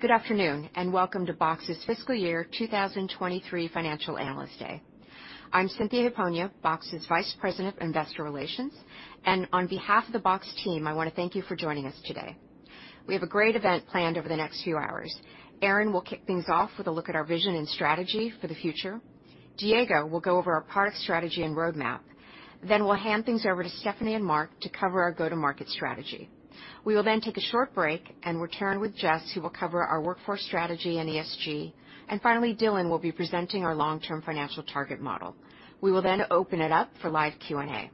Good afternoon, and welcome to Box's fiscal year 2023 Financial Analyst Day. I'm Cynthia Hiponia, Box's Vice President of Investor Relations, and on behalf of the Box team, I wanna thank you for joining us today. We have a great event planned over the next few hours. Aaron will kick things off with a look at our vision and strategy for the future. Diego will go over our product strategy and roadmap. We'll hand things over to Stephanie and Mark to cover our go-to-market strategy. We will then take a short break and return with Jess, who will cover our workforce strategy and ESG. Finally, Dylan will be presenting our long-term financial target model. We will then open it up for live Q&A.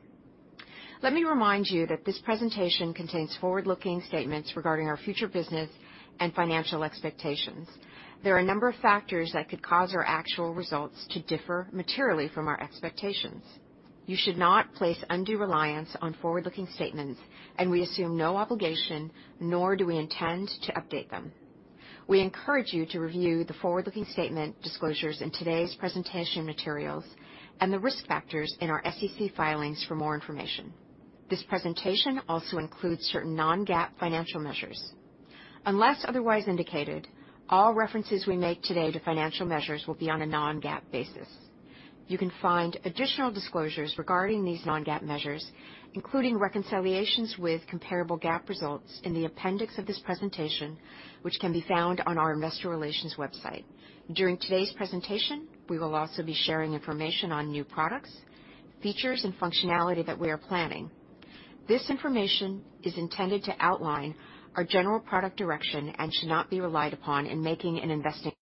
Let me remind you that this presentation contains forward-looking statements regarding our future business and financial expectations. There are a number of factors that could cause our actual results to differ materially from our expectations. You should not place undue reliance on forward-looking statements, and we assume no obligation, nor do we intend to update them. We encourage you to review the forward-looking statement disclosures in today's presentation materials and the risk factors in our SEC filings for more information. This presentation also includes certain non-GAAP financial measures. Unless otherwise indicated, all references we make today to financial measures will be on a non-GAAP basis. You can find additional disclosures regarding these non-GAAP measures, including reconciliations with comparable GAAP results in the appendix of this presentation, which can be found on our investor relations website. During today's presentation, we will also be sharing information on new products, features, and functionality that we are planning. This information is intended to outline our general product direction and should not be relied upon in making an investing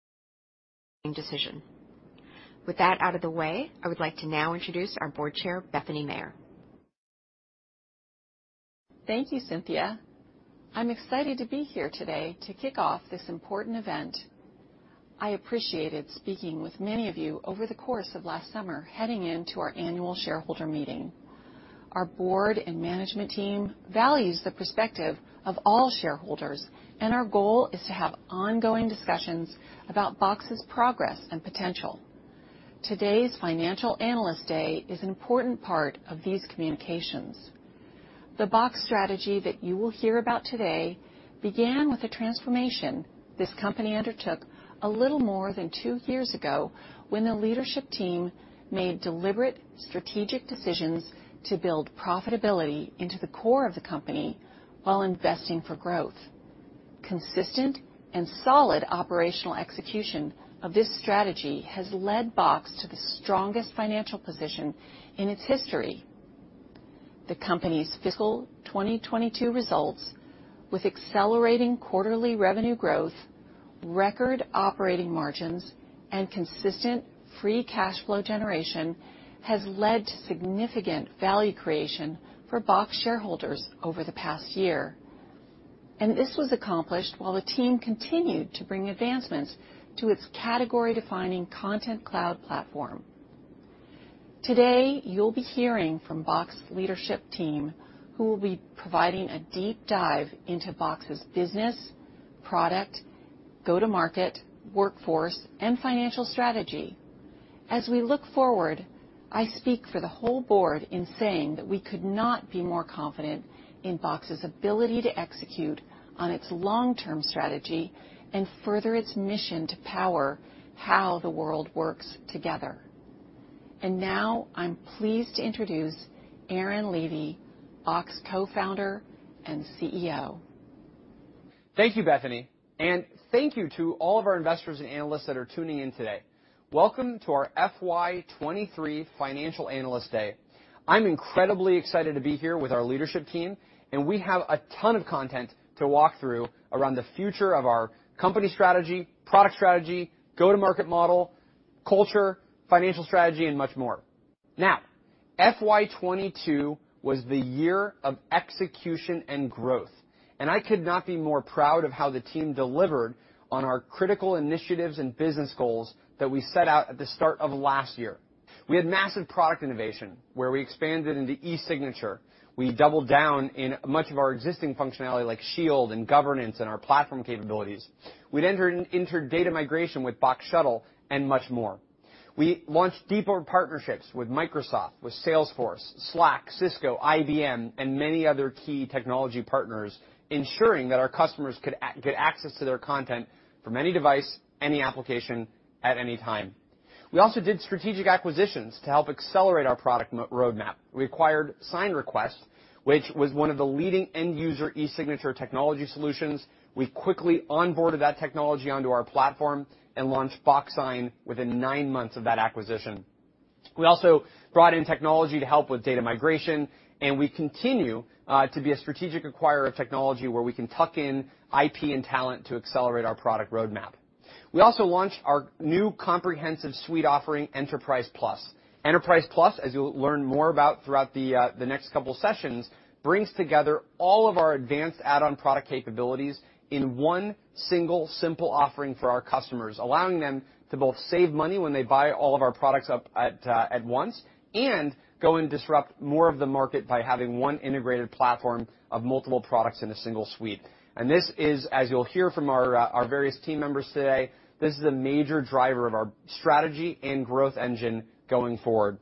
decision. With that out of the way, I would like to now introduce our Board Chair, Bethany Mayer. Thank you, Cynthia. I'm excited to be here today to kick off this important event. I appreciated speaking with many of you over the course of last summer, heading into our annual shareholder meeting. Our Board and management team values the perspective of all shareholders, and our goal is to have ongoing discussions about Box's progress and potential. Today's Financial Analyst Day is an important part of these communications. The Box strategy that you will hear about today began with a transformation this company undertook a little more than two years ago, when the leadership team made deliberate, strategic decisions to build profitability into the core of the company while investing for growth. Consistent and solid operational execution of this strategy has led Box to the strongest financial position in its history. The company's fiscal 2022 results, with accelerating quarterly revenue growth, record operating margins, and consistent free cash flow generation, has led to significant value creation for Box shareholders over the past year, and this was accomplished while the team continued to bring advancements to its category-defining Content Cloud platform. Today, you'll be hearing from Box's leadership team, who will be providing a deep dive into Box's business, product, go-to-market, workforce, and financial strategy. As we look forward, I speak for the whole Board in saying that we could not be more confident in Box's ability to execute on its long-term strategy and further its mission to power how the world works together. Now I'm pleased to introduce Aaron Levie, Box Co-founder and CEO. Thank you, Bethany, and thank you to all of our investors and analysts that are tuning in today. Welcome to our FY 2023 Financial Analyst Day. I'm incredibly excited to be here with our leadership team, and we have a ton of content to walk through around the future of our company strategy, product strategy, go-to-market model, culture, financial strategy, and much more. FY 2022 was the year of execution and growth, and I could not be more proud of how the team delivered on our critical initiatives and business goals that we set out at the start of last year. We had massive product innovation, where we expanded into e-signature. We doubled down in much of our existing functionality, like Shield and Governance and our Platform capabilities. We'd entered into data migration with Box Shuttle and much more. We launched deeper partnerships with Microsoft, with Salesforce, Slack, Cisco, IBM, and many other key technology partners, ensuring that our customers could get access to their content from any device, any application, at any time. We also did strategic acquisitions to help accelerate our product roadmap. We acquired SignRequest, which was one of the leading end user e-signature technology solutions. We quickly onboarded that technology onto our platform and launched Box Sign within nine months of that acquisition. We also brought in technology to help with data migration, and we continue to be a strategic acquirer of technology, where we can tuck in IP and talent to accelerate our product roadmap. We also launched our new comprehensive suite offering, Enterprise Plus. Enterprise Plus, as you'll learn more about throughout the next couple sessions, brings together all of our advanced add-on product capabilities in one single, simple offering for our customers, allowing them to both save money when they buy all of our products up at once and go and disrupt more of the market by having one integrated platform of multiple products in a single suite. This is, as you'll hear from our various team members today, this is a major driver of our strategy and growth engine going forward.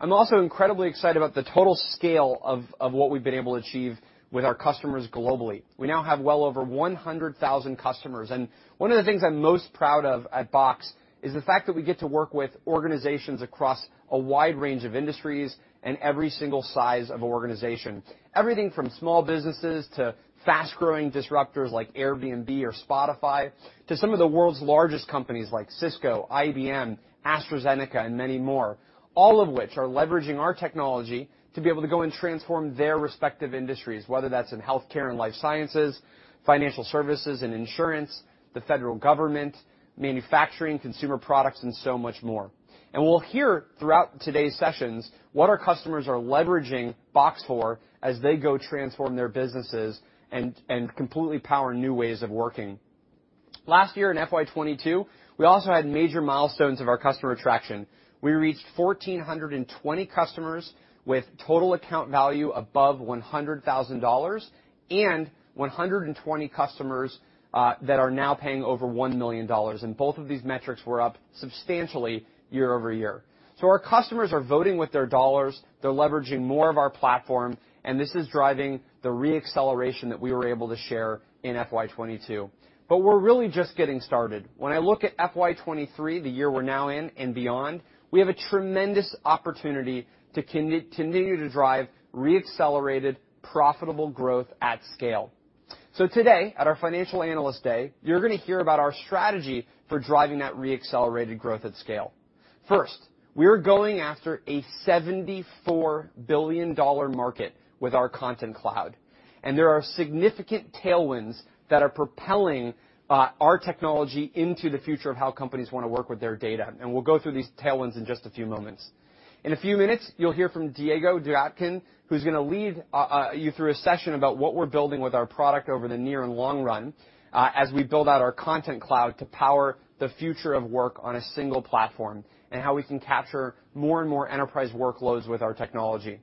I'm also incredibly excited about the total scale of what we've been able to achieve with our customers globally. We now have well over 100,000 customers, and one of the things I'm most proud of at Box is the fact that we get to work with organizations across a wide range of industries and every single size of organization. Everything from small businesses to fast-growing disruptors like Airbnb or Spotify, to some of the world's largest companies like Cisco, IBM, AstraZeneca, and many more, all of which are leveraging our technology to be able to go and transform their respective industries, whether that's in healthcare and life sciences, financial services and insurance, the federal government, manufacturing, consumer products, and so much more. We'll hear throughout today's sessions what our customers are leveraging Box for as they go transform their businesses and completely power new ways of working. Last year in FY 2022, we also had major milestones of our customer traction. We reached 1,420 customers with total account value above $100,000 and 120 customers that are now paying over $1 million, and both of these metrics were up substantially year-over-year. Our customers are voting with their dollars. They're leveraging more of our platform, and this is driving the re-acceleration that we were able to share in FY 2022. We're really just getting started. When I look at FY 2023, the year we're now in and beyond, we have a tremendous opportunity to continue to drive re-accelerated, profitable growth at scale. Today, at our Financial Analyst Day, you're gonna hear about our strategy for driving that re-accelerated growth at scale. First, we're going after a $74 billion market with our Content Cloud, and there are significant tailwinds that are propelling our technology into the future of how companies wanna work with their data, and we'll go through these tailwinds in just a few moments. In a few minutes, you'll hear from Diego Dugatkin, who's gonna lead you through a session about what we're building with our product over the near and long run, as we build out our Content Cloud to power the future of work on a single platform and how we can capture more and more enterprise workloads with our technology.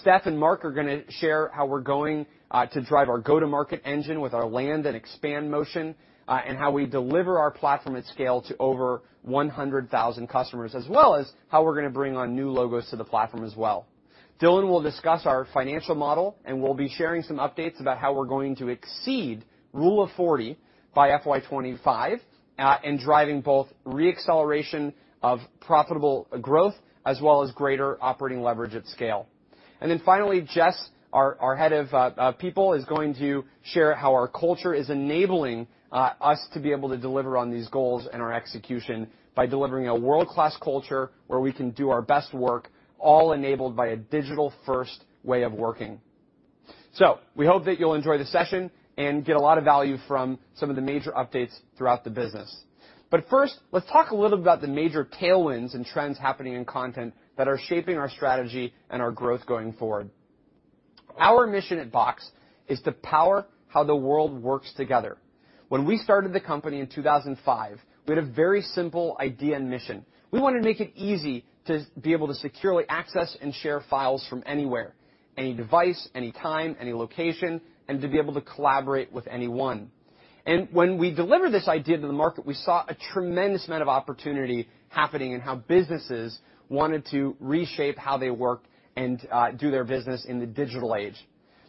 Steph and Mark are gonna share how we're going to drive our go-to-market engine with our land and expand motion, and how we deliver our platform at scale to over 100,000 customers, as well as how we're gonna bring on new logos to the platform as well. Dylan will discuss our financial model, and we'll be sharing some updates about how we're going to exceed Rule of 40 by FY 2025, in driving both re-acceleration of profitable growth as well as greater operating leverage at scale. Finally, Jess, our head of people, is going to share how our culture is enabling us to be able to deliver on these goals and our execution by delivering a world-class culture where we can do our best work, all enabled by a digital-first way of working. We hope that you'll enjoy the session and get a lot of value from some of the major updates throughout the business, but first, let's talk a little about the major tailwinds and trends happening in content that are shaping our strategy and our growth going forward. Our mission at Box is to power how the world works together. When we started the company in 2005, we had a very simple idea and mission. We wanted to make it easy to be able to securely access and share files from anywhere, any device, any time, any location, and to be able to collaborate with anyone. When we delivered this idea to the market, we saw a tremendous amount of opportunity happening in how businesses wanted to reshape how they work and do their business in the digital age.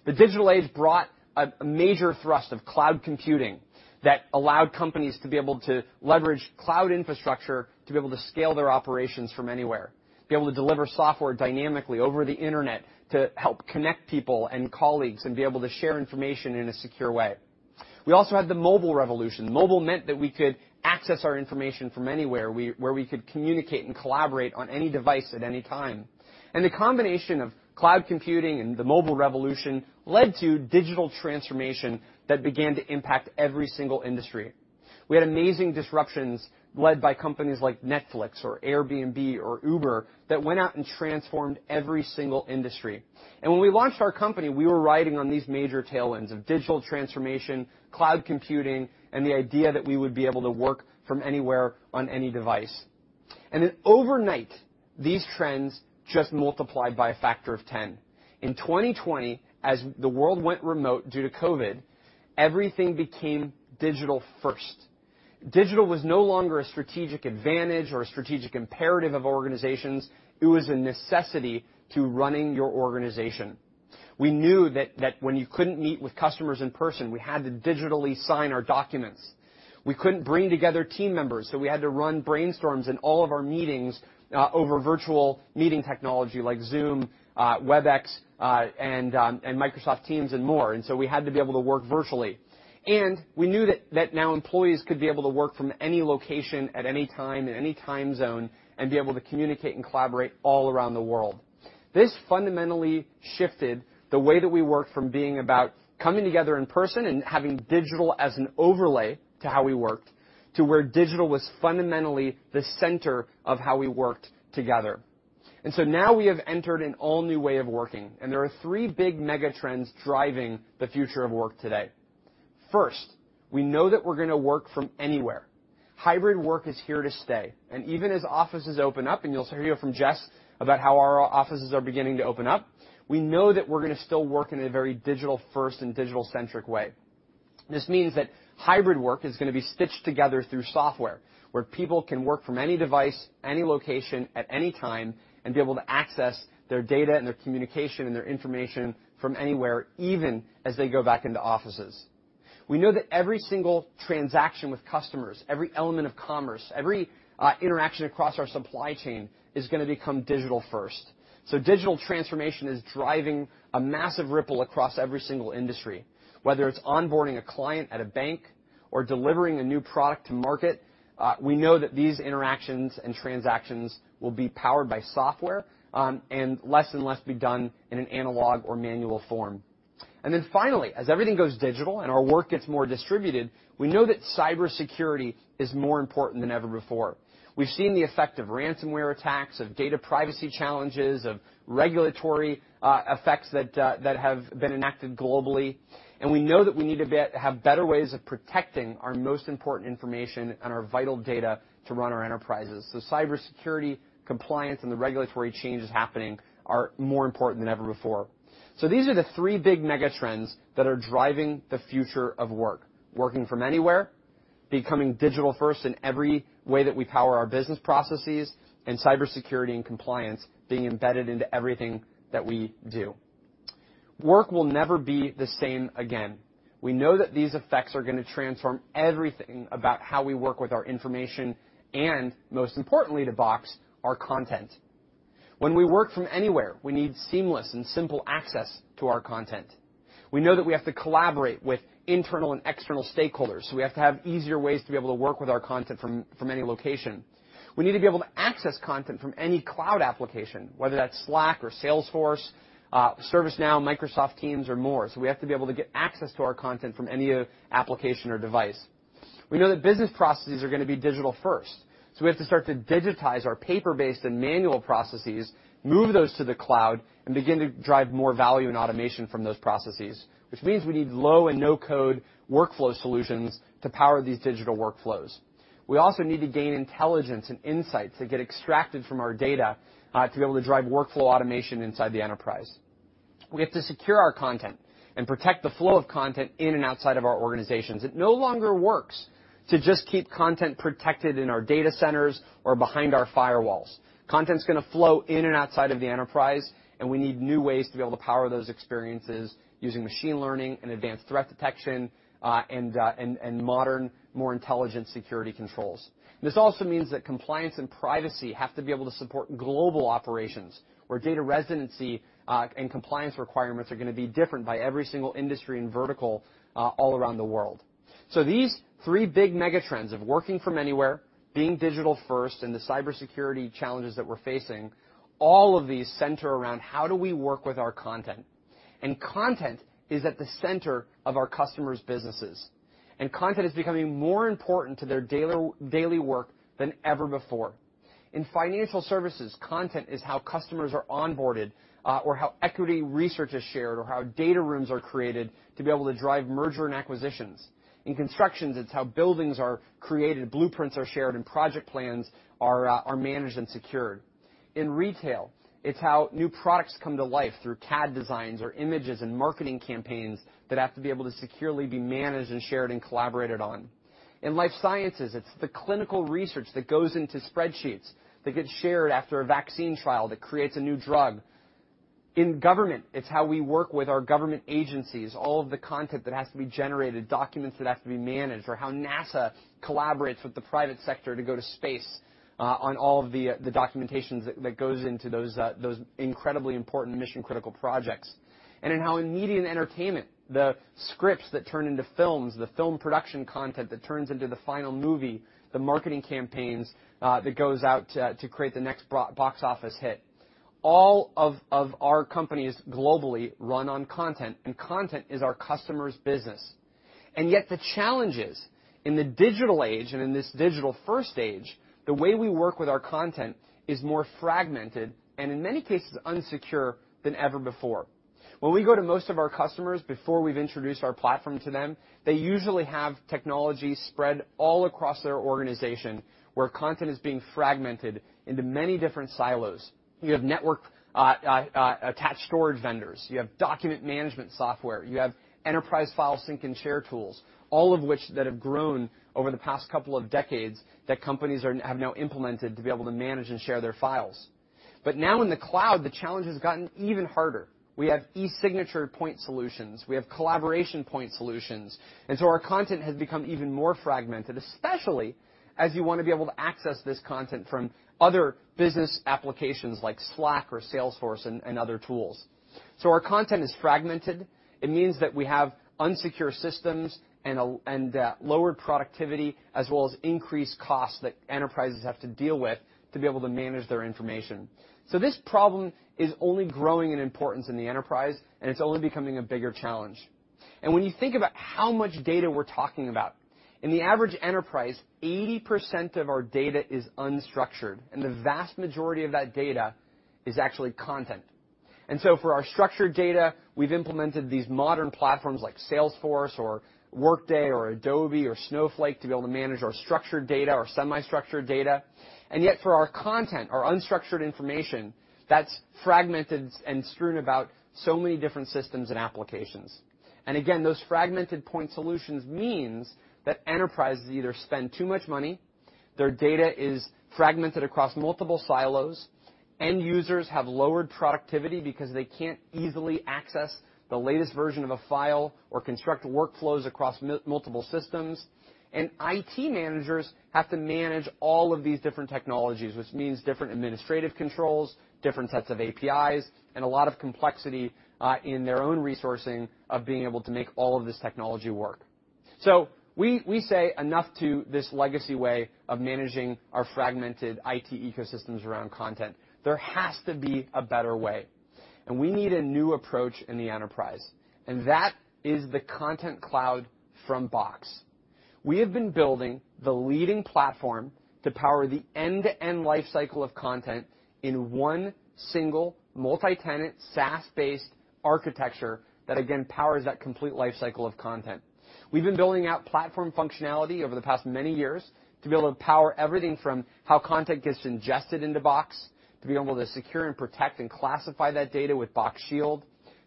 The digital age brought a major thrust of cloud computing that allowed companies to be able to leverage cloud infrastructure to be able to scale their operations from anywhere, be able to deliver software dynamically over the internet to help connect people and colleagues and be able to share information in a secure way. We also had the mobile revolution. Mobile meant that we could access our information from anywhere where we could communicate and collaborate on any device at any time. The combination of cloud computing and the mobile revolution led to digital transformation that began to impact every single industry. We had amazing disruptions led by companies like Netflix or Airbnb or Uber that went out and transformed every single industry. When we launched our company, we were riding on these major tailwinds of digital transformation, cloud computing, and the idea that we would be able to work from anywhere on any device. Then overnight, these trends just multiplied by a factor of 10. In 2020, as the world went remote due to COVID, everything became digital first. Digital was no longer a strategic advantage or a strategic imperative of organizations. It was a necessity to running your organization. We knew that when you couldn't meet with customers in person, we had to digitally sign our documents. We couldn't bring together team members, so we had to run brainstorms and all of our meetings over virtual meeting technology like Zoom, Webex, and Microsoft Teams and more, so we had to be able to work virtually. We knew that that now employees could be able to work from any location at any time in any time zone and be able to communicate and collaborate all around the world. This fundamentally shifted the way that we work from being about coming together in person and having digital as an overlay to how we worked, to where digital was fundamentally the center of how we worked together. Now we have entered an all-new way of working, and there are three big megatrends driving the future of work today. First, we know that we're gonna work from anywhere. Hybrid work is here to stay, and even as offices open up, and you'll hear from Jess about how our offices are beginning to open up, we know that we're gonna still work in a very digital first and digital-centric way. This means that hybrid work is gonna be stitched together through software where people can work from any device, any location at any time, and be able to access their data and their communication and their information from anywhere, even as they go back into offices. We know that every single transaction with customers, every element of commerce, every interaction across our supply chain is gonna become digital-first. Digital transformation is driving a massive ripple across every single industry. Whether it's onboarding a client at a bank or delivering a new product to market, we know that these interactions and transactions will be powered by software, and less and less be done in an analog or manual form. Finally, as everything goes digital and our work gets more distributed, we know that cybersecurity is more important than ever before. We've seen the effect of ransomware attacks, of data privacy challenges, of regulatory effects that have been enacted globally, and we know that we need to have better ways of protecting our most important information and our vital data to run our enterprises. Cybersecurity, compliance, and the regulatory changes happening are more important than ever before. These are the three big mega trends that are driving the future of work, working from anywhere, becoming digital-first in every way that we power our business processes, and cybersecurity and compliance being embedded into everything that we do. Work will never be the same again. We know that these effects are gonna transform everything about how we work with our information and most importantly to Box, our content. When we work from anywhere, we need seamless and simple access to our content. We know that we have to collaborate with internal and external stakeholders, so we have to have easier ways to be able to work with our content from any location. We need to be able to access content from any cloud application, whether that's Slack or Salesforce, ServiceNow, Microsoft Teams or more. We have to be able to get access to our content from any application or device. We know that business processes are gonna be digital first, so we have to start to digitize our paper-based and manual processes, move those to the cloud, and begin to drive more value and automation from those processes, which means we need low and no-code workflow solutions to power these digital workflows. We also need to gain intelligence and insights that get extracted from our data to be able to drive workflow automation inside the enterprise. We have to secure our content and protect the flow of content in and outside of our organizations. It no longer works to just keep content protected in our data centers or behind our firewalls. Content's gonna flow in and outside of the enterprise, and we need new ways to be able to power those experiences using machine learning and advanced threat detection and modern, more intelligent security controls. This also means that compliance and privacy have to be able to support global operations where data residency and compliance requirements are gonna be different by every single industry and vertical all around the world. These three big mega trends of working from anywhere, being digital first, and the cybersecurity challenges that we're facing, all of these center around how do we work with our content? Content is at the center of our customers' businesses, and content is becoming more important to their daily work than ever before. In financial services, content is how customers are onboarded, or how equity research is shared or how data rooms are created to be able to drive mergers and acquisitions. In construction, it's how buildings are created, blueprints are shared, and project plans are managed and secured. In retail, it's how new products come to life through CAD designs or images and marketing campaigns that have to be able to securely be managed and shared and collaborated on. In life sciences, it's the clinical research that goes into spreadsheets that get shared after a vaccine trial that creates a new drug. In government, it's how we work with our government agencies, all of the content that has to be generated, documents that have to be managed, or how NASA collaborates with the private sector to go to space, on all of the documentation that goes into those incredibly important mission-critical projects. In how in media and entertainment, the scripts that turn into films, the film production content that turns into the final movie, the marketing campaigns that goes out to create the next box office hit. All of our companies globally run on content, and content is our customer's business. Yet the challenge is in the digital age and in this digital-first age, the way we work with our content is more fragmented and in many cases insecure than ever before. When we go to most of our customers before we've introduced our platform to them, they usually have technology spread all across their organization, where content is being fragmented into many different silos. You have network attached storage vendors, you have document management software, you have enterprise file sync and share tools, all of which that have grown over the past couple of decades that companies have now implemented to be able to manage and share their files. Now in the cloud, the challenge has gotten even harder. We have e-signature point solutions. We have collaboration point solutions. Our content has become even more fragmented, especially as you wanna be able to access this content from other business applications like Slack or Salesforce and other tools. Our content is fragmented. It means that we have insecure systems and lower productivity, as well as increased costs that enterprises have to deal with to be able to manage their information. This problem is only growing in importance in the enterprise, and it's only becoming a bigger challenge. When you think about how much data we're talking about, in the average enterprise, 80% of our data is unstructured, and the vast majority of that data is actually content. For our structured data, we've implemented these modern platforms like Salesforce or Workday or Adobe or Snowflake to be able to manage our structured data, our semi-structured data. Yet for our content, our unstructured information, that's fragmented and strewn about so many different systems and applications. Again, those fragmented point solutions means that enterprises either spend too much money. Their data is fragmented across multiple silos. End users have lowered productivity because they can't easily access the latest version of a file or construct workflows across multiple systems. IT managers have to manage all of these different technologies, which means different administrative controls, different sets of APIs, and a lot of complexity in their own resourcing of being able to make all of this technology work. We say enough to this legacy way of managing our fragmented IT ecosystems around content. There has to be a better way, and we need a new approach in the enterprise, and that is the Content Cloud from Box. We have been building the leading platform to power the end-to-end life cycle of content in one single multi-tenant, SaaS-based architecture that again powers that complete life cycle of content. We've been building out platform functionality over the past many years to be able to power everything from how content gets ingested into Box, to be able to secure and protect and classify that data with Box Shield,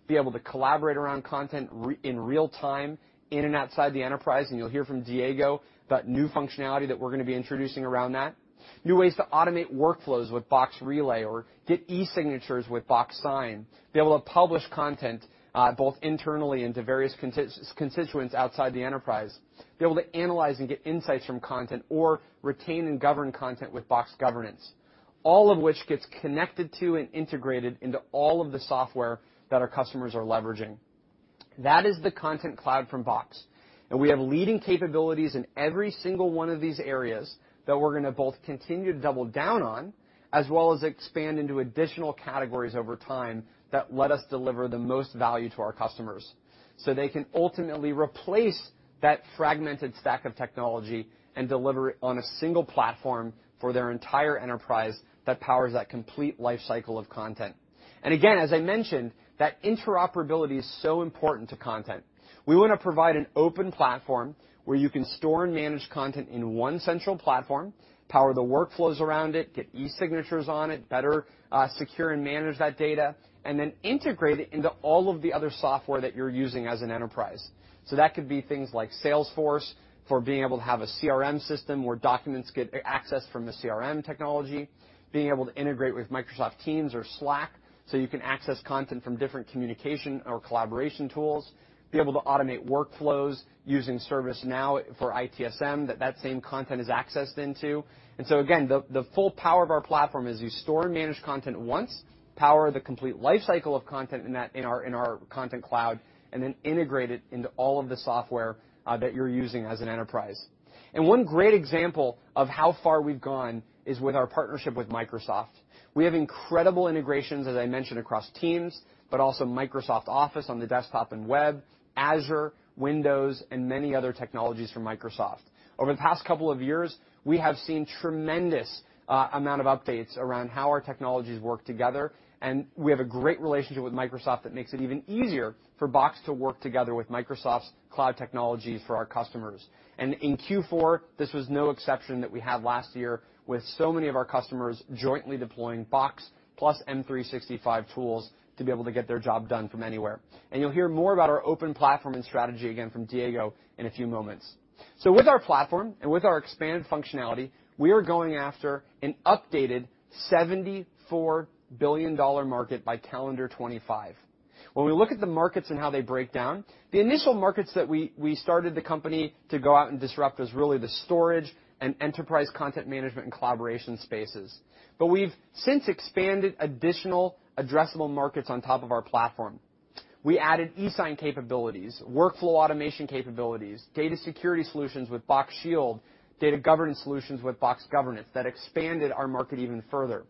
be able to collaborate around content in real time in and outside the enterprise, and you'll hear from Diego about new functionality that we're gonna be introducing around that. New ways to automate workflows with Box Relay or get e-signatures with Box Sign, be able to publish content both internally into various constituents outside the enterprise, be able to analyze and get insights from content or retain and govern content with Box Governance, all of which gets connected to and integrated into all of the software that our customers are leveraging. That is the Content Cloud from Box, and we have leading capabilities in every single one of these areas that we're gonna both continue to double down on, as well as expand into additional categories over time that let us deliver the most value to our customers, so they can ultimately replace that fragmented stack of technology and deliver it on a single platform for their entire enterprise that powers that complete life cycle of content. Again, as I mentioned, that interoperability is so important to content. We wanna provide an open platform where you can store and manage content in one central platform, power the workflows around it, get e-signatures on it, better secure and manage that data, and then integrate it into all of the other software that you're using as an enterprise. That could be things like Salesforce for being able to have a CRM system where documents get accessed from the CRM technology, being able to integrate with Microsoft Teams or Slack, so you can access content from different communication or collaboration tools, be able to automate workflows using ServiceNow for ITSM, that same content is accessed into. Again, the full power of our platform is you store and manage content once, power the complete life cycle of content in our Content Cloud, and then integrate it into all of the software that you're using as an enterprise. One great example of how far we've gone is with our partnership with Microsoft. We have incredible integrations, as I mentioned, across Teams, but also Microsoft Office on the desktop and web, Azure, Windows, and many other technologies from Microsoft. Over the past couple of years, we have seen tremendous amount of updates around how our technologies work together, and we have a great relationship with Microsoft that makes it even easier for Box to work together with Microsoft's cloud technologies for our customers. In Q4, this was no exception that we had last year with so many of our customers jointly deploying Box plus M365 tools to be able to get their job done from anywhere. You'll hear more about our open platform and strategy again from Diego in a few moments. With our platform and with our expanded functionality, we are going after an updated $74 billion market by calendar 2025. When we look at the markets and how they break down, the initial markets that we started the company to go out and disrupt was really the storage and enterprise content management and collaboration spaces. We've since expanded additional addressable markets on top of our platform. We added e-sign capabilities, workflow automation capabilities, data security solutions with Box Shield, data governance solutions with Box Governance that expanded our market even further.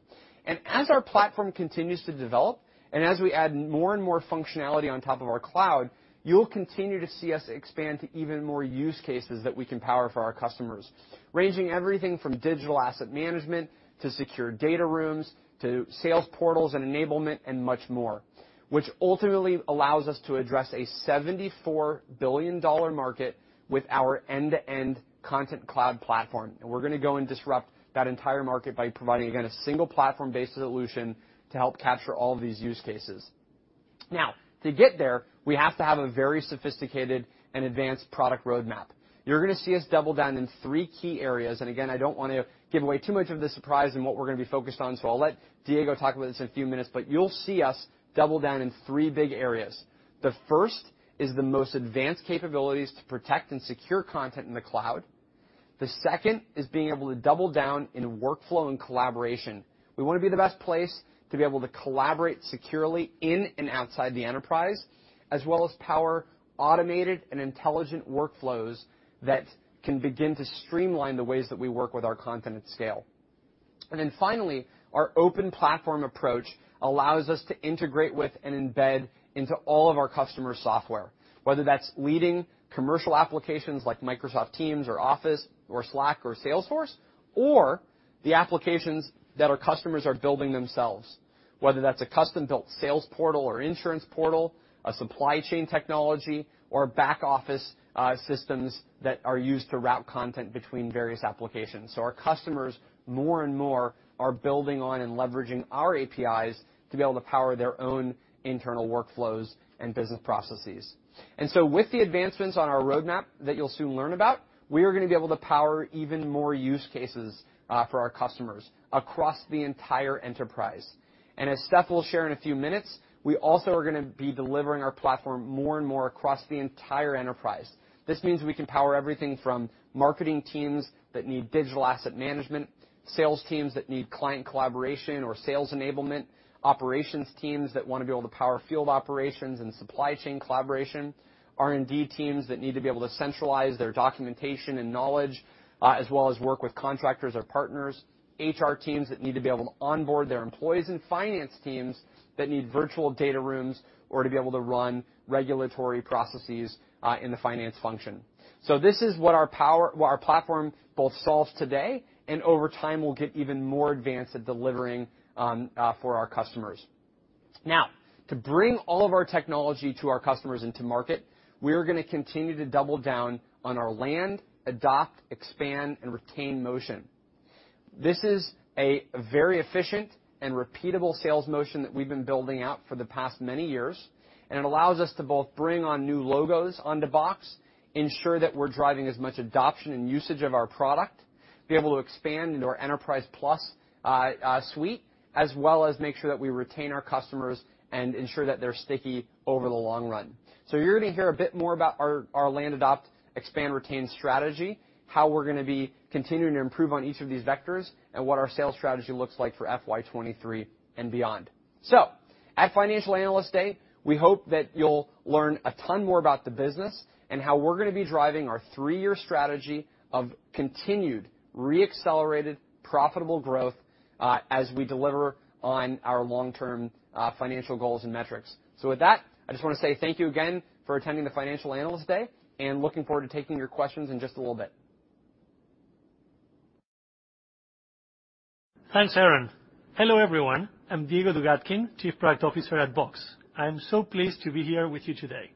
As our platform continues to develop and as we add more and more functionality on top of our cloud, you'll continue to see us expand to even more use cases that we can power for our customers, ranging everything from digital asset management to secure data rooms, to sales portals and enablement, and much more, which ultimately allows us to address a $74 billion market with our end-to-end Content Cloud platform. We're gonna go and disrupt that entire market by providing, again, a single platform-based solution to help capture all of these use cases. Now, to get there, we have to have a very sophisticated and advanced product roadmap. You're gonna see us double down in three key areas, and again, I don't wanna give away too much of the surprise in what we're gonna be focused on, so I'll let Diego talk about this in a few minutes, but you'll see us double down in three big areas. The first is the most advanced capabilities to protect and secure content in the cloud. The second is being able to double down in workflow and collaboration. We wanna be the best place to be able to collaborate securely in and outside the enterprise, as well as power automated and intelligent workflows that can begin to streamline the ways that we work with our content at scale. Finally, our open platform approach allows us to integrate with and embed into all of our customers' software, whether that's leading commercial applications like Microsoft Teams or Office or Slack or Salesforce, or the applications that our customers are building themselves, whether that's a custom-built sales portal or insurance portal, a supply chain technology, or back-office systems that are used to route content between various applications. Our customers more and more are building on and leveraging our APIs to be able to power their own internal workflows and business processes. With the advancements on our roadmap that you'll soon learn about, we are gonna be able to power even more use cases for our customers across the entire enterprise. As Steph will share in a few minutes, we also are gonna be delivering our platform more and more across the entire enterprise. This means we can power everything from marketing teams that need digital asset management, sales teams that need client collaboration or sales enablement, operations teams that wanna be able to power field operations and supply chain collaboration, R&D teams that need to be able to centralize their documentation and knowledge, as well as work with contractors or partners, HR teams that need to be able to onboard their employees, and finance teams that need virtual data rooms or to be able to run regulatory processes, in the finance function. This is what our platform both solves today and over time will get even more advanced at delivering, for our customers. Now, to bring all of our technology to our customers into market, we are gonna continue to double down on our land, adopt, expand, and retain motion. This is a very efficient and repeatable sales motion that we've been building out for the past many years, and it allows us to both bring on new logos onto Box, ensure that we're driving as much adoption and usage of our product, be able to expand into our Enterprise Plus suite, as well as make sure that we retain our customers and ensure that they're sticky over the long run. You're gonna hear a bit more about our land, adopt, expand, retain strategy, how we're gonna be continuing to improve on each of these vectors, and what our sales strategy looks like for FY 2023 and beyond. At Financial Analyst Day, we hope that you'll learn a ton more about the business and how we're gonna be driving our three-year strategy of continued re-accelerated, profitable growth, as we deliver on our long-term, financial goals and metrics. With that, I just wanna say thank you again for attending the Financial Analyst Day, and looking forward to taking your questions in just a little bit. Thanks, Aaron. Hello, everyone. I'm Diego Dugatkin, Chief Product Officer at Box. I am so pleased to be here with you today.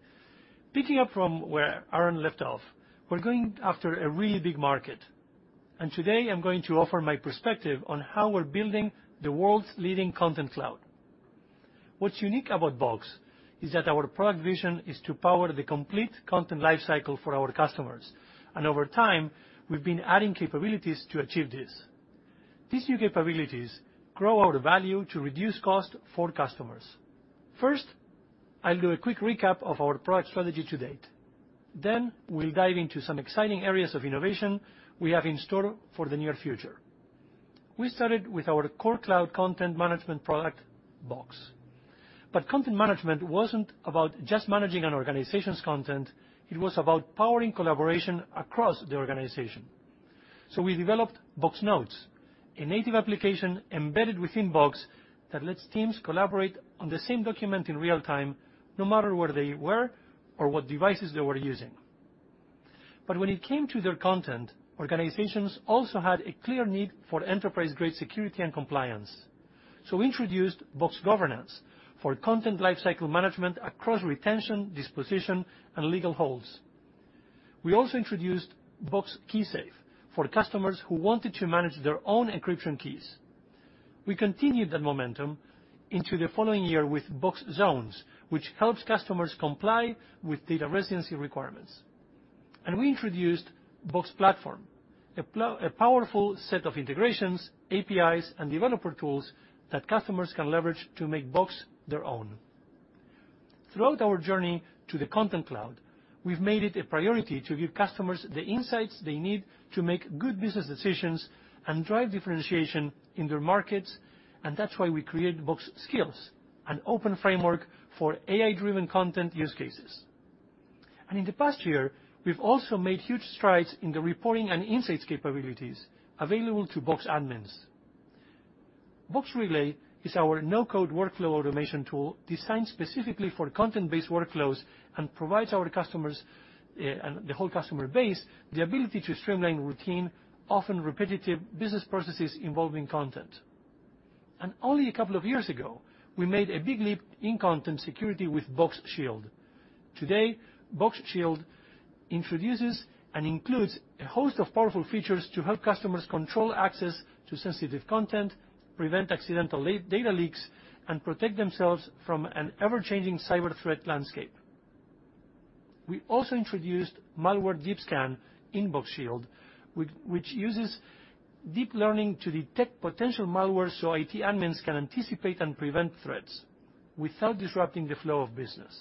Picking up from where Aaron left off, we're going after a really big market, and today I'm going to offer my perspective on how we're building the world's leading Content Cloud. What's unique about Box is that our product vision is to power the complete content life cycle for our customers, and over time, we've been adding capabilities to achieve this. These new capabilities grow our value to reduce cost for customers. First, I'll do a quick recap of our product strategy to date. Then we'll dive into some exciting areas of innovation we have in store for the near future. We started with our core cloud content management product, Box. Content management wasn't about just managing an organization's content, it was about powering collaboration across the organization. We developed Box Notes, a native application embedded within Box that lets teams collaborate on the same document in real-time no matter where they were or what devices they were using. When it came to their content, organizations also had a clear need for enterprise-grade security and compliance. We introduced Box Governance for content lifecycle management across retention, disposition, and legal holds. We also introduced Box KeySafe for customers who wanted to manage their own encryption keys. We continued that momentum into the following year with Box Zones, which helps customers comply with data residency requirements. We introduced Box Platform, a powerful set of integrations, APIs, and developer tools that customers can leverage to make Box their own. Throughout our journey to the Content Cloud, we've made it a priority to give customers the insights they need to make good business decisions and drive differentiation in their markets, and that's why we created Box Skills, an open framework for AI-driven content use cases. In the past year, we've also made huge strides in the reporting and insights capabilities available to Box admins. Box Relay is our no-code workflow automation tool designed specifically for content-based workflows and provides our customers and the whole customer base the ability to streamline routine, often repetitive business processes involving content. Only a couple of years ago, we made a big leap in content security with Box Shield. Today, Box Shield introduces and includes a host of powerful features to help customers control access to sensitive content, prevent accidental data leaks, and protect themselves from an ever-changing cyber threat landscape. We also introduced Malware Deep Scan in Box Shield, which uses deep learning to detect potential malware, so IT admins can anticipate and prevent threats without disrupting the flow of business.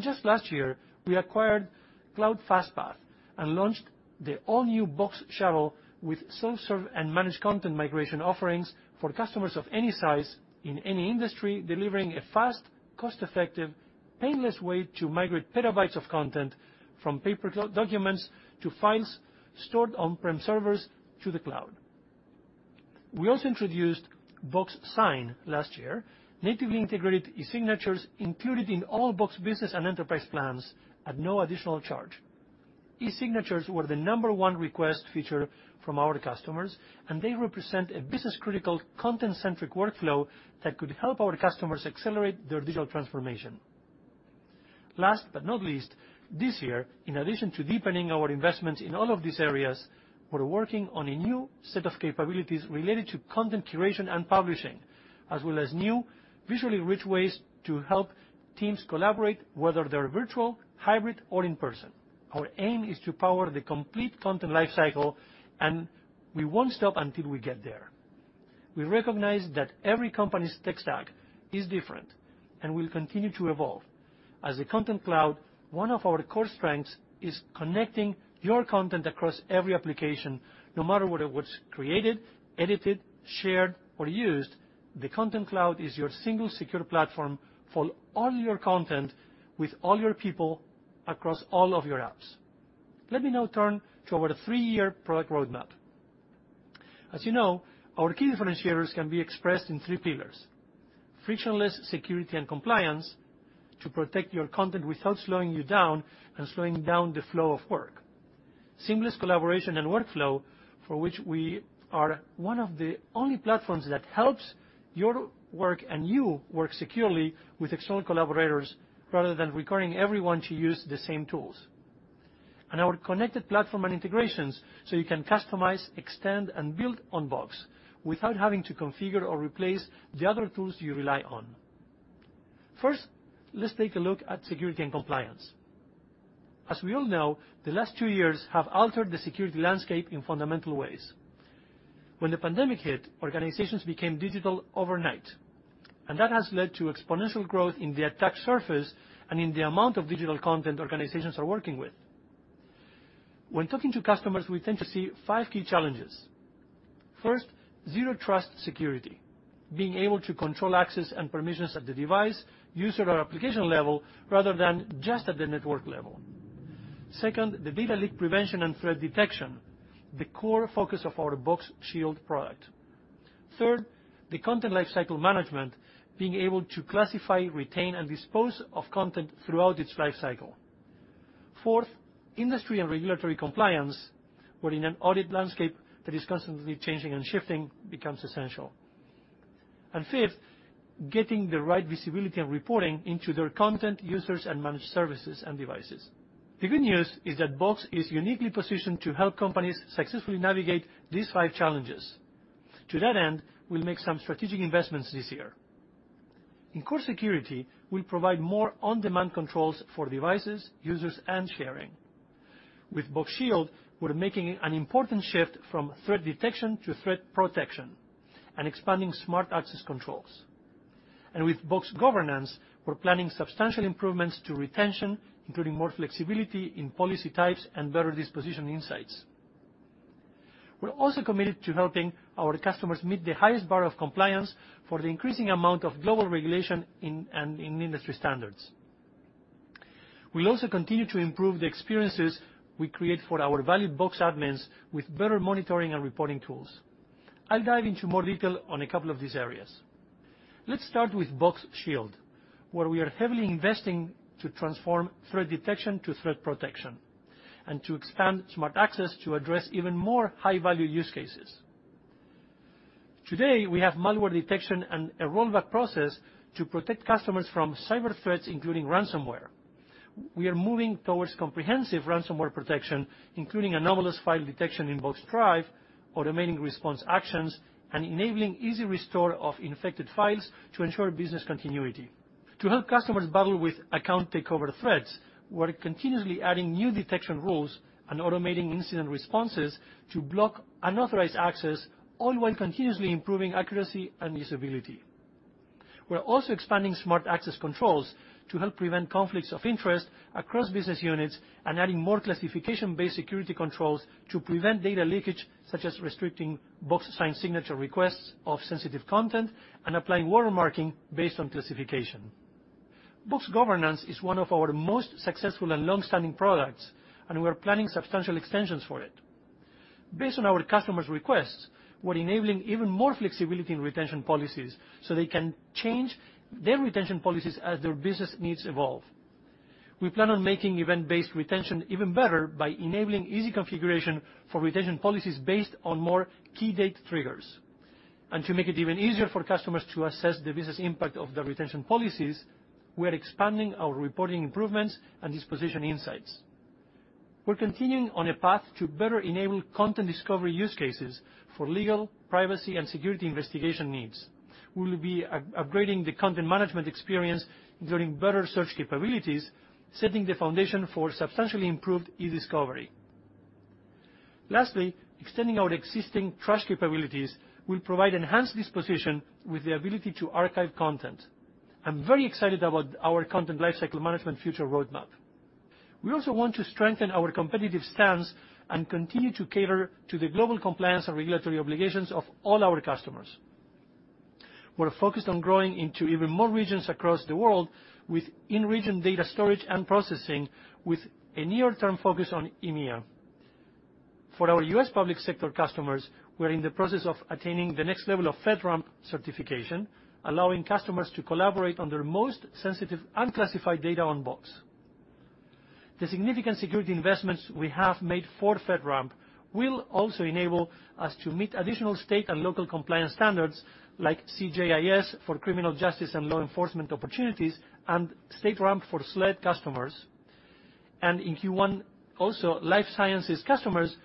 Just last year, we acquired Cloud FastPath and launched the all-new Box Shuttle with self-serve and managed content migration offerings for customers of any size in any industry, delivering a fast, cost-effective, painless way to migrate petabytes of content from paper documents to files stored on-prem servers to the cloud. We also introduced Box Sign last year, natively integrated e-signatures included in all Box business and enterprise plans at no additional charge. E-signatures were the number one request feature from our customers, and they represent a business-critical, content-centric workflow that could help our customers accelerate their digital transformation. Last but not least, this year, in addition to deepening our investments in all of these areas, we're working on a new set of capabilities related to content curation and publishing, as well as new visually rich ways to help teams collaborate, whether they're virtual, hybrid, or in person. Our aim is to power the complete content life cycle, and we won't stop until we get there. We recognize that every company's tech stack is different and will continue to evolve. As a Content Cloud, one of our core strengths is connecting your content across every application, no matter where it was created, edited, shared, or used, the Content Cloud is your single secure platform for all your content with all your people across all of your apps. Let me now turn to our three-year product roadmap. As you know, our key differentiators can be expressed in three pillars. Frictionless security and compliance to protect your content without slowing you down and slowing down the flow of work. Seamless collaboration and workflow, for which we are one of the only platforms that helps you work securely with external collaborators, rather than requiring everyone to use the same tools. Our connected platform and integrations, so you can customize, extend, and build on Box without having to configure or replace the other tools you rely on. First, let's take a look at security and compliance. As we all know, the last two years have altered the security landscape in fundamental ways. When the pandemic hit, organizations became digital overnight, and that has led to exponential growth in the attack surface and in the amount of digital content organizations are working with. When talking to customers, we tend to see five key challenges. First, zero trust security, being able to control access and permissions at the device, user, or application level rather than just at the network level. Second, the data leak prevention and threat detection, the core focus of our Box Shield product. Third, the content lifecycle management, being able to classify, retain, and dispose of content throughout its life cycle. Fourth, industry and regulatory compliance, where in an audit landscape that is constantly changing and shifting becomes essential. Fifth, getting the right visibility and reporting into their content, users, and managed services and devices. The good news is that Box is uniquely positioned to help companies successfully navigate these five challenges. To that end, we'll make some strategic investments this year. In Core security, we'll provide more on-demand controls for devices, users, and sharing. With Box Shield, we're making an important shift from threat detection to threat protection and expanding smart access controls. With Box Governance, we're planning substantial improvements to retention, including more flexibility in policy types and better disposition insights. We're also committed to helping our customers meet the highest bar of compliance for the increasing amount of global regulation and industry standards. We'll also continue to improve the experiences we create for our valued Box admins with better monitoring and reporting tools. I'll dive into more detail on a couple of these areas. Let's start with Box Shield, where we are heavily investing to transform threat detection to threat protection and to expand smart access to address even more high-value use cases. Today, we have malware detection and a rollback process to protect customers from cyber threats, including ransomware. We are moving towards comprehensive ransomware protection, including anomalous file detection in Box Drive, automating response actions, and enabling easy restore of infected files to ensure business continuity. To help customers battle with account takeover threats, we're continuously adding new detection rules and automating incident responses to block unauthorized access, all while continuously improving accuracy and usability. We're also expanding smart access controls to help prevent conflicts of interest across business units and adding more classification-based security controls to prevent data leakage, such as restricting Box Sign signature requests of sensitive content and applying watermarking based on classification. Box Governance is one of our most successful and long-standing products, and we're planning substantial extensions for it. Based on our customers' requests, we're enabling even more flexibility in retention policies so they can change their retention policies as their business needs evolve. We plan on making event-based retention even better by enabling easy configuration for retention policies based on more key date triggers. To make it even easier for customers to assess the business impact of the retention policies, we are expanding our reporting improvements and disposition insights. We're continuing on a path to better enable content discovery use cases for legal, privacy, and security investigation needs. We will be upgrading the content management experience, including better search capabilities, setting the foundation for substantially improved e-discovery. Lastly, extending our existing trust capabilities will provide enhanced disposition with the ability to archive content. I'm very excited about our content lifecycle management future roadmap. We also want to strengthen our competitive stance and continue to cater to the global compliance and regulatory obligations of all our customers. We're focused on growing into even more regions across the world with in-region data storage and processing, with a near-term focus on EMEA. For our U.S. public sector customers, we're in the process of attaining the next level of FedRAMP certification, allowing customers to collaborate on their most sensitive, unclassified data on Box. The significant security investments we have made for FedRAMP will also enable us to meet additional state and local compliance standards like CJIS for criminal justice and law enforcement opportunities and StateRAMP for SLED customers. In Q1, also, life sciences customers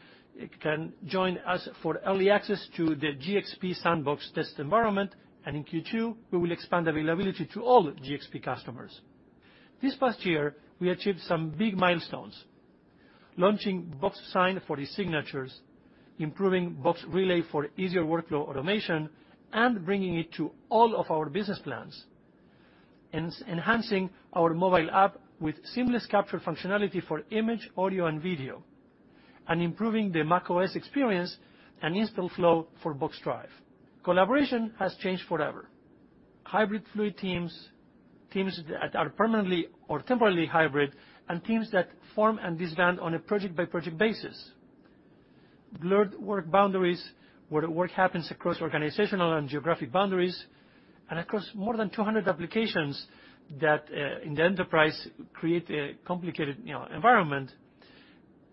can join us for early access to the GxP sandbox test environment, and in Q2, we will expand availability to all GxP customers. This past year, we achieved some big milestones, launching Box Sign for e-signatures, improving Box Relay for easier workflow automation and bringing it to all of our business plans, enhancing our mobile app with seamless capture functionality for image, audio, and video, and improving the macOS experience and install flow for Box Drive. Collaboration has changed forever. Hybrid fluid teams that are permanently or temporarily hybrid, and teams that form and disband on a project-by-project basis. Blurred work boundaries, where work happens across organizational and geographic boundaries, and across more than 200 applications that in the enterprise create a complicated environment.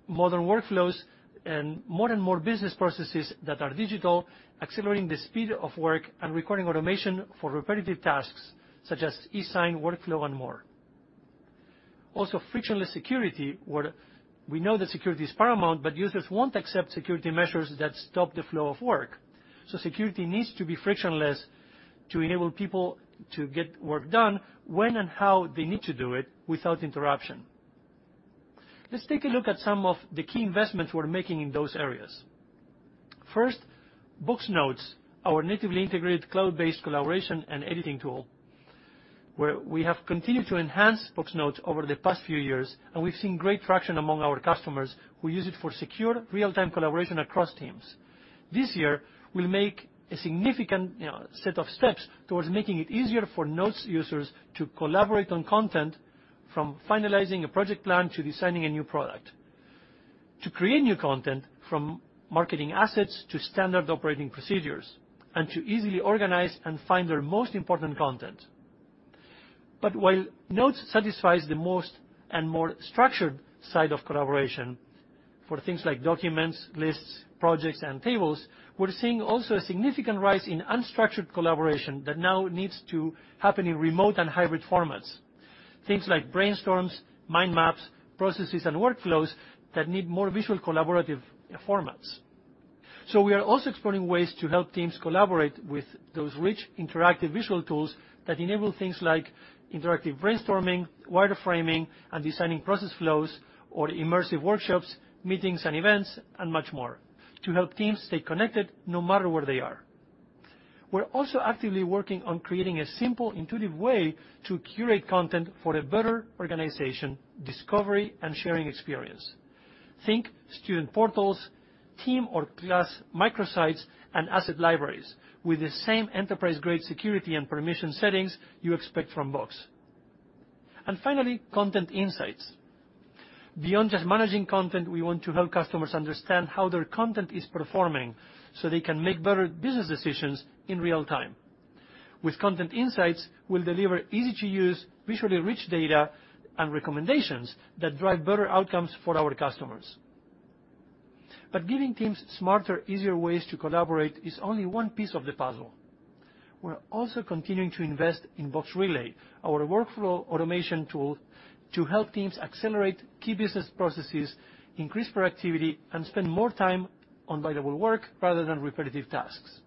Modern workflows and more and more business processes that are digital, accelerating the speed of work and requiring automation for repetitive tasks such as e-sign, workflow, and more. Also frictionless security, where we know that security is paramount, but users won't accept security measures that stop the flow of work. Security needs to be frictionless to enable people to get work done when and how they need to do it without interruption. Let's take a look at some of the key investments we're making in those areas. First, Box Notes, our natively integrated cloud-based collaboration and editing tool, where we have continued to enhance Box Notes over the past few years, and we've seen great traction among our customers who use it for secure real-time collaboration across teams. This year, we'll make a significant, you know, set of steps towards making it easier for Notes users to collaborate on content from finalizing a project plan to designing a new product. To create new content from marketing assets to standard operating procedures and to easily organize and find their most important content. While Notes satisfies the most and more structured side of collaboration for things like documents, lists, projects, and tables, we're seeing also a significant rise in unstructured collaboration that now needs to happen in remote and hybrid formats. Things like brainstorms, mind maps, processes and workflows that need more visual collaborative formats. We are also exploring ways to help teams collaborate with those rich interactive visual tools that enable things like interactive brainstorming, wireframing, and designing process flows or immersive workshops, meetings and events, and much more to help teams stay connected no matter where they are. We're also actively working on creating a simple intuitive way to curate content for a better organization, discovery, and sharing experience. Think student portals, team or class microsites, and asset libraries with the same enterprise-grade security and permission settings you expect from Box. Finally, content insights. Beyond just managing content, we want to help customers understand how their content is performing so they can make better business decisions in real time. With content insights, we'll deliver easy-to-use, visually rich data and recommendations that drive better outcomes for our customers. Giving teams smarter, easier ways to collaborate is only one piece of the puzzle. We're also continuing to invest in Box Relay, our workflow automation tool, to help teams accelerate key business processes, increase productivity, and spend more time on valuable work rather than repetitive tasks.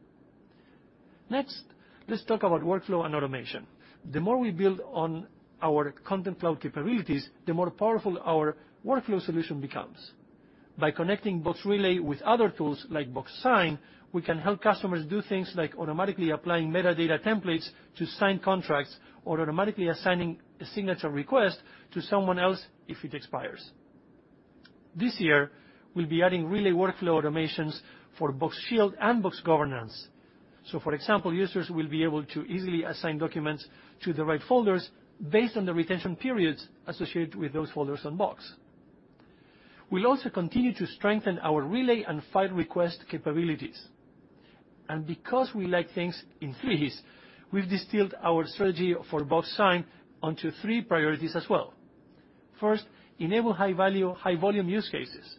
Next, let's talk about workflow and automation. The more we build on our Content Cloud capabilities, the more powerful our workflow solution becomes. By connecting Box Relay with other tools like Box Sign, we can help customers do things like automatically applying metadata templates to signed contracts or automatically assigning a signature request to someone else if it expires. This year, we'll be adding Relay workflow automations for Box Shield and Box Governance. For example, users will be able to easily assign documents to the right folders based on the retention periods associated with those folders on Box. We'll also continue to strengthen our Relay and file request capabilities. Because we like things in threes, we've distilled our strategy for Box Sign onto three priorities as well. First, enable high value, high volume use cases.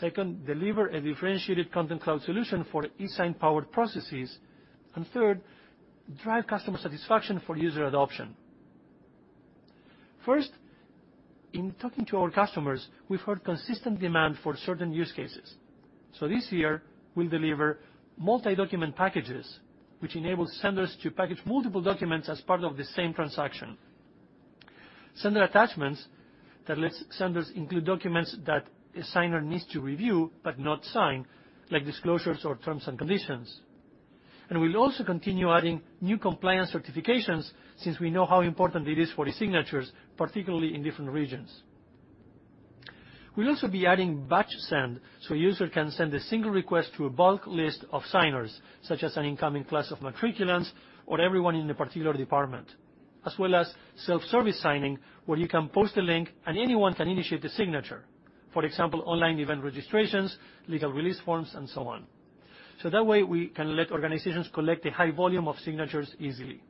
Second, deliver a differentiated content cloud solution for eSign-powered processes. And third, drive customer satisfaction for user adoption. First, in talking to our customers, we've heard consistent demand for certain use cases. This year we'll deliver multi-document packages, which enable senders to package multiple documents as part of the same transaction. Sender attachments that lets senders include documents that a signer needs to review but not sign, like disclosures or terms and conditions. We'll also continue adding new compliance certifications since we know how important it is for eSignatures, particularly in different regions. We'll also be adding batch send, so a user can send a single request to a bulk list of signers, such as an incoming class of matriculants or everyone in a particular department, as well as self-service signing, where you can post a link and anyone can initiate the signature. For example, online event registrations, legal release forms, and so on. That way, we can let organizations collect a high volume of signatures easily.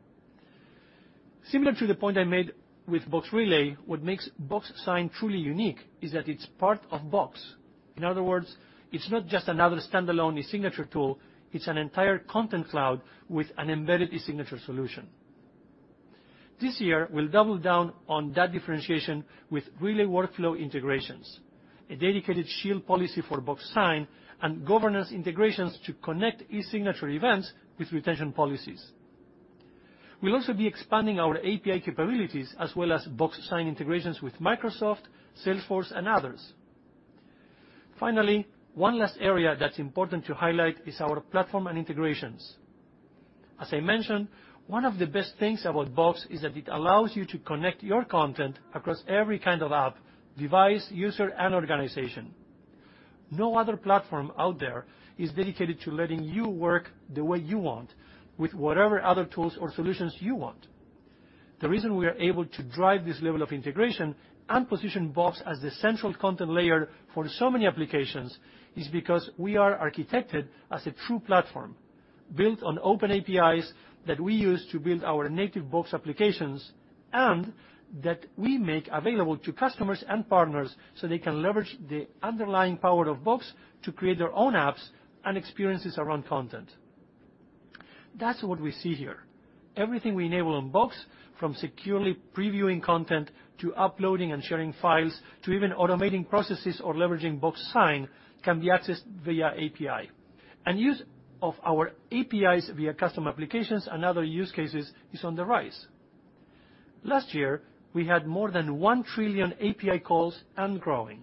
Similar to the point I made with Box Relay, what makes Box Sign truly unique is that it's part of Box. In other words, it's not just another standalone e-signature tool, it's an entire Content Cloud with an embedded e-signature solution. This year, we'll double down on that differentiation with Relay workflow integrations, a dedicated Shield policy for Box Sign, and governance integrations to connect e-signature events with retention policies. We'll also be expanding our API capabilities as well as Box Sign integrations with Microsoft, Salesforce, and others. Finally, one last area that's important to highlight is our platform and integrations. As I mentioned, one of the best things about Box is that it allows you to connect your content across every kind of app, device, user, and organization. No other platform out there is dedicated to letting you work the way you want with whatever other tools or solutions you want. The reason we are able to drive this level of integration and position Box as the central content layer for so many applications is because we are architected as a true platform, built on open APIs that we use to build our native Box applications, and that we make available to customers and partners, so they can leverage the underlying power of Box to create their own apps and experiences around content. That's what we see here. Everything we enable on Box, from securely previewing content, to uploading and sharing files, to even automating processes or leveraging Box Sign, can be accessed via API. Use of our APIs via custom applications and other use cases is on the rise. Last year, we had more than 1 trillion API calls and growing.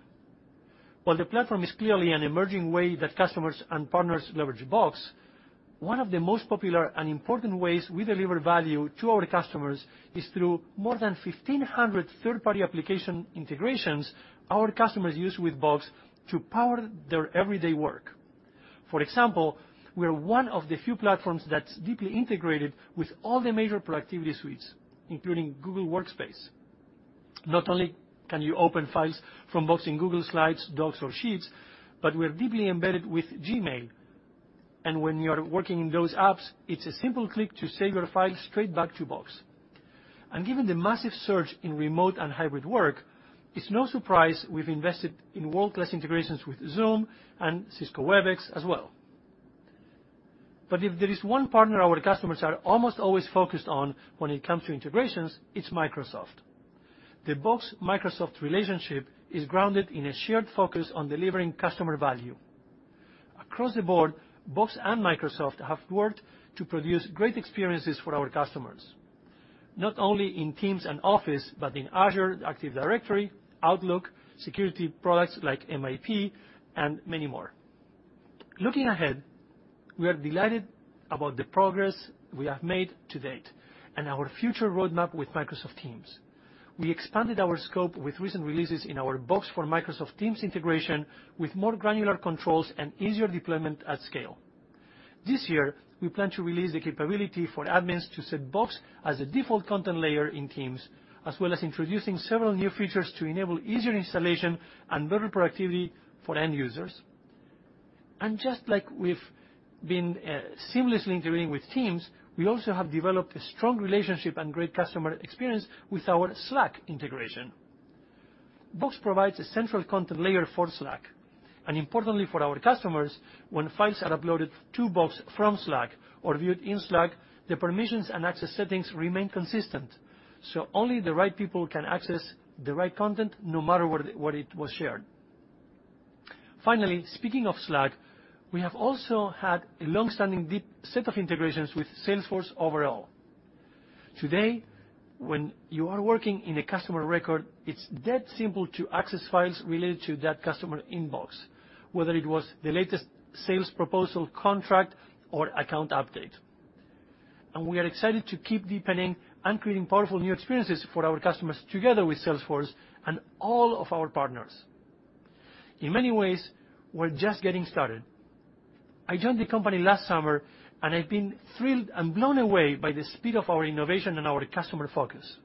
While the platform is clearly an emerging way that customers and partners leverage Box, one of the most popular and important ways we deliver value to our customers is through more than 1,500 third-party application integrations our customers use with Box to power their everyday work. For example, we are one of the few platforms that's deeply integrated with all the major productivity suites, including Google Workspace. Not only can you open files from Box in Google Slides, Google Docs, or Google Sheets, but we're deeply embedded with Gmail. When you're working in those apps, it's a simple click to save your file straight back to Box. Given the massive surge in remote and hybrid work, it's no surprise we've invested in world-class integrations with Zoom and Cisco Webex as well. If there is one partner our customers are almost always focused on when it comes to integrations, it's Microsoft. The Box-Microsoft relationship is grounded in a shared focus on delivering customer value. Across the board, Box and Microsoft have worked to produce great experiences for our customers, not only in Teams and Office, but in Azure Active Directory, Outlook, security products like MIP, and many more. Looking ahead, we are delighted about the progress we have made to date and our future roadmap with Microsoft Teams. We expanded our scope with recent releases in our Box for Microsoft Teams integration with more granular controls and easier deployment at scale. This year, we plan to release the capability for admins to set Box as a default content layer in Teams, as well as introducing several new features to enable easier installation and better productivity for end users. Just like we've been seamlessly integrating with Teams, we also have developed a strong relationship and great customer experience with our Slack integration. Box provides a central content layer for Slack, and importantly for our customers, when files are uploaded to Box from Slack or viewed in Slack, the permissions and access settings remain consistent, so only the right people can access the right content, no matter where it was shared. Finally, speaking of Slack, we have also had a long-standing deep set of integrations with Salesforce overall. Today, when you are working in a customer record, it's that simple to access files related to that customer in Box, whether it was the latest sales proposal, contract, or account update. We are excited to keep deepening and creating powerful new experiences for our customers together with Salesforce and all of our partners. In many ways, we're just getting started. I joined the company last summer and I've been thrilled and blown away by the speed of our innovation and our customer focus.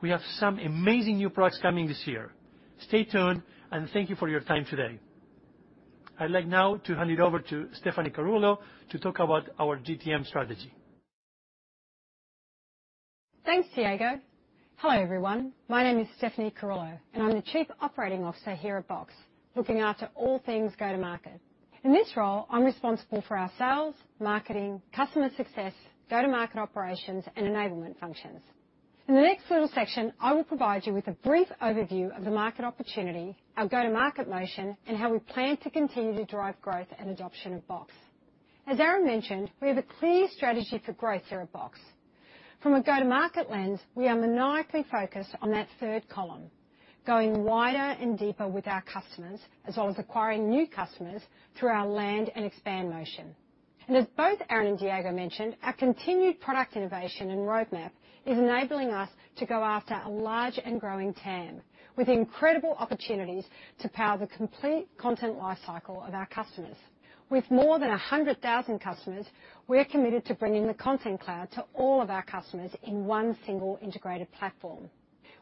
We have some amazing new products coming this year. Stay tuned, and thank you for your time today. I'd like now to hand it over to Stephanie Carullo to talk about our GTM strategy. Thanks, Diego. Hello, everyone. My name is Stephanie Carullo, and I'm the Chief Operating Officer here at Box, looking after all things go-to-market. In this role, I'm responsible for our sales, marketing, customer success, go-to-market operations, and enablement functions. In the next little section, I will provide you with a brief overview of the market opportunity, our go-to-market motion, and how we plan to continue to drive growth and adoption of Box. As Aaron mentioned, we have a clear strategy for growth here at Box. From a go-to-market lens, we are maniacally focused on that third column, going wider and deeper with our customers, as well as acquiring new customers through our land and expand motion. As both Aaron and Diego mentioned, our continued product innovation and roadmap is enabling us to go after a large and growing TAM with incredible opportunities to power the complete content life cycle of our customers. With more than 100,000 customers, we're committed to bringing the Content Cloud to all of our customers in one single integrated platform.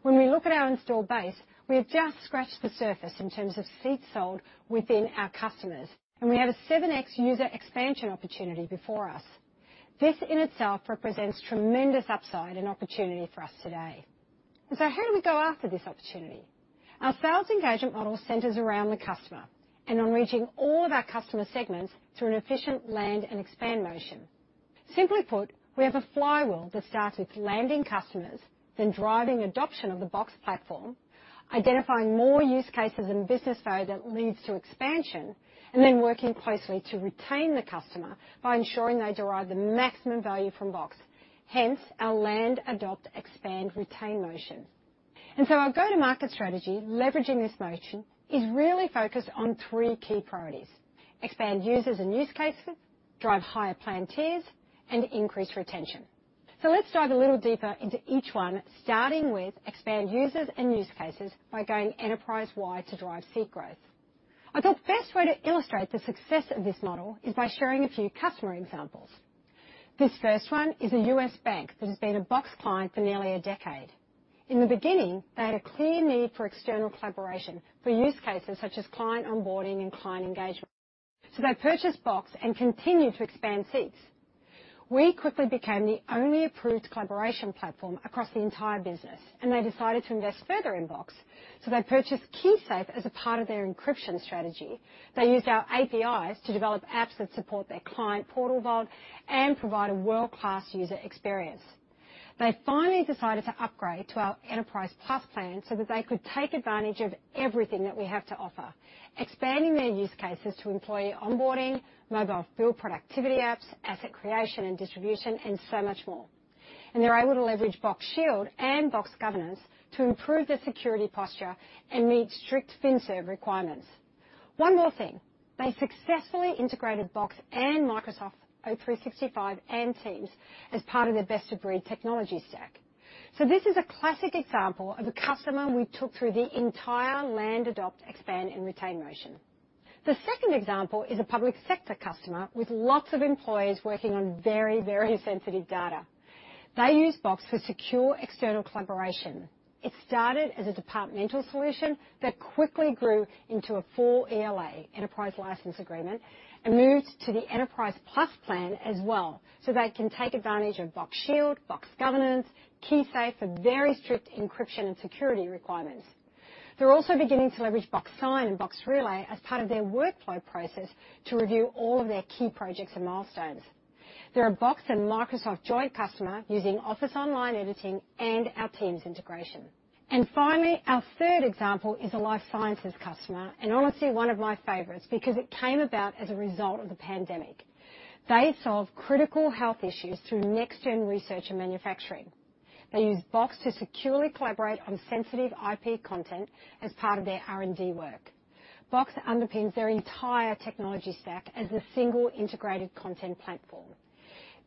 When we look at our installed base, we have just scratched the surface in terms of seats sold within our customers, and we have a 7x user expansion opportunity before us. This in itself represents tremendous upside and opportunity for us today. How do we go after this opportunity? Our sales engagement model centers around the customer and on reaching all of our customer segments through an efficient land and expand motion. Simply put, we have a flywheel that starts with landing customers, then driving adoption of the Box platform, identifying more use cases and business value that leads to expansion, and then working closely to retain the customer by ensuring they derive the maximum value from Box, hence our land, adopt, expand, retain motion. Our go-to-market strategy, leveraging this motion, is really focused on three key priorities. Expand users and use cases, drive higher plan tiers, and increase retention. Let's dive a little deeper into each one, starting with expand users and use cases by going enterprise-wide to drive seat growth. I thought the best way to illustrate the success of this model is by sharing a few customer examples. This first one is a U.S. bank that has been a Box client for nearly a decade. In the beginning, they had a clear need for external collaboration for use cases such as client onboarding and client engagement, so they purchased Box and continued to expand seats. We quickly became the only approved collaboration platform across the entire business, and they decided to invest further in Box, so they purchased KeySafe as a part of their encryption strategy. They used our APIs to develop apps that support their client portal vault and provide a world-class user experience. They finally decided to upgrade to our Enterprise Plus plan so that they could take advantage of everything that we have to offer, expanding their use cases to employee onboarding, mobile field productivity apps, asset creation and distribution, and so much more. They're able to leverage Box Shield and Box Governance to improve their security posture and meet strict financial services requirements. One more thing, they successfully integrated Box and Microsoft 365 and Teams as part of their best-of-breed technology stack. This is a classic example of a customer we took through the entire land, adopt, expand, and retain motion. The second example is a public sector customer with lots of employees working on very, very sensitive data. They use Box for secure external collaboration. It started as a departmental solution that quickly grew into a full ELA, enterprise license agreement, and moved to the Enterprise Plus plan as well, so they can take advantage of Box Shield, Box Governance, KeySafe for very strict encryption and security requirements. They're also beginning to leverage Box Sign and Box Relay as part of their workflow process to review all of their key projects and milestones. They're a Box and Microsoft joint customer using Office Online editing and our Teams integration. Finally, our third example is a life sciences customer, and honestly, one of my favorites, because it came about as a result of the pandemic. They solve critical health issues through next-gen research and manufacturing. They use Box to securely collaborate on sensitive IP content as part of their R&D work. Box underpins their entire technology stack as the single integrated content platform.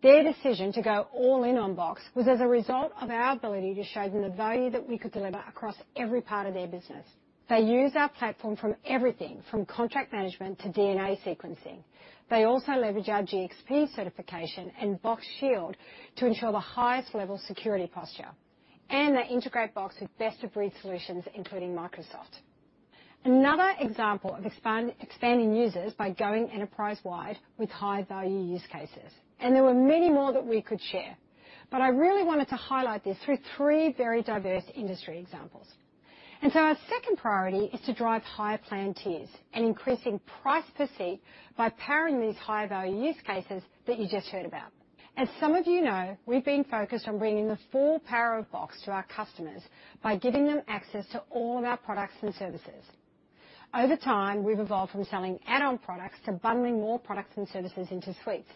Their decision to go all in on Box was as a result of our ability to show them the value that we could deliver across every part of their business. They use our platform from everything, from contract management to DNA sequencing. They also leverage our GxP certification and Box Shield to ensure the highest level of security posture, and they integrate Box with best-of-breed solutions, including Microsoft. Another example of expanding users by going enterprise-wide with high-value use cases, and there were many more that we could share. I really wanted to highlight this through three very diverse industry examples. Our second priority is to drive higher plan tiers and increasing price per seat by powering these high-value use cases that you just heard about. As some of you know, we've been focused on bringing the full power of Box to our customers by giving them access to all of our products and services. Over time, we've evolved from selling add-on products to bundling more products and services into suites.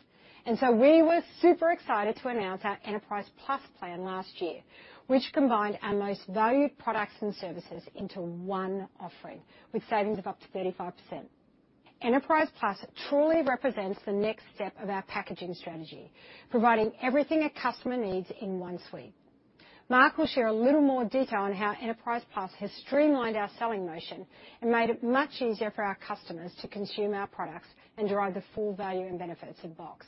We were super excited to announce our Enterprise Plus plan last year, which combined our most valued products and services into one offering with savings of up to 35%. Enterprise Plus truly represents the next step of our packaging strategy, providing everything a customer needs in one suite. Mark will share a little more detail on how Enterprise Plus has streamlined our selling motion and made it much easier for our customers to consume our products and derive the full value and benefits of Box.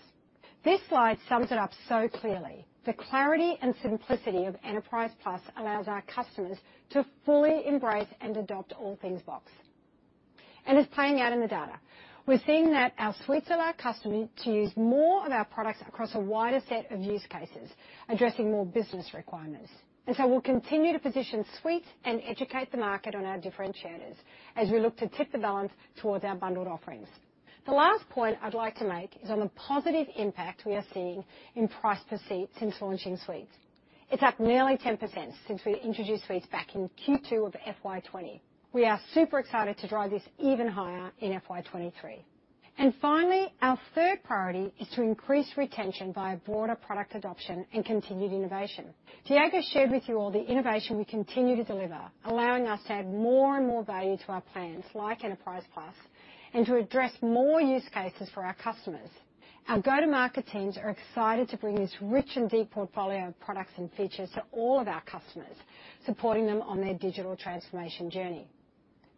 This slide sums it up so clearly. The clarity and simplicity of Enterprise Plus allows our customers to fully embrace and adopt all things Box, and it's playing out in the data. We're seeing that our suites allow customers to use more of our products across a wider set of use cases, addressing more business requirements. We'll continue to position Suites and educate the market on our differentiators as we look to tip the balance towards our bundled offerings. The last point I'd like to make is on the positive impact we are seeing in price per seat since launching Suites. It's up nearly 10% since we introduced Suites back in Q2 of FY 2020. We are super excited to drive this even higher in FY 2023. Finally, our third priority is to increase retention via broader product adoption and continued innovation. Diego shared with you all the innovation we continue to deliver, allowing us to add more and more value to our plans, like Enterprise Plus, and to address more use cases for our customers. Our go-to-market teams are excited to bring this rich and deep portfolio of products and features to all of our customers, supporting them on their digital transformation journey.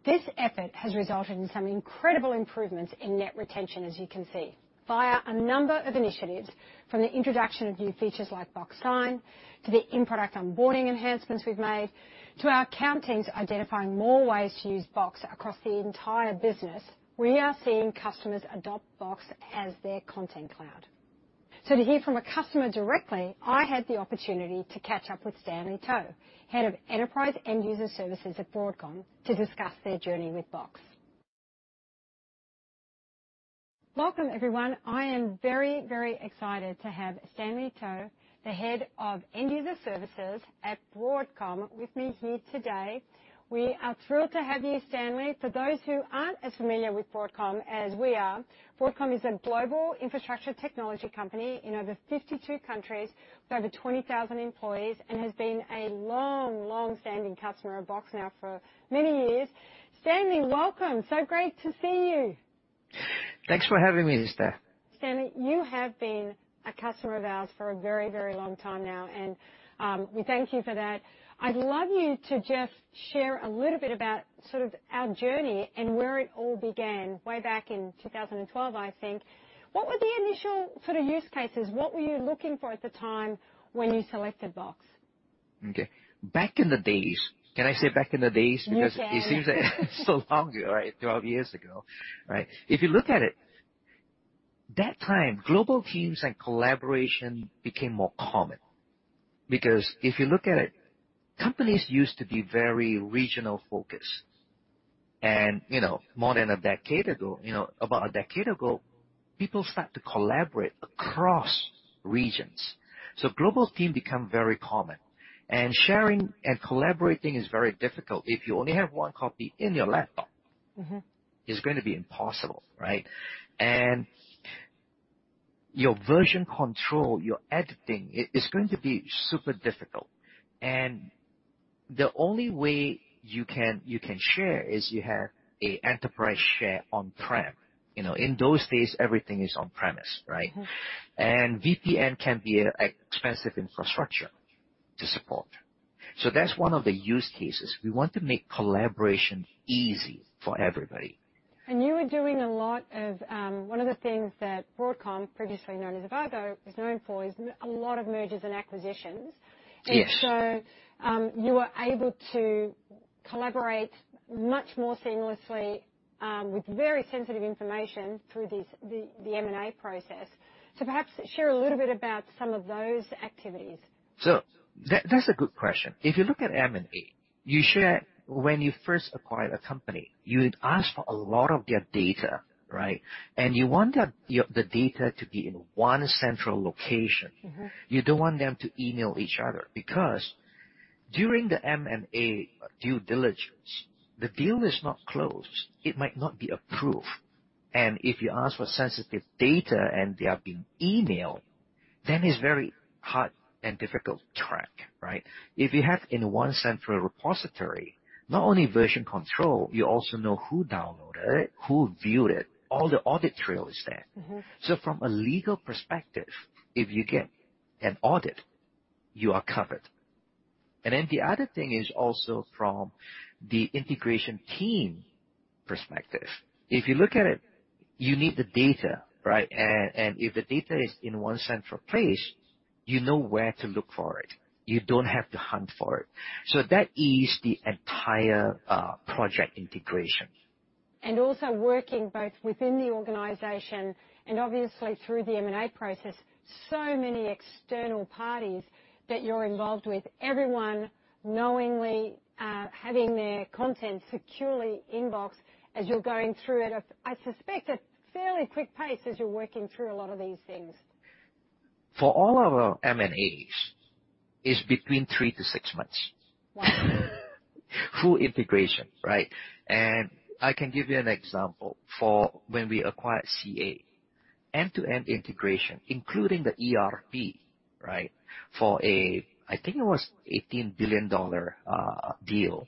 This effort has resulted in some incredible improvements in net retention, as you can see, via a number of initiatives, from the introduction of new features like Box Sign to the in-product onboarding enhancements we've made to our account teams identifying more ways to use Box across the entire business. We are seeing customers adopt Box as their Content Cloud. To hear from a customer directly, I had the opportunity to catch up with Stanley Toh, Head of Enterprise End User Services at Broadcom, to discuss their journey with Box. Welcome, everyone. I am very, very excited to have Stanley Toh, the head of End User Services at Broadcom, with me here today. We are thrilled to have you, Stanley. For those who aren't as familiar with Broadcom as we are, Broadcom is a global infrastructure technology company in over 52 countries with over 20,000 employees and has been a long, long-standing customer of Box now for many years. Stanley, welcome. Great to see you. Thanks for having me, Steph. Stanley, you have been a customer of ours for a very, very long time now, and we thank you for that. I'd love you to just share a little bit about sort of our journey and where it all began way back in 2012, I think. What were the initial sort of use cases? What were you looking for at the time when you selected Box? Okay. Back in the days. Can I say back in the days? You can. Because it seems like so long ago, right? 12 years ago, right? If you look at it, that time, global teams and collaboration became more common because if you look at it, companies used to be very regional-focused. You know, more than a decade ago, you know, about a decade ago, people start to collaborate across regions. Global team become very common. Sharing and collaborating is very difficult if you only have one copy in your laptop. Mm-hmm. It's gonna be impossible, right? Your version control, your editing it's going to be super difficult. The only way you can share is you have a enterprise share on-prem. You know, in those days, everything is on-premise, right? Mm-hmm. VPN can be an expensive infrastructure to support. That's one of the use cases. We want to make collaboration easy for everybody. You were doing a lot of. One of the things that Broadcom, previously known as Avago, is known for is a lot of mergers and acquisitions. Yes. You were able to collaborate much more seamlessly with very sensitive information through the M&A process. Perhaps share a little bit about some of those activities. That's a good question. If you look at M&A, you share, when you first acquire a company, you would ask for a lot of their data, right? You want the data to be in one central location. Mm-hmm. You don't want them to email each other because during the M&A due diligence, the deal is not closed. It might not be approved. If you ask for sensitive data and they are being emailed, then it's very hard and difficult to track, right? If you have in one central repository, not only version control, you also know who downloaded it, who viewed it, all the audit trail is there. Mm-hmm. From a legal perspective, if you get an audit, you are covered. The other thing is also from the integration team perspective. If you look at it, you need the data, right? If the data is in one central place, you know where to look for it. You don't have to hunt for it. That is the entire project integration. Also working both within the organization and obviously through the M&A process, so many external parties that you're involved with, everyone knowingly having their content securely in Box as you're going through at a, I suspect, a fairly quick pace as you're working through a lot of these things. For all of our M&As, it's between 3-6 months. Wow. Full integration, right? I can give you an example for when we acquired CA, end-to-end integration, including the ERP, right? For what I think was an $18 billion deal,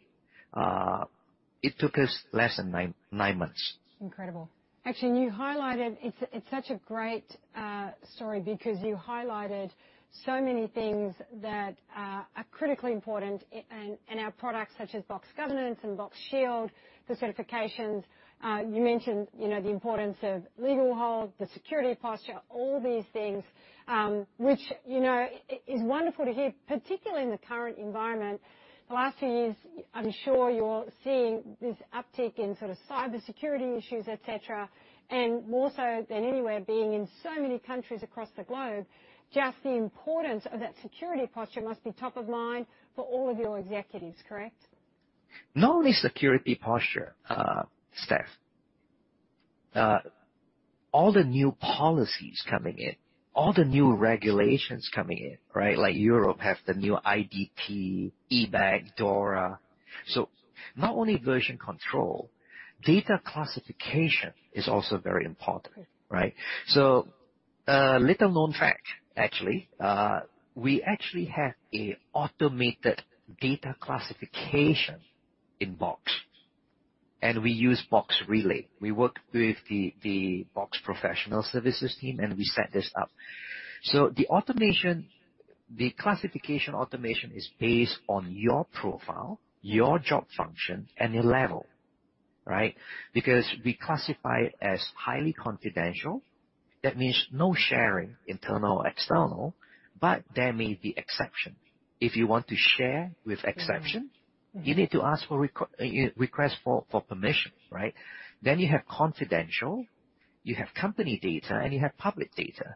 it took us less than nine months. Incredible. Actually, you highlighted, it's such a great story because you highlighted so many things that are critically important and our products such as Box Governance and Box Shield, the certifications, you mentioned, you know, the importance of legal hold, the security posture, all these things, which, you know, is wonderful to hear, particularly in the current environment. The last two years, I'm sure you're seeing this uptick in sort of cybersecurity issues, et cetera, and more so than anywhere being in so many countries across the globe, just the importance of that security posture must be top of mind for all of your executives, correct? Not only security posture, Steph, all the new policies coming in, all the new regulations coming in, right? Like Europe have the new NIS2, GDPR, DORA. Not only version control, data classification is also very important, right? Little known fact, actually, we actually have an automated data classification in Box. We use Box Relay. We work with the Box professional services team, and we set this up. The automation, the classification automation is based on your profile, your job function, and your level, right? Because we classify as highly confidential. That means no sharing, internal or external, but there may be exception. If you want to share with exception- Mm-hmm. You need to ask for request for permission, right? You have confidential, you have company data, and you have public data.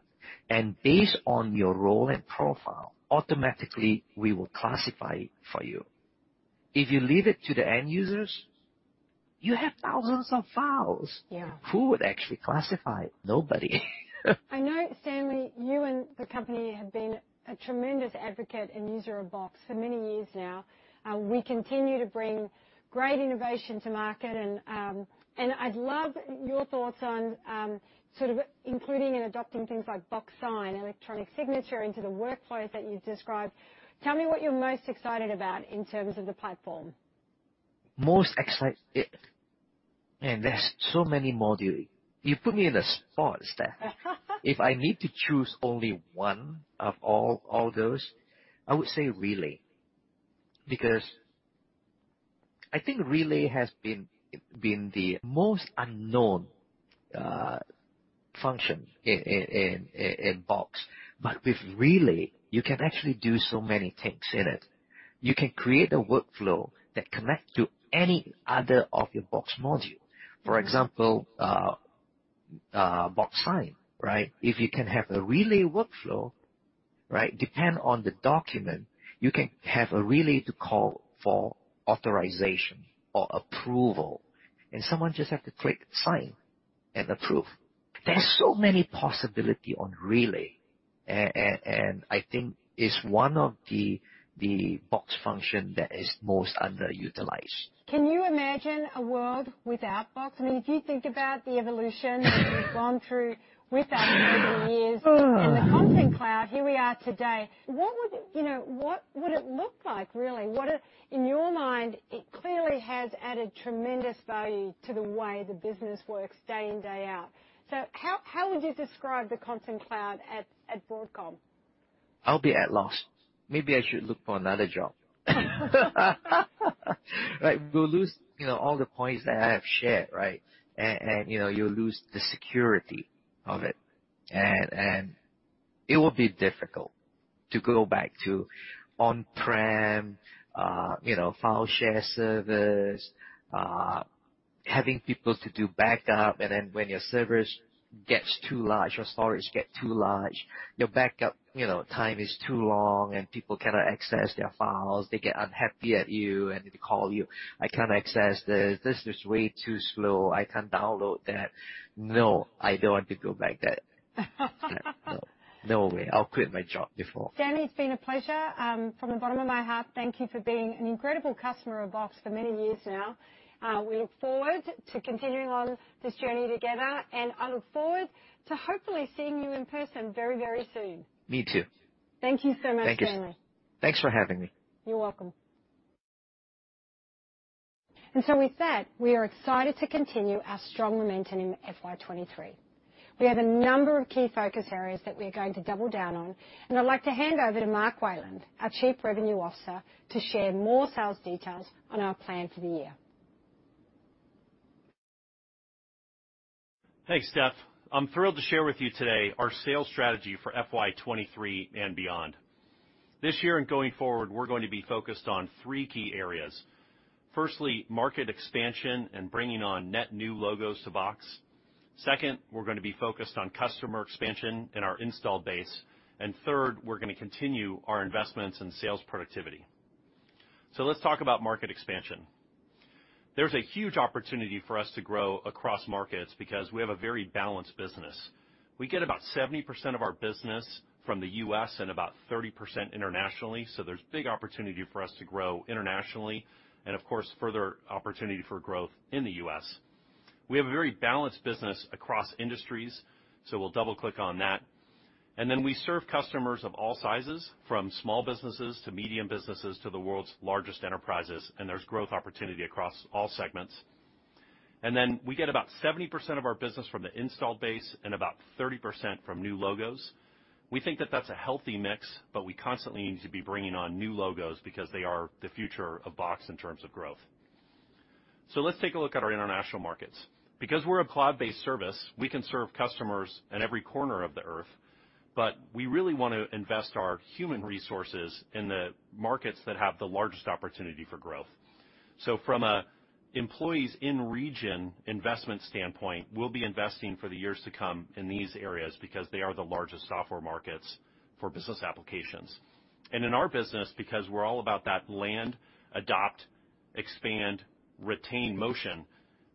Based on your role and profile, automatically, we will classify for you. If you leave it to the end users, you have thousands of files. Yeah. Who would actually classify? Nobody. I know, Stanley, you and the company have been a tremendous advocate and user of Box for many years now. We continue to bring great innovation to market and I'd love your thoughts on sort of including and adopting things like Box Sign, electronic signature into the workflows that you described. Tell me what you're most excited about in terms of the platform. Man, there's so many modules. You put me on the spot, Steph. If I need to choose only one of all those, I would say Relay because I think Relay has been the most unknown function in Box. With Relay, you can actually do so many things in it. You can create a workflow that connects to any other of your Box modules. For example, Box Sign, right? If you have a Relay workflow, right? Depending on the document, you can have a Relay to call for authorization or approval, and someone just has to click sign and approve. There are so many possibilities with Relay, and I think it's one of the Box functions that is most underutilized. Can you imagine a world without Box? I mean, if you think about the evolution that we've gone through with our company over the years in the Content Cloud, here we are today, what would, you know, what would it look like, really? In your mind, it clearly has added tremendous value to the way the business works day in, day out. How would you describe the Content Cloud at Broadcom? I'll be at a loss. Maybe I should look for another job. Like, we'll lose, you know, all the points that I have shared, right? You know, you'll lose the security of it. It will be difficult to go back to on-prem, you know, file share service, having people to do backup, and then when your service gets too large, your storage get too large, your backup, you know, time is too long, and people cannot access their files. They get unhappy at you, and they call you, "I can't access this. This is way too slow. I can't download that." No, I don't want to go back that. No. No way. I'll quit my job before. Stanley, it's been a pleasure. From the bottom of my heart, thank you for being an incredible customer of Box for many years now. We look forward to continuing on this journey together, and I look forward to hopefully seeing you in person very, very soon. Me too. Thank you so much, Stanley. Thank you. Thanks for having me. You're welcome. With that, we are excited to continue our strong momentum in FY 2023. We have a number of key focus areas that we're going to double down on, and I'd like to hand over to Mark Wayland, our Chief Revenue Officer, to share more sales details on our plan for the year. Thanks, Steph. I'm thrilled to share with you today our sales strategy for FY 2023 and beyond. This year and going forward, we're going to be focused on three key areas. Firstly, market expansion and bringing on net new logos to Box. Second, we're gonna be focused on customer expansion in our installed base. Third, we're gonna continue our investments in sales productivity. Let's talk about market expansion. There's a huge opportunity for us to grow across markets because we have a very balanced business. We get about 70% of our business from the U.S. and about 30% internationally, so there's big opportunity for us to grow internationally and, of course, further opportunity for growth in the U.S. We have a very balanced business across industries, so we'll double-click on that. We serve customers of all sizes, from small businesses to medium businesses to the world's largest enterprises, and there's growth opportunity across all segments. We get about 70% of our business from the installed base and about 30% from new logos. We think that that's a healthy mix, but we constantly need to be bringing on new logos because they are the future of Box in terms of growth. Let's take a look at our international markets. Because we're a cloud-based service, we can serve customers in every corner of the earth, but we really wanna invest our human resources in the markets that have the largest opportunity for growth. From a employees in region investment standpoint, we'll be investing for the years to come in these areas because they are the largest software markets for business applications. In our business, because we're all about that land, adopt, expand, retain motion,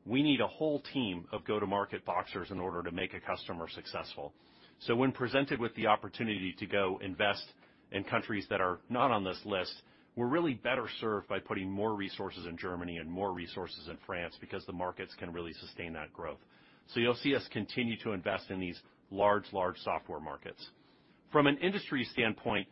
we need a whole team of go-to-market Boxers in order to make a customer successful. When presented with the opportunity to go invest in countries that are not on this list, we're really better served by putting more resources in Germany and more resources in France because the markets can really sustain that growth. You'll see us continue to invest in these large software markets. From an industry standpoint,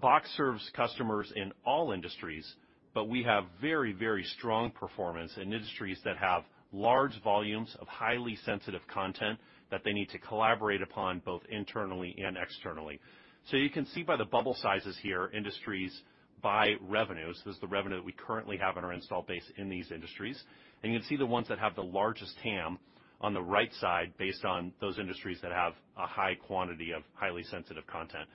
Box serves customers in all industries, but we have very, very strong performance in industries that have large volumes of highly sensitive content that they need to collaborate upon, both internally and externally. You can see by the bubble sizes here, industries by revenues. This is the revenue that we currently have in our install base in these industries. You can see the ones that have the largest TAM on the right side based on those industries that have a high quantity of highly sensitive content.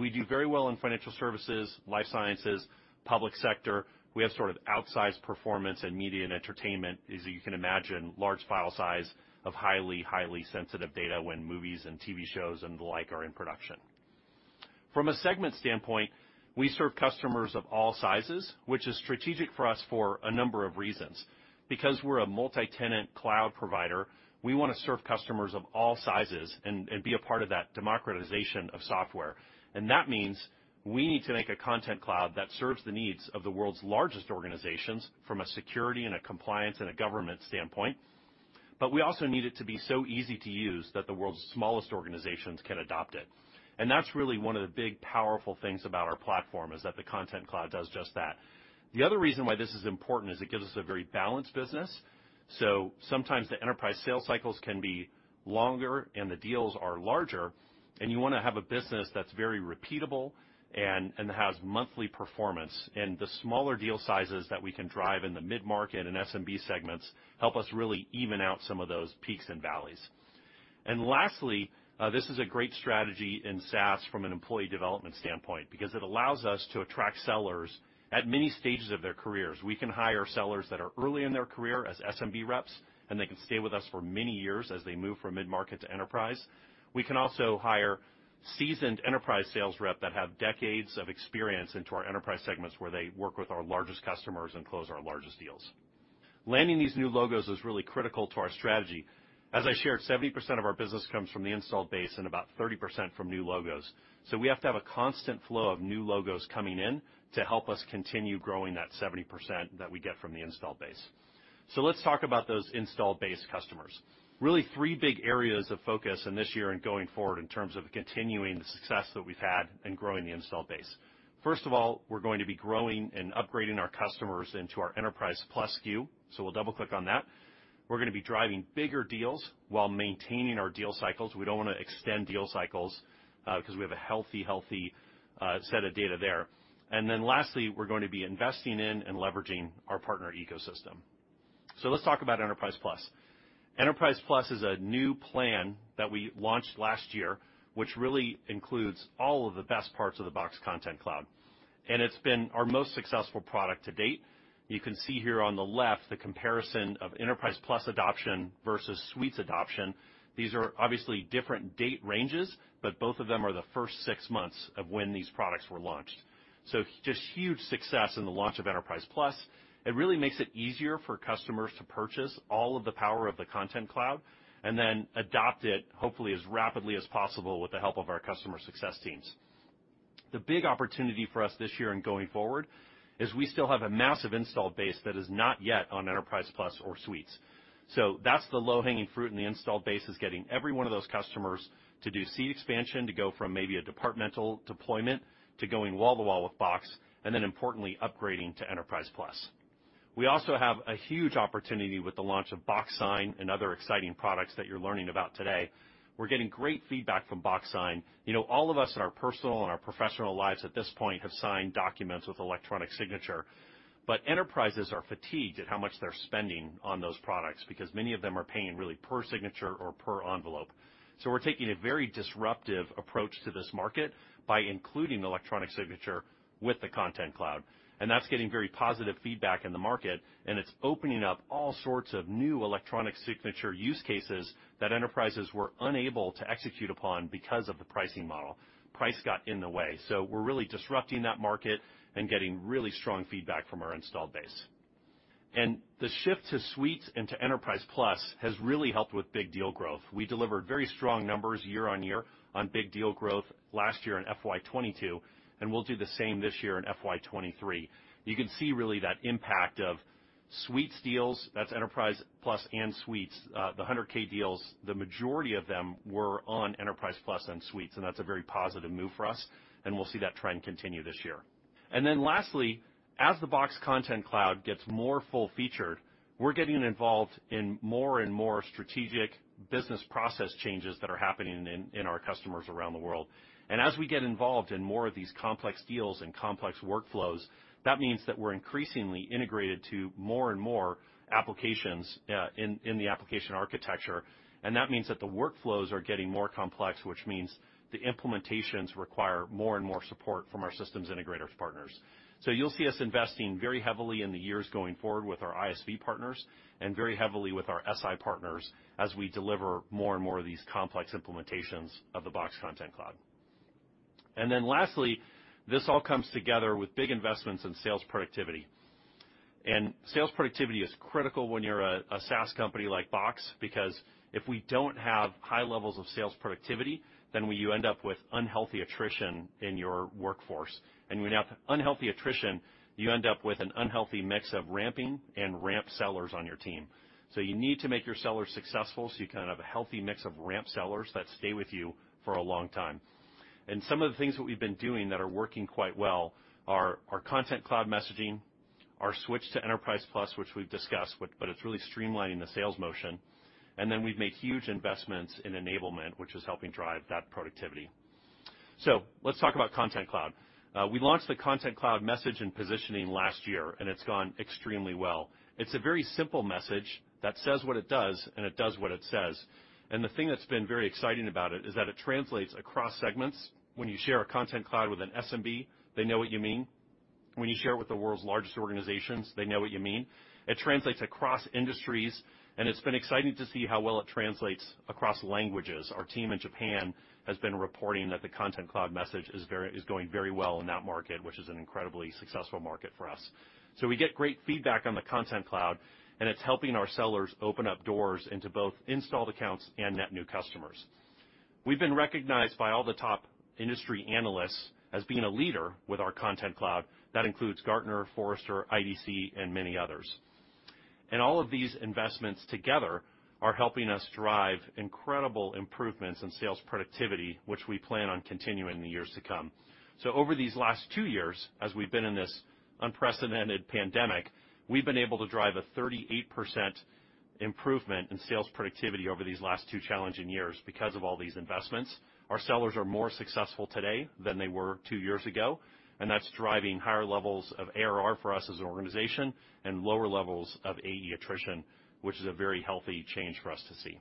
We do very well in financial services, life sciences, public sector. We have sort of outsized performance in media and entertainment, as you can imagine, large file size of highly sensitive data when movies and TV shows and the like are in production. From a segment standpoint, we serve customers of all sizes, which is strategic for us for a number of reasons. Because we're a multi-tenant cloud provider, we wanna serve customers of all sizes and be a part of that democratization of software. That means we need to make a Content Cloud that serves the needs of the world's largest organizations from a security and a compliance and a government standpoint, but we also need it to be so easy to use that the world's smallest organizations can adopt it. That's really one of the big, powerful things about our platform, is that the Content Cloud does just that. The other reason why this is important is it gives us a very balanced business. Sometimes the enterprise sales cycles can be longer, and the deals are larger, and you wanna have a business that's very repeatable and has monthly performance. The smaller deal sizes that we can drive in the mid-market and SMB segments help us really even out some of those peaks and valleys. Lastly, this is a great strategy in SaaS from an employee development standpoint because it allows us to attract sellers at many stages of their careers. We can hire sellers that are early in their career as SMB reps, and they can stay with us for many years as they move from mid-market to enterprise. We can also hire seasoned enterprise sales rep that have decades of experience into our enterprise segments, where they work with our largest customers and close our largest deals. Landing these new logos is really critical to our strategy. As I shared, 70% of our business comes from the install base and about 30% from new logos. We have to have a constant flow of new logos coming in to help us continue growing that 70% that we get from the install base. Let's talk about those install base customers. Really three big areas of focus in this year and going forward in terms of continuing the success that we've had in growing the install base. First of all, we're going to be growing and upgrading our customers into our Enterprise+ SKU, so we'll double-click on that. We're gonna be driving bigger deals while maintaining our deal cycles. We don't wanna extend deal cycles, 'cause we have a healthy set of data there. Lastly, we're going to be investing in and leveraging our partner ecosystem. Let's talk about Enterprise+. Enterprise+ is a new plan that we launched last year, which really includes all of the best parts of the Box Content Cloud, and it's been our most successful product to date. You can see here on the left the comparison of Enterprise+ adoption versus Suites adoption. These are obviously different date ranges, but both of them are the first six months of when these products were launched. Just huge success in the launch of Enterprise+. It really makes it easier for customers to purchase all of the power of the Content Cloud and then adopt it, hopefully as rapidly as possible with the help of our customer success teams. The big opportunity for us this year and going forward is we still have a massive install base that is not yet on Enterprise+ or Suites. That's the low-hanging fruit in the install base, is getting every one of those customers to do seat expansion, to go from maybe a departmental deployment to going wall to wall with Box, and then importantly, upgrading to Enterprise+. We also have a huge opportunity with the launch of Box Sign and other exciting products that you're learning about today. We're getting great feedback from Box Sign. You know, all of us in our personal and our professional lives at this point have signed documents with electronic signature, but enterprises are fatigued at how much they're spending on those products because many of them are paying really per signature or per envelope. We're taking a very disruptive approach to this market by including electronic signature with the Content Cloud, and that's getting very positive feedback in the market, and it's opening up all sorts of new electronic signature use cases that enterprises were unable to execute upon because of the pricing model. Price got in the way. We're really disrupting that market and getting really strong feedback from our installed base. The shift to Suites and to Enterprise Plus has really helped with big deal growth. We delivered very strong numbers year-over-year on big deal growth last year in FY 2022, and we'll do the same this year in FY 2023. You can see really that impact of Suites deals, that's Enterprise Plus and Suites, the $100,000 deals, the majority of them were on Enterprise Plus and Suites, and that's a very positive move for us, and we'll see that trend continue this year. Then lastly, as the Box Content Cloud gets more full-featured, we're getting involved in more and more strategic business process changes that are happening in our customers around the world. As we get involved in more of these complex deals and complex workflows, that means that we're increasingly integrated to more and more applications in the application architecture. That means that the workflows are getting more complex, which means the implementations require more and more support from our systems integrators partners. You'll see us investing very heavily in the years going forward with our ISV partners and very heavily with our SI partners as we deliver more and more of these complex implementations of the Box Content Cloud. Then lastly, this all comes together with big investments in sales productivity. Sales productivity is critical when you're a SaaS company like Box because if we don't have high levels of sales productivity, then we end up with unhealthy attrition in your workforce. When you have unhealthy attrition, you end up with an unhealthy mix of ramping and ramped sellers on your team. You need to make your sellers successful so you can have a healthy mix of ramped sellers that stay with you for a long time. Some of the things that we've been doing that are working quite well are our Content Cloud messaging, our switch to Enterprise Plus, which we've discussed, but it's really streamlining the sales motion. We've made huge investments in enablement, which is helping drive that productivity. Let's talk about Content Cloud. We launched the Content Cloud message and positioning last year, and it's gone extremely well. It's a very simple message that says what it does, and it does what it says. The thing that's been very exciting about it is that it translates across segments. When you share a Content Cloud with an SMB, they know what you mean. When you share it with the world's largest organizations, they know what you mean. It translates across industries, and it's been exciting to see how well it translates across languages. Our team in Japan has been reporting that the Content Cloud message is going very well in that market, which is an incredibly successful market for us. We get great feedback on the Content Cloud, and it's helping our sellers open up doors into both installed accounts and net new customers. We've been recognized by all the top industry analysts as being a leader with our Content Cloud. That includes Gartner, Forrester, IDC, and many others. All of these investments together are helping us drive incredible improvements in sales productivity, which we plan on continuing in the years to come. Over these last two years, as we've been in this unprecedented pandemic, we've been able to drive a 38% improvement in sales productivity over these last two challenging years because of all these investments. Our sellers are more successful today than they were two years ago, and that's driving higher levels of ARR for us as an organization and lower levels of AE attrition, which is a very healthy change for us to see.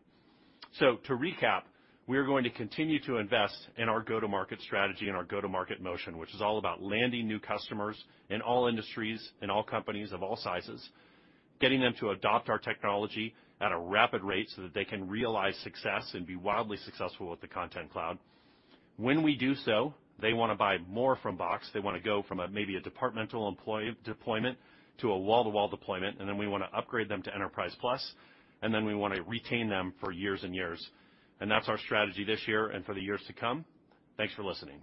To recap, we are going to continue to invest in our go-to-market strategy and our go-to-market motion, which is all about landing new customers in all industries, in all companies of all sizes, getting them to adopt our technology at a rapid rate so that they can realize success and be wildly successful with the Content Cloud. When we do so, they wanna buy more from Box. They wanna go from a maybe a departmental deployment to a wall-to-wall deployment, and then we wanna upgrade them to Enterprise Plus, and then we wanna retain them for years and years. That's our strategy this year and for the years to come. Thanks for listening.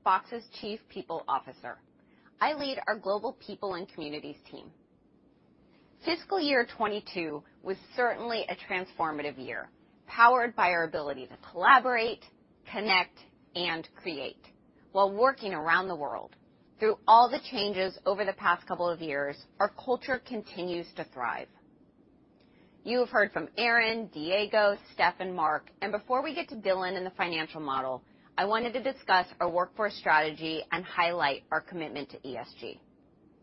Hello, I am Jessica Swank, Box's Chief People Officer. I lead our Global People and Communities team. Fiscal year 2022 was certainly a transformative year, powered by our ability to collaborate, connect, and create while working around the world. Through all the changes over the past couple of years, our culture continues to thrive. You have heard from Aaron, Diego, Steph, and Mark, and before we get to Dylan and the financial model, I wanted to discuss our workforce strategy and highlight our commitment to ESG.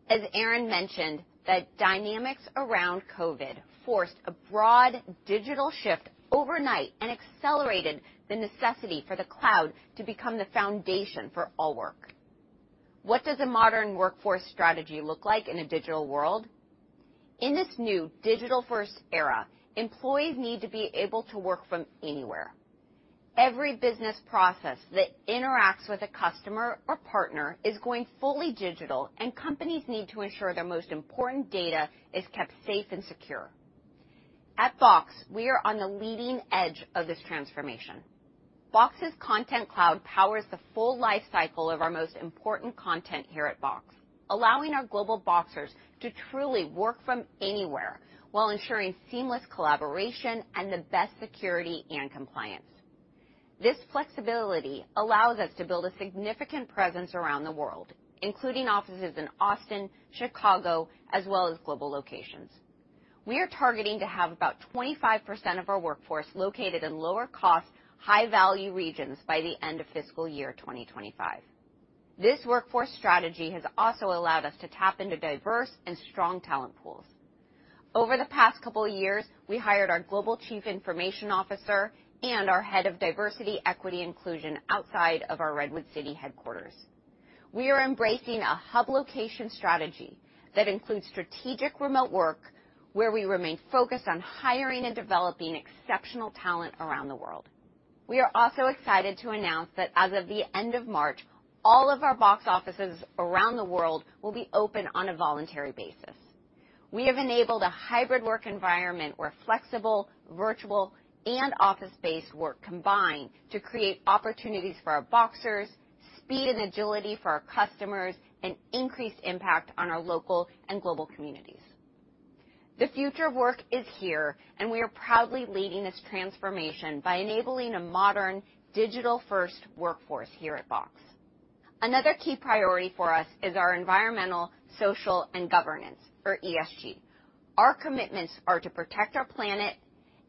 As Aaron mentioned, the dynamics around COVID forced a broad digital shift overnight and accelerated the necessity for the cloud to become the foundation for all work. What does a modern workforce strategy look like in a digital world? In this new digital-first era, employees need to be able to work from anywhere. Every business process that interacts with a customer or partner is going fully digital, and companies need to ensure their most important data is kept safe and secure. At Box, we are on the leading edge of this transformation. Box's Content Cloud powers the full life cycle of our most important content here at Box, allowing our global Boxers to truly work from anywhere while ensuring seamless collaboration and the best security and compliance. This flexibility allows us to build a significant presence around the world, including offices in Austin, Chicago, as well as global locations. We are targeting to have about 25% of our workforce located in lower-cost, high-value regions by the end of fiscal year 2025. This workforce strategy has also allowed us to tap into diverse and strong talent pools. Over the past couple years, we hired our global Chief Information Officer and our Head of Diversity, Equity, and Inclusion outside of our Redwood City headquarters. We are embracing a hub location strategy that includes strategic remote work, where we remain focused on hiring and developing exceptional talent around the world. We are also excited to announce that as of the end of March, all of our Box offices around the world will be open on a voluntary basis. We have enabled a hybrid work environment where flexible, virtual, and office-based work combine to create opportunities for our Boxers, speed and agility for our customers, and increased impact on our local and global communities. The future of work is here, and we are proudly leading this transformation by enabling a modern digital-first workforce here at Box. Another key priority for us is our environmental, social, and governance, or ESG. Our commitments are to protect our planet,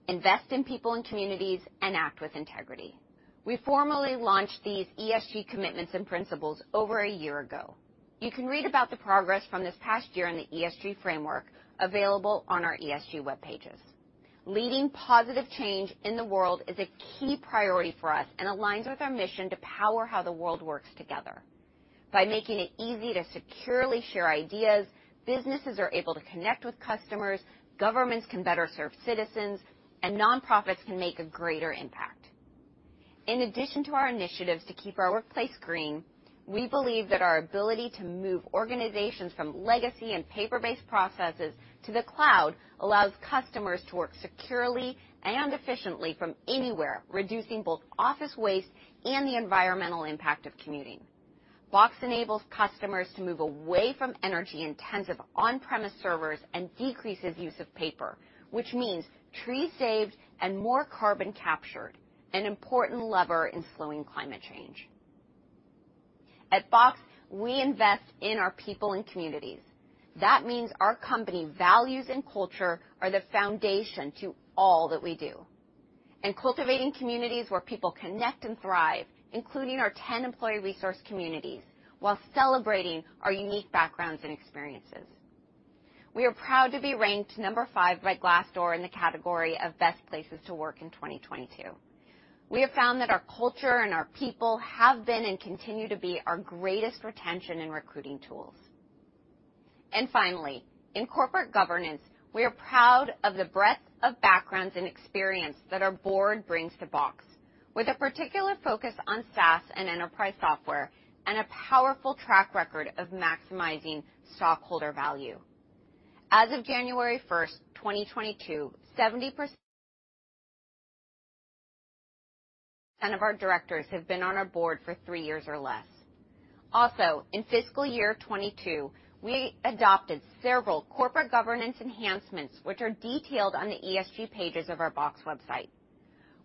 invest in people and communities, and act with integrity. We formally launched these ESG commitments and principles over a year ago. You can read about the progress from this past year in the ESG framework available on our ESG web pages. Leading positive change in the world is a key priority for us and aligns with our mission to power how the world works together. By making it easy to securely share ideas, businesses are able to connect with customers, governments can better serve citizens, and nonprofits can make a greater impact. In addition to our initiatives to keep our workplace green, we believe that our ability to move organizations from legacy and paper-based processes to the cloud allows customers to work securely and efficiently from anywhere, reducing both office waste and the environmental impact of commuting. Box enables customers to move away from energy-intensive on-premise servers and decreases use of paper, which means trees saved and more carbon captured, an important lever in slowing climate change. At Box, we invest in our people and communities. That means our company values and culture are the foundation to all that we do, cultivating communities where people connect and thrive, including our 10 employee resource communities, while celebrating our unique backgrounds and experiences. We are proud to be ranked number five by Glassdoor in the category of Best Places to Work in 2022. We have found that our culture and our people have been and continue to be our greatest retention and recruiting tools. Finally, in corporate governance, we are proud of the breadth of backgrounds and experience that our Board brings to Box, with a particular focus on SaaS and enterprise software and a powerful track record of maximizing stockholder value. As of January 1, 2022, 70% of our directors have been on our Board for three years or less. Also, in fiscal year 2022, we adopted several corporate governance enhancements, which are detailed on the ESG pages of our Box website.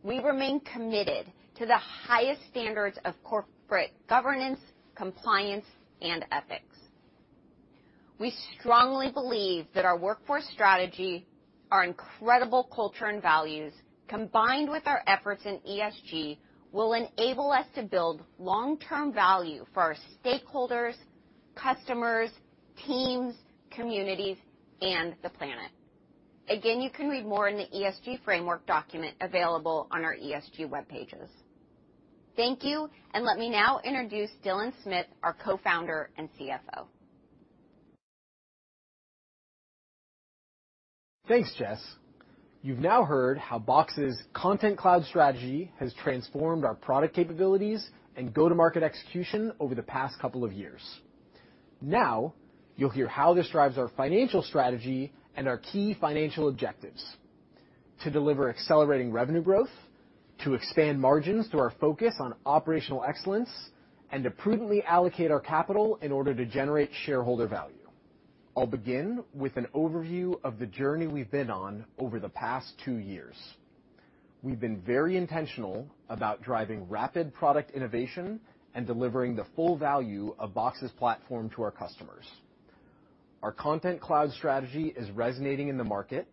We remain committed to the highest standards of corporate governance, compliance, and ethics. We strongly believe that our workforce strategy, our incredible culture and values, combined with our efforts in ESG, will enable us to build long-term value for our stakeholders, customers, teams, communities, and the planet. Again, you can read more in the ESG framework document available on our ESG web pages. Thank you, and let me now introduce Dylan Smith, our Co-founder and CFO. Thanks, Jess. You've now heard how Box's Content Cloud strategy has transformed our product capabilities and go-to-market execution over the past couple of years. Now, you'll hear how this drives our financial strategy and our key financial objectives. To deliver accelerating revenue growth, to expand margins through our focus on operational excellence, and to prudently allocate our capital in order to generate shareholder value. I'll begin with an overview of the journey we've been on over the past two years. We've been very intentional about driving rapid product innovation and delivering the full value of Box's platform to our customers. Our Content Cloud strategy is resonating in the market,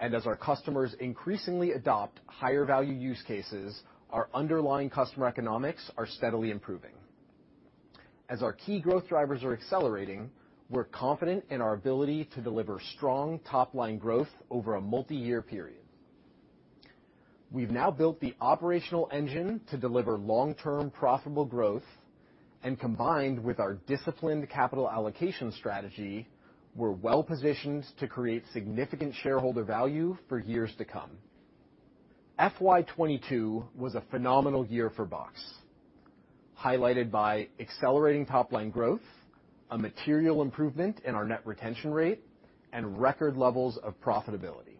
and as our customers increasingly adopt higher value use cases, our underlying customer economics are steadily improving. As our key growth drivers are accelerating, we're confident in our ability to deliver strong top-line growth over a multi-year period. We've now built the operational engine to deliver long-term profitable growth, and combined with our disciplined capital allocation strategy, we're well-positioned to create significant shareholder value for years to come. FY 2022 was a phenomenal year for Box, highlighted by accelerating top-line growth, a material improvement in our net retention rate, and record levels of profitability.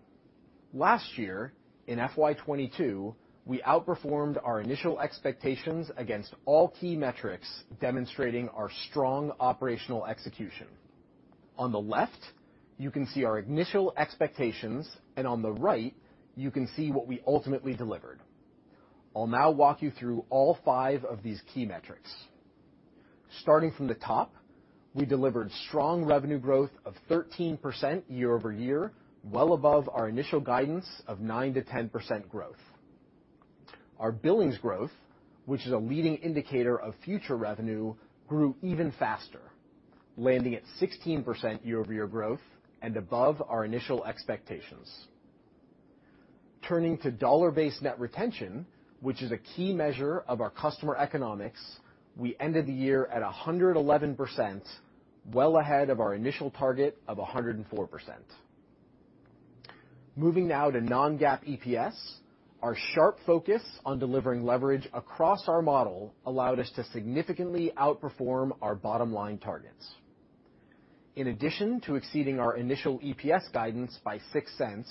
Last year, in FY 2022, we outperformed our initial expectations against all key metrics, demonstrating our strong operational execution. On the left, you can see our initial expectations, and on the right, you can see what we ultimately delivered. I'll now walk you through all five of these key metrics. Starting from the top, we delivered strong revenue growth of 13% year-over-year, well above our initial guidance of 9%-10% growth. Our billings growth, which is a leading indicator of future revenue, grew even faster, landing at 16% year-over-year growth and above our initial expectations. Turning to dollar-based net retention, which is a key measure of our customer economics, we ended the year at 111%, well ahead of our initial target of 104%. Moving now to non-GAAP EPS. Our sharp focus on delivering leverage across our model allowed us to significantly outperform our bottom line targets. In addition to exceeding our initial EPS guidance by $0.06,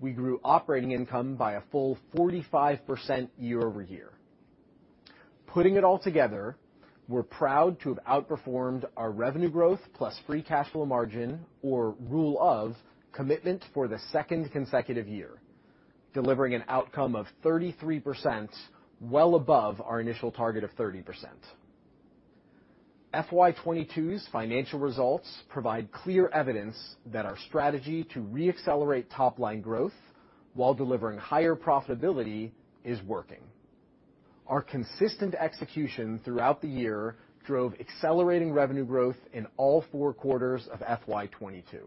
we grew operating income by a full 45% year-over-year. Putting it all together, we're proud to have outperformed our revenue growth plus free cash flow margin, our Rule of 40 commitment for the second consecutive year, delivering an outcome of 33%, well above our initial target of 30%. FY 2022's financial results provide clear evidence that our strategy to re-accelerate top-line growth while delivering higher profitability is working. Our consistent execution throughout the year drove accelerating revenue growth in all four quarters of FY 2022.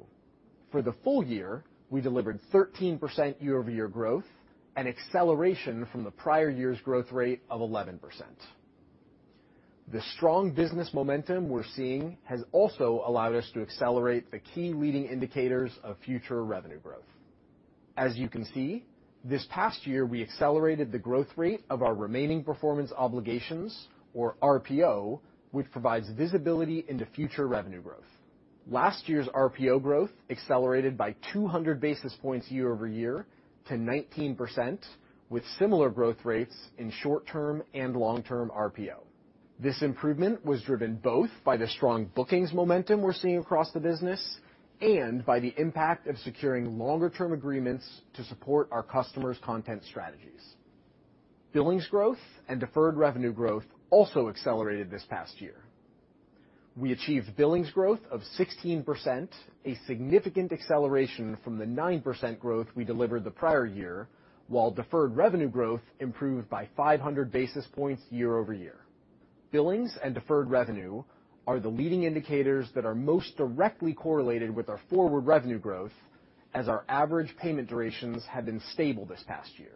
For the full year, we delivered 13% year-over-year growth, an acceleration from the prior year's growth rate of 11%. The strong business momentum we're seeing has also allowed us to accelerate the key leading indicators of future revenue growth. As you can see, this past year, we accelerated the growth rate of our remaining performance obligations or RPO, which provides visibility into future revenue growth. Last year's RPO growth accelerated by 200 basis points year-over-year to 19%, with similar growth rates in short-term and long-term RPO. This improvement was driven both by the strong bookings momentum we're seeing across the business and by the impact of securing longer-term agreements to support our customers' content strategies. Billings growth and deferred revenue growth also accelerated this past year. We achieved billings growth of 16%, a significant acceleration from the 9% growth we delivered the prior year, while deferred revenue growth improved by 500 basis points year-over-year. Billings and deferred revenue are the leading indicators that are most directly correlated with our forward revenue growth as our average payment durations have been stable this past year.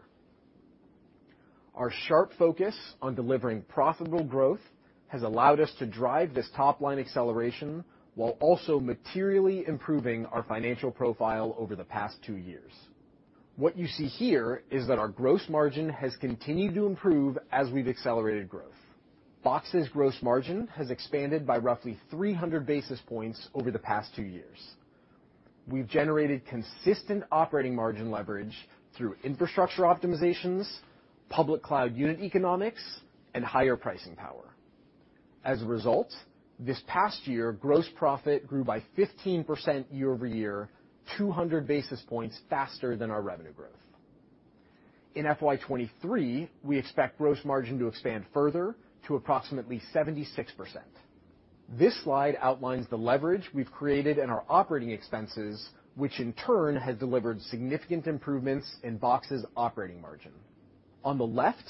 Our sharp focus on delivering profitable growth has allowed us to drive this top-line acceleration while also materially improving our financial profile over the past 2 years. What you see here is that our gross margin has continued to improve as we've accelerated growth. Box's gross margin has expanded by roughly 300 basis points over the past two years. We've generated consistent operating margin leverage through infrastructure optimizations, public cloud unit economics, and higher pricing power. As a result, this past year, gross profit grew by 15% year-over-year, 200 basis points faster than our revenue growth. In FY 2023, we expect gross margin to expand further to approximately 76%. This slide outlines the leverage we've created in our operating expenses, which in turn has delivered significant improvements in Box's operating margin. On the left,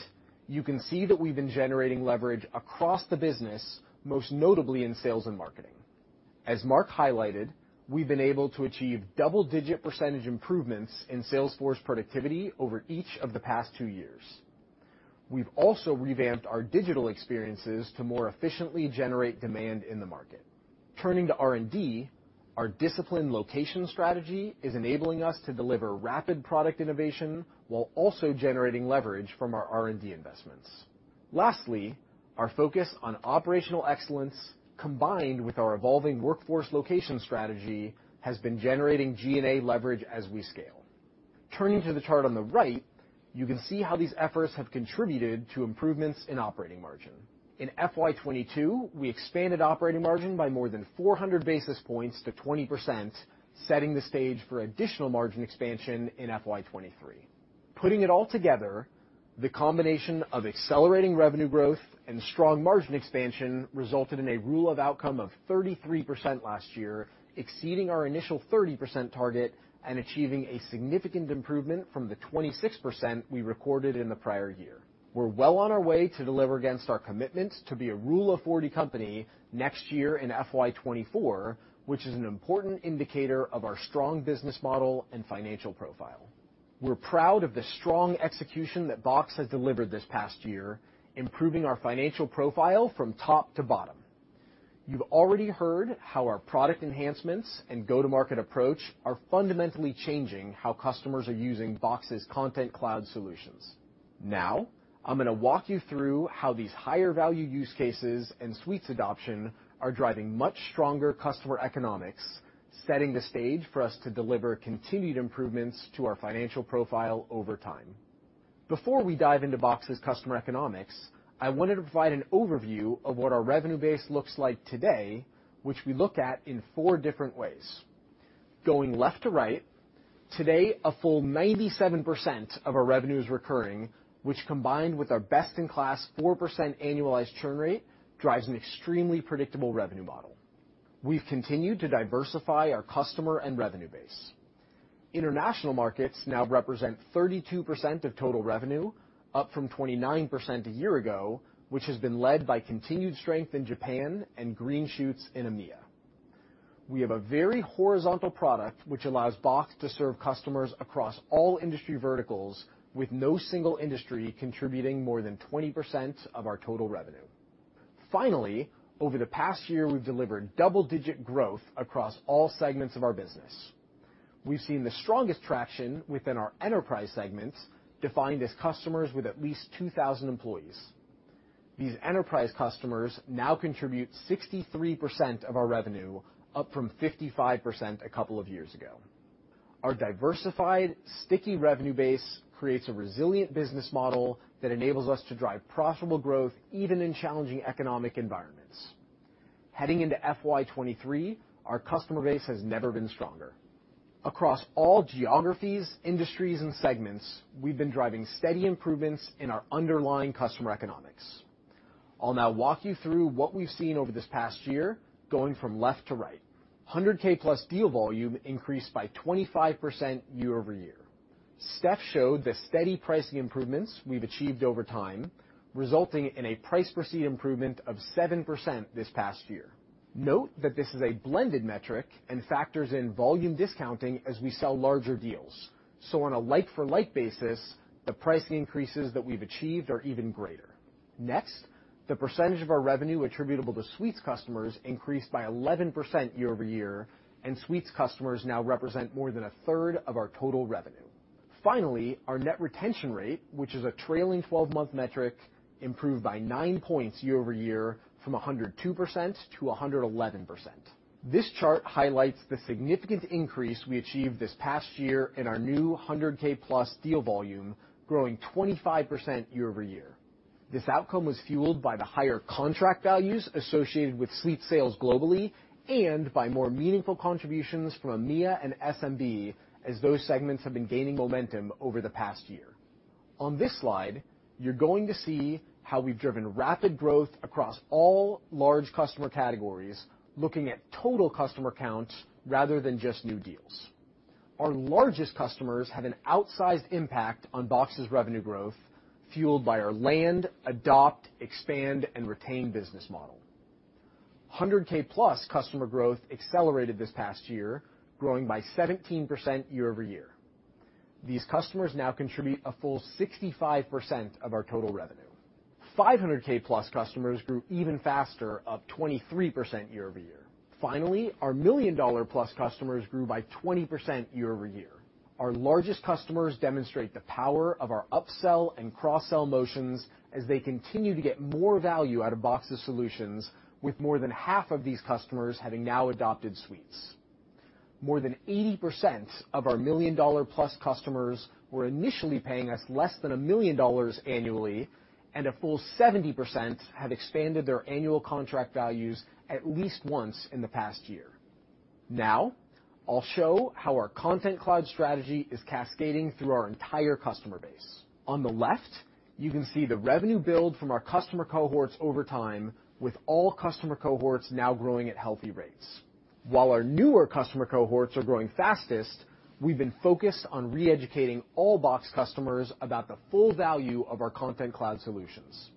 you can see that we've been generating leverage across the business, most notably in sales and marketing. As Mark highlighted, we've been able to achieve double-digit percentage improvements in sales force productivity over each of the past two years. We've also revamped our digital experiences to more efficiently generate demand in the market. Turning to R&D, our disciplined location strategy is enabling us to deliver rapid product innovation while also generating leverage from our R&D investments. Lastly, our focus on operational excellence, combined with our evolving workforce location strategy, has been generating G&A leverage as we scale. Turning to the chart on the right, you can see how these efforts have contributed to improvements in operating margin. In FY 2022, we expanded operating margin by more than 400 basis points to 20%, setting the stage for additional margin expansion in FY 2023. Putting it all together, the combination of accelerating revenue growth and strong margin expansion resulted in a Rule of 40 of 33% last year, exceeding our initial 30% target and achieving a significant improvement from the 26% we recorded in the prior year. We're well on our way to deliver against our commitment to be a rule of 40 company next year in FY 2024, which is an important indicator of our strong business model and financial profile. We're proud of the strong execution that Box has delivered this past year, improving our financial profile from top to bottom. You've already heard how our product enhancements and go-to-market approach are fundamentally changing how customers are using Box's Content Cloud solutions. Now I'm gonna walk you through how these higher value use cases and Suites adoption are driving much stronger customer economics, setting the stage for us to deliver continued improvements to our financial profile over time. Before we dive into Box's customer economics, I wanted to provide an overview of what our revenue base looks like today, which we look at in four different ways. Going left to right, today, a full 97% of our revenue is recurring, which, combined with our best-in-class 4% annualized churn rate, drives an extremely predictable revenue model. We've continued to diversify our customer and revenue base. International markets now represent 32% of total revenue, up from 29% a year ago, which has been led by continued strength in Japan and green shoots in EMEA. We have a very horizontal product, which allows Box to serve customers across all industry verticals with no single industry contributing more than 20% of our total revenue. Finally, over the past year, we've delivered double-digit growth across all segments of our business. We've seen the strongest traction within our enterprise segments, defined as customers with at least 2,000 employees. These enterprise customers now contribute 63% of our revenue, up from 55% a couple of years ago. Our diversified, sticky revenue base creates a resilient business model that enables us to drive profitable growth even in challenging economic environments. Heading into FY 2023, our customer base has never been stronger. Across all geographies, industries, and segments, we've been driving steady improvements in our underlying customer economics. I'll now walk you through what we've seen over this past year, going from left to right. $100,000+ deal volume increased by 25% year-over-year. Steph showed the steady pricing improvements we've achieved over time, resulting in a price per seat improvement of 7% this past year. Note that this is a blended metric and factors in volume discounting as we sell larger deals. On a like-for-like basis, the pricing increases that we've achieved are even greater. Next, the percentage of our revenue attributable to Suites customers increased by 11% year-over-year, and Suites customers now represent more than a third of our total revenue. Finally, our net retention rate, which is a trailing twelve-month metric, improved by 9 points year-over-year from 102% to 111%. This chart highlights the significant increase we achieved this past year in our new $100,000+ deal volume, growing 25% year-over-year. This outcome was fueled by the higher contract values associated with Suites sales globally and by more meaningful contributions from EMEA and SMB as those segments have been gaining momentum over the past year. On this slide, you're going to see how we've driven rapid growth across all large customer categories, looking at total customer count rather than just new deals. Our largest customers have an outsized impact on Box's revenue growth, fueled by our land, adopt, expand, and retain business model. $100,000+ customer growth accelerated this past year, growing by 17% year-over-year. These customers now contribute a full 65% of our total revenue. $500,000+ customers grew even faster, up 23% year-over-year. Finally, our $1 million+ customers grew by 20% year-over-year. Our largest customers demonstrate the power of our upsell and cross-sell motions as they continue to get more value out of Box's solutions with more than half of these customers having now adopted Suites. More than 80% of our $1 million+ customers were initially paying us less than $1 million annually, and a full 70% have expanded their annual contract values at least once in the past year. Now I'll show how our Content Cloud strategy is cascading through our entire customer base. On the left, you can see the revenue build from our customer cohorts over time with all customer cohorts now growing at healthy rates. While our newer customer cohorts are growing fastest, we've been focused on re-educating all Box customers about the full value of our Content Cloud solutions.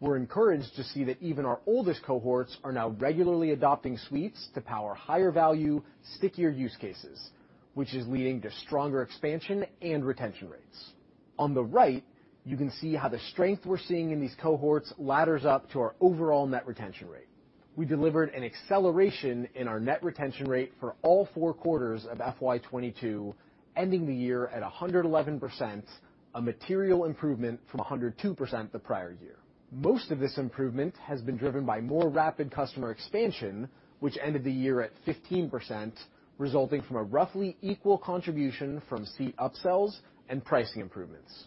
We're encouraged to see that even our oldest cohorts are now regularly adopting Suites to power higher-value, stickier use cases, which is leading to stronger expansion and retention rates. On the right, you can see how the strength we're seeing in these cohorts ladders up to our overall net retention rate. We delivered an acceleration in our net retention rate for all four quarters of FY 2022, ending the year at 111%, a material improvement from 102% the prior year. Most of this improvement has been driven by more rapid customer expansion, which ended the year at 15%, resulting from a roughly equal contribution from seat upsells and pricing improvements.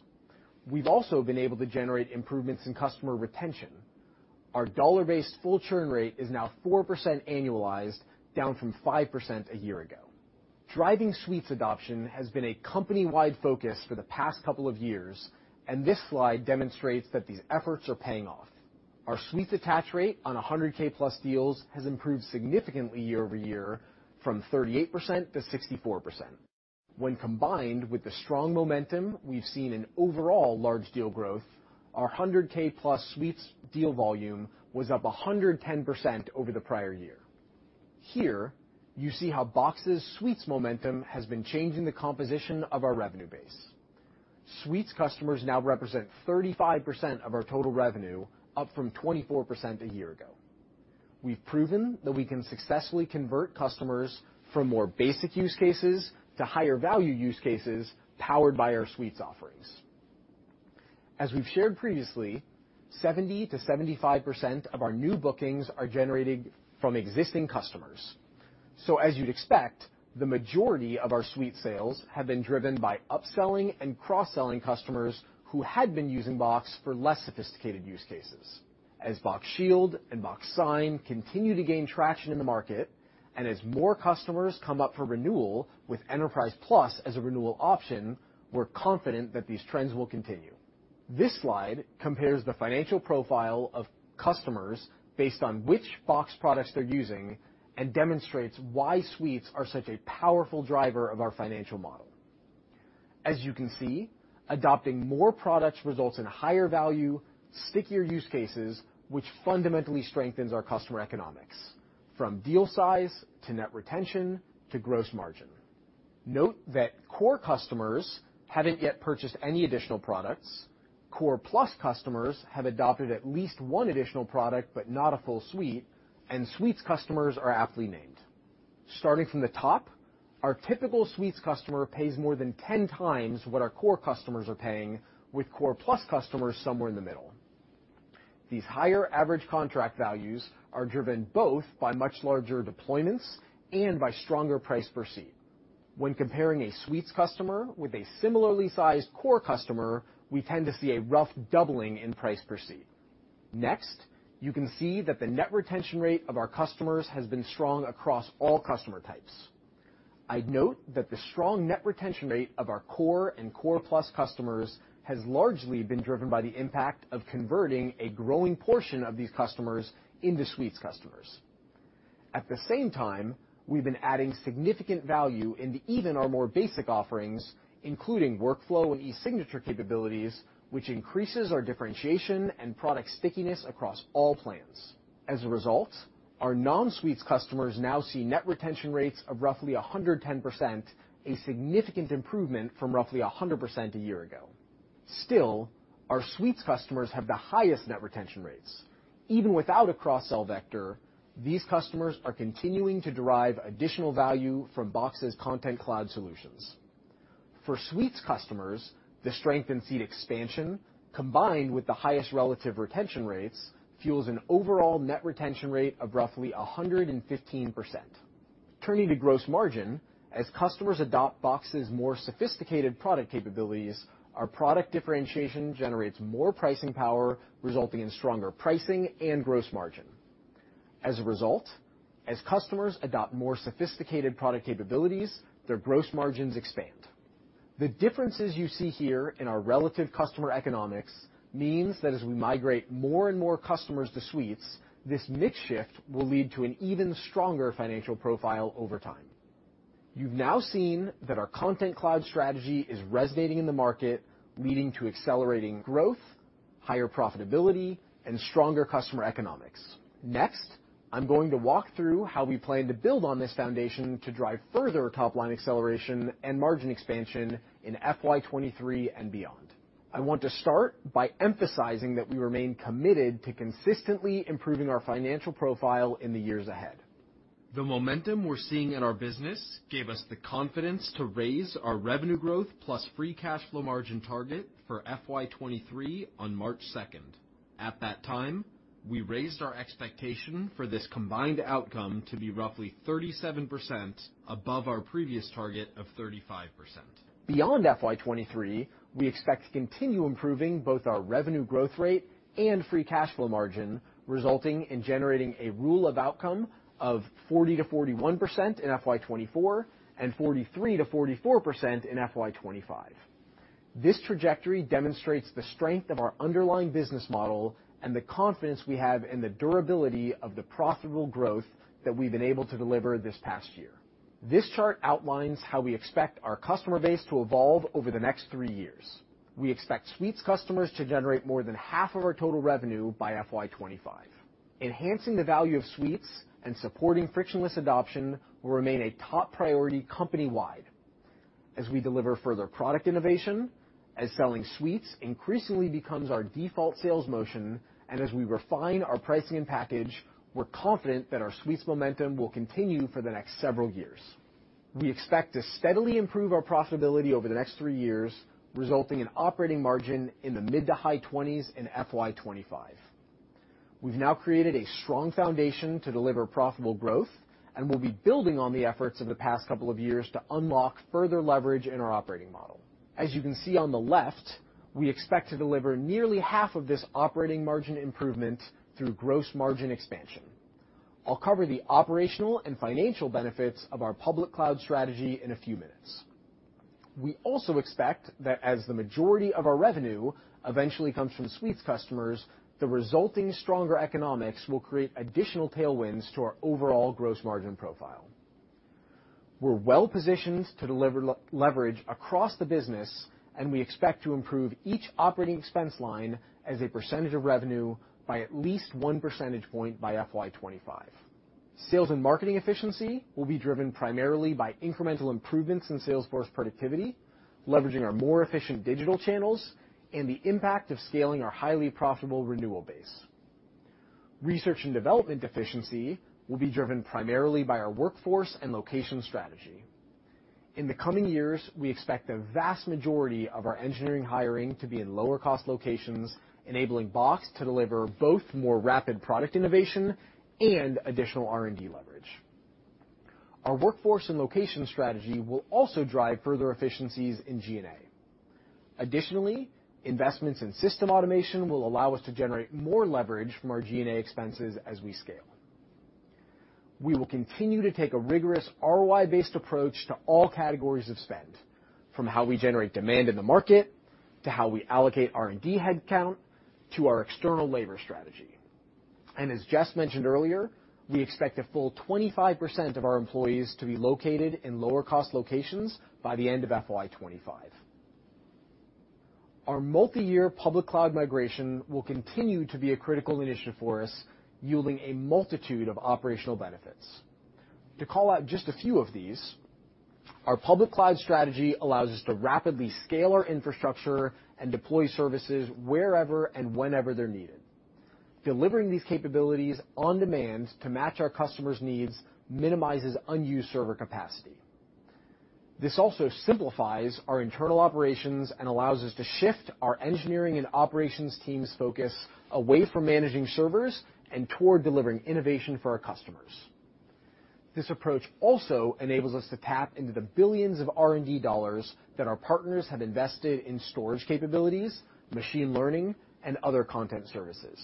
We've also been able to generate improvements in customer retention. Our dollar-based full churn rate is now 4% annualized, down from 5% a year ago. Driving Suites adoption has been a company-wide focus for the past couple of years, and this slide demonstrates that these efforts are paying off. Our Suites attach rate on $100,000+ deals has improved significantly year-over-year from 38% to 64%. When combined with the strong momentum we've seen in overall large deal growth, our $100,000+ Suites deal volume was up 110% over the prior year. Here, you see how Box's Suites momentum has been changing the composition of our revenue base. Suites customers now represent 35% of our total revenue, up from 24% a year ago. We've proven that we can successfully convert customers from more basic use cases to higher value use cases powered by our Suites offerings. As we've shared previously, 70%-75% of our new bookings are generated from existing customers. As you'd expect, the majority of our Suites sales have been driven by upselling and cross-selling customers who had been using Box for less sophisticated use cases. As Box Shield and Box Sign continue to gain traction in the market, and as more customers come up for renewal with Enterprise Plus as a renewal option, we're confident that these trends will continue. This slide compares the financial profile of customers based on which Box products they're using and demonstrates why Suites are such a powerful driver of our financial model. As you can see, adopting more products results in higher value, stickier use cases, which fundamentally strengthens our customer economics, from deal size to net retention to gross margin. Note that Core customers haven't yet purchased any additional products. Core Plus customers have adopted at least one additional product, but not a full suite, and Suites customers are aptly named. Starting from the top, our typical Suites customer pays more than 10x what our Core customers are paying, with Core Plus customers somewhere in the middle. These higher average contract values are driven both by much larger deployments and by stronger price per seat. When comparing a Suites customer with a similarly sized Core customer, we tend to see a rough doubling in price per seat. Next, you can see that the net retention rate of our customers has been strong across all customer types. I'd note that the strong net retention rate of our Core and Core Plus customers has largely been driven by the impact of converting a growing portion of these customers into Suites customers. At the same time, we've been adding significant value into even our more basic offerings, including workflow and e-signature capabilities, which increases our differentiation and product stickiness across all plans. As a result, our non-Suites customers now see net retention rates of roughly 110%, a significant improvement from roughly 100% a year ago. Still, our Suites customers have the highest net retention rates. Even without a cross-sell vector, these customers are continuing to derive additional value from Box's Content Cloud solutions. For Suites customers, the strength in seat expansion, combined with the highest relative retention rates, fuels an overall net retention rate of roughly 115%. Turning to gross margin, as customers adopt Box's more sophisticated product capabilities, our product differentiation generates more pricing power, resulting in stronger pricing and gross margin. As a result, as customers adopt more sophisticated product capabilities, their gross margins expand. The differences you see here in our relative customer economics means that as we migrate more and more customers to Suites, this mix shift will lead to an even stronger financial profile over time. You've now seen that our Content Cloud strategy is resonating in the market, leading to accelerating growth, higher profitability, and stronger customer economics. Next, I'm going to walk through how we plan to build on this foundation to drive further top-line acceleration and margin expansion in FY 2023 and beyond. I want to start by emphasizing that we remain committed to consistently improving our financial profile in the years ahead. The momentum we're seeing in our business gave us the confidence to raise our revenue growth plus free cash flow margin target for FY 2023 on March 2. At that time, we raised our expectation for this combined outcome to be roughly 37% above our previous target of 35%. Beyond FY 2023, we expect to continue improving both our revenue growth rate and free cash flow margin, resulting in generating a Rule of 40 of 40%-41% in FY 2024 and 43%-44% in FY 2025. This trajectory demonstrates the strength of our underlying business model and the confidence we have in the durability of the profitable growth that we've been able to deliver this past year. This chart outlines how we expect our customer base to evolve over the next three years. We expect Suites customers to generate more than half of our total revenue by FY 2025. Enhancing the value of Suites and supporting frictionless adoption will remain a top priority company-wide. As we deliver further product innovation, as selling suites increasingly becomes our default sales motion, and as we refine our pricing and package, we're confident that our suites momentum will continue for the next several years. We expect to steadily improve our profitability over the next three years, resulting in operating margin in the mid- to high-20s in FY 2025. We've now created a strong foundation to deliver profitable growth and will be building on the efforts of the past couple of years to unlock further leverage in our operating model. As you can see on the left, we expect to deliver nearly half of this operating margin improvement through gross margin expansion. I'll cover the operational and financial benefits of our public cloud strategy in a few minutes. We also expect that as the majority of our revenue eventually comes from Suites customers, the resulting stronger economics will create additional tailwinds to our overall gross margin profile. We're well-positioned to deliver leverage across the business, and we expect to improve each operating expense line as a percentage of revenue by at least one percentage point by FY 2025. Sales and marketing efficiency will be driven primarily by incremental improvements in sales force productivity, leveraging our more efficient digital channels and the impact of scaling our highly profitable renewal base. Research and development efficiency will be driven primarily by our workforce and location strategy. In the coming years, we expect the vast majority of our engineering hiring to be in lower cost locations, enabling Box to deliver both more rapid product innovation and additional R&D leverage. Our workforce and location strategy will also drive further efficiencies in G&A. Investments in system automation will allow us to generate more leverage from our G&A expenses as we scale. We will continue to take a rigorous ROI-based approach to all categories of spend, from how we generate demand in the market, to how we allocate R&D headcount, to our external labor strategy. As Jess mentioned earlier, we expect a full 25% of our employees to be located in lower cost locations by the end of FY 2025. Our multi-year public cloud migration will continue to be a critical initiative for us, yielding a multitude of operational benefits. To call out just a few of these, our public cloud strategy allows us to rapidly scale our infrastructure and deploy services wherever and whenever they're needed. Delivering these capabilities on demand to match our customers' needs minimizes unused server capacity. This also simplifies our internal operations and allows us to shift our engineering and operations teams' focus away from managing servers and toward delivering innovation for our customers. This approach also enables us to tap into the billions of R&D dollars that our partners have invested in storage capabilities, machine learning, and other content services.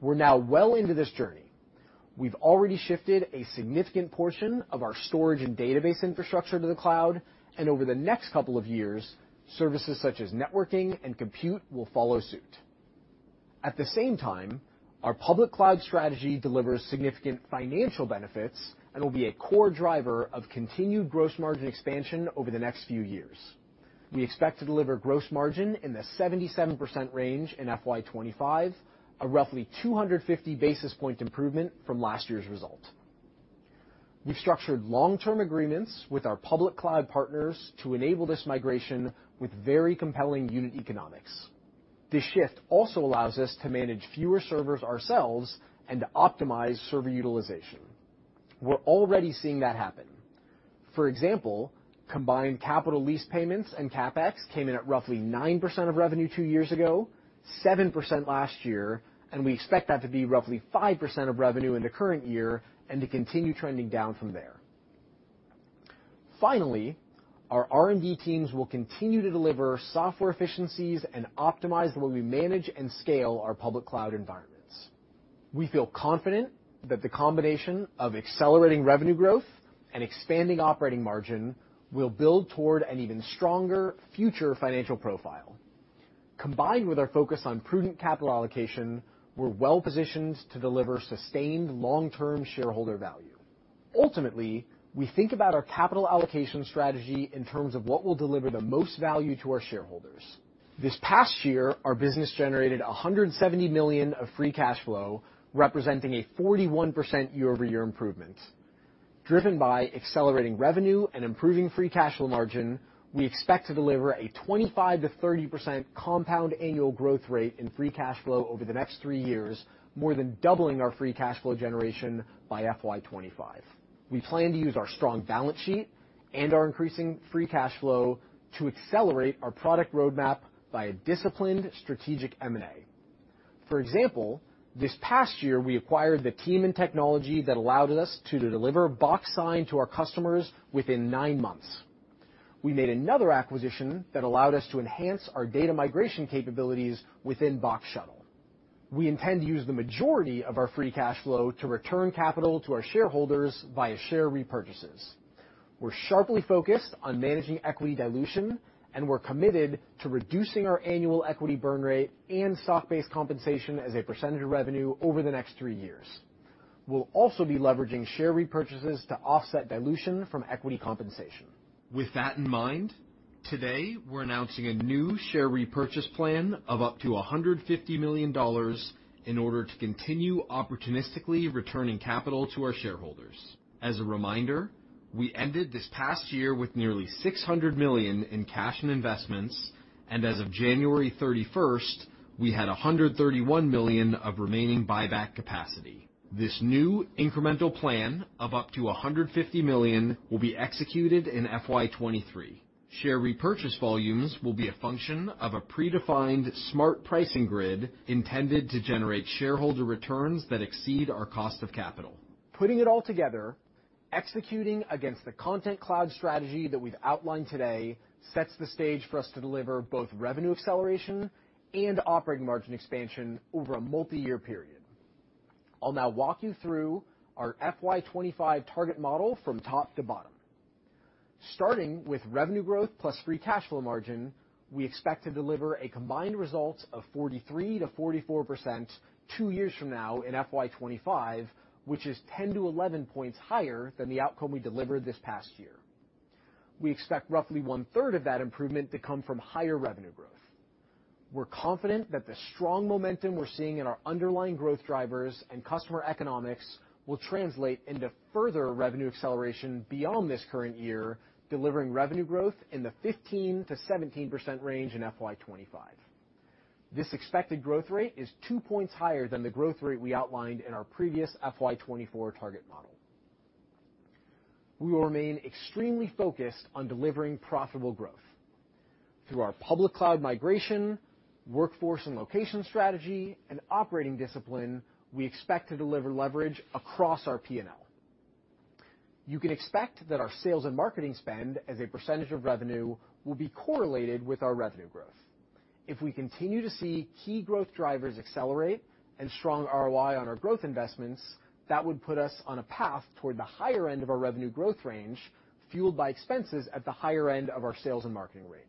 We're now well into this journey. We've already shifted a significant portion of our storage and database infrastructure to the cloud, and over the next couple of years, services such as networking and compute will follow suit. At the same time, our public cloud strategy delivers significant financial benefits and will be a core driver of continued gross margin expansion over the next few years. We expect to deliver gross margin in the 77% range in FY 2025, a roughly 250 basis point improvement from last year's result. We've structured long-term agreements with our public cloud partners to enable this migration with very compelling unit economics. This shift also allows us to manage fewer servers ourselves and to optimize server utilization. We're already seeing that happen. For example, combined capital lease payments and CapEx came in at roughly 9% of revenue two years ago, 7% last year, and we expect that to be roughly 5% of revenue in the current year and to continue trending down from there. Finally, our R&D teams will continue to deliver software efficiencies and optimize the way we manage and scale our public cloud environments. We feel confident that the combination of accelerating revenue growth and expanding operating margin will build toward an even stronger future financial profile. Combined with our focus on prudent capital allocation, we're well-positioned to deliver sustained long-term shareholder value. Ultimately, we think about our capital allocation strategy in terms of what will deliver the most value to our shareholders. This past year, our business generated $170 million of free cash flow, representing a 41% year-over-year improvement. Driven by accelerating revenue and improving free cash flow margin, we expect to deliver a 25%-30% compound annual growth rate in free cash flow over the next three years, more than doubling our free cash flow generation by FY 2025. We plan to use our strong balance sheet and our increasing free cash flow to accelerate our product roadmap by a disciplined strategic M&A. For example, this past year, we acquired the team and technology that allowed us to deliver Box Sign to our customers within 9 months. We made another acquisition that allowed us to enhance our data migration capabilities within Box Shuttle. We intend to use the majority of our free cash flow to return capital to our shareholders via share repurchases. We're sharply focused on managing equity dilution, and we're committed to reducing our annual equity burn rate and stock-based compensation as a percentage of revenue over the next three years. We'll also be leveraging share repurchases to offset dilution from equity compensation. With that in mind. Today, we're announcing a new share repurchase plan of up to $150 million in order to continue opportunistically returning capital to our shareholders. As a reminder, we ended this past year with nearly $600 million in cash and investments, and as of January 31, we had $131 million of remaining buyback capacity. This new incremental plan of up to $150 million will be executed in FY 2023. Share repurchase volumes will be a function of a predefined smart pricing grid intended to generate shareholder returns that exceed our cost of capital. Putting it all together, executing against the Content Cloud strategy that we've outlined today sets the stage for us to deliver both revenue acceleration and operating margin expansion over a multi-year period. I'll now walk you through our FY 2025 target model from top to bottom. Starting with revenue growth plus free cash flow margin, we expect to deliver a combined result of 43%-44% two years from now in FY 2025, which is 10-11 points higher than the outcome we delivered this past year. We expect roughly 1/3 of that improvement to come from higher revenue growth. We're confident that the strong momentum we're seeing in our underlying growth drivers and customer economics will translate into further revenue acceleration beyond this current year, delivering revenue growth in the 15%-17% range in FY 2025. This expected growth rate is 2 points higher than the growth rate we outlined in our previous FY 2024 target model. We will remain extremely focused on delivering profitable growth. Through our public cloud migration, workforce and location strategy, and operating discipline, we expect to deliver leverage across our P&L. You can expect that our sales and marketing spend as a percentage of revenue will be correlated with our revenue growth. If we continue to see key growth drivers accelerate and strong ROI on our growth investments, that would put us on a path toward the higher end of our revenue growth range, fueled by expenses at the higher end of our sales and marketing range.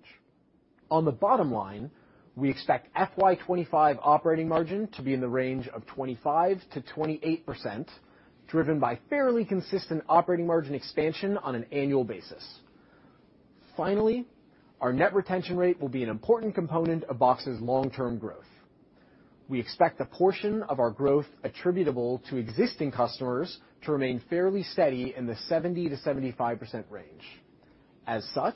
On the bottom line, we expect FY 2025 operating margin to be in the range of 25%-28%, driven by fairly consistent operating margin expansion on an annual basis. Finally, our net retention rate will be an important component of Box's long-term growth. We expect the portion of our growth attributable to existing customers to remain fairly steady in the 70%-75% range. As such,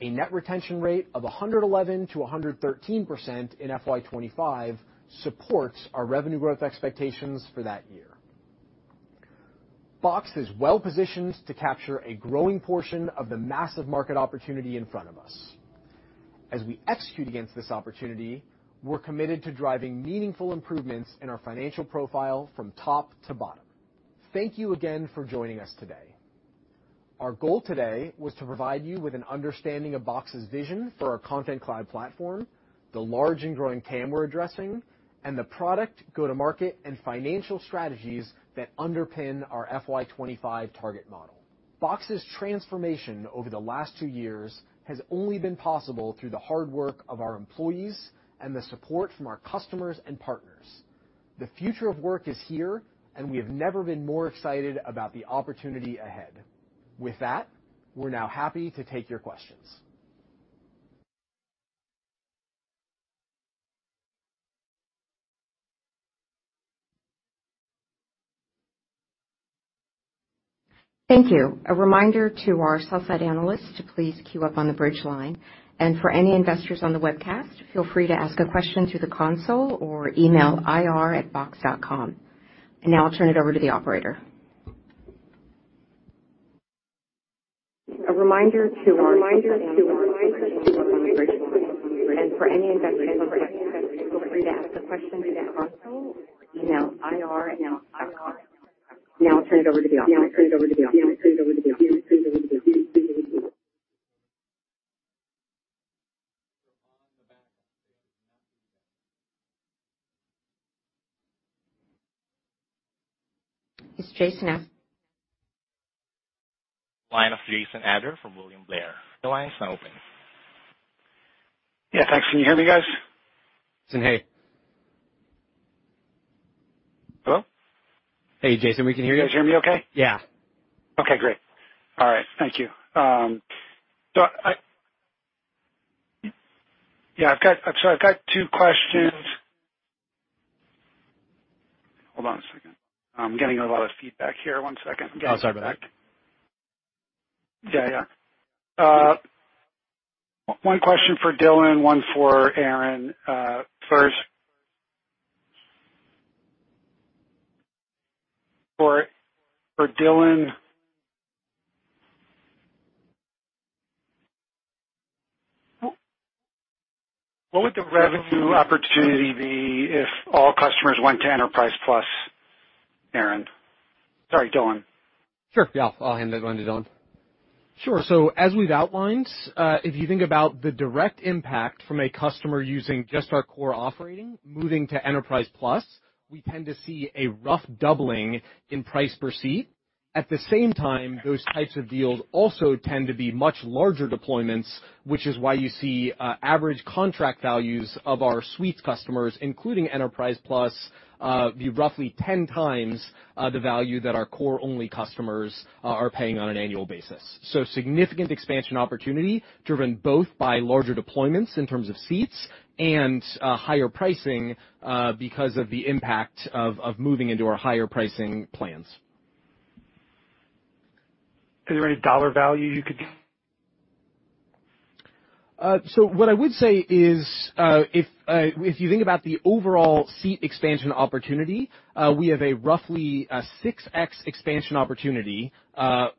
a net retention rate of 111%-113% in FY 2025 supports our revenue growth expectations for that year. Box is well-positioned to capture a growing portion of the massive market opportunity in front of us. As we execute against this opportunity, we're committed to driving meaningful improvements in our financial profile from top to bottom. Thank you again for joining us today. Our goal today was to provide you with an understanding of Box's vision for our Content Cloud platform, the large and growing TAM we're addressing, and the product go-to-market and financial strategies that underpin our FY 2025 target model. Box's transformation over the last two years has only been possible through the hard work of our employees and the support from our customers and partners. The future of work is here, and we have never been more excited about the opportunity ahead. With that, we're now happy to take your questions. Thank you. A reminder to our sell-side analysts to please queue up on the bridge line, and for any investors on the webcast, feel free to ask a question through the console or email ir@box.com. Now I'll turn it over to the operator. It's Jason now. Line of Jason Ader from William Blair. Your line is now open. Yeah, thanks. Can you hear me, guys? Jason, hey. Hello? Hey, Jason. We can hear you. You guys hear me okay? Yeah. Okay, great. All right, thank you. Yeah, I've got two questions. Hold on a second. I'm getting a lot of feedback here. One second. Oh, sorry about that. Yeah, yeah. One question for Dylan, one for Aaron. First for Dylan. What would the revenue opportunity be if all customers went to Enterprise Plus, Aaron? Sorry, Dylan. Sure, yeah. I'll hand it over to Dylan. Sure. As we've outlined, if you think about the direct impact from a customer using just our Core offering, moving to Enterprise Plus, we tend to see a rough doubling in price per seat. At the same time, those types of deals also tend to be much larger deployments, which is why you see average contract values of our Suites customers, including Enterprise Plus, be roughly 10x the value that our Core-only customers are paying on an annual basis. Significant expansion opportunity driven both by larger deployments in terms of seats and higher pricing because of the impact of moving into our higher pricing plans. Is there any dollar value you could give? What I would say is, if you think about the overall seat expansion opportunity, we have a roughly 6x expansion opportunity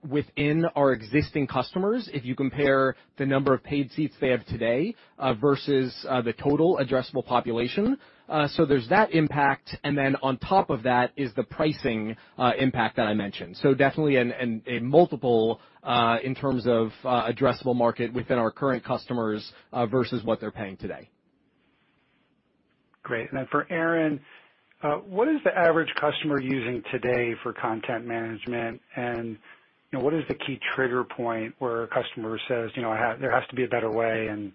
within our existing customers if you compare the number of paid seats they have today versus the total addressable population. There's that impact, and then on top of that is the pricing impact that I mentioned. Definitely a multiple in terms of addressable market within our current customers versus what they're paying today. Great. For Aaron, what is the average customer using today for content management? You know, what is the key trigger point where a customer says, "You know, there has to be a better way, and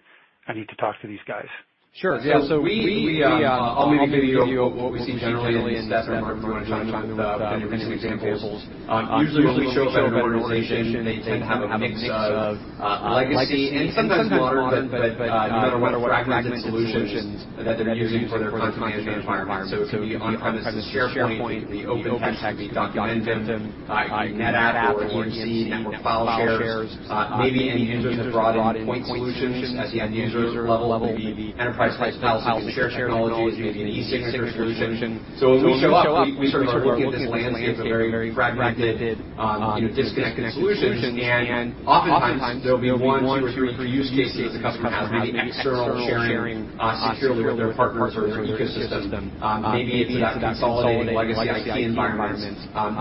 I need to talk to these guys. Sure. Yeah. I'll maybe give you what we see generally and then Mark can chime in with maybe some examples. Usually when we show up at an organization, they tend to have a mix of legacy and sometimes modern, but you know, kind of fragmented solutions that they're using for their content management environment. It could be on-premises SharePoint, it could be OpenText, it could be Documentum, it could be NetApp or EMC for file shares. Maybe end users have brought in point solutions at the end user level, maybe enterprise file sync and share technologies, maybe an e-sign integration. When we show up, we sort of look at this landscape of very fragmented, disconnected solutions. Oftentimes there'll be one, two, or three use cases the customer has, maybe external sharing securely with their partners or their ecosystem. Maybe it's a consolidated legacy IT environment.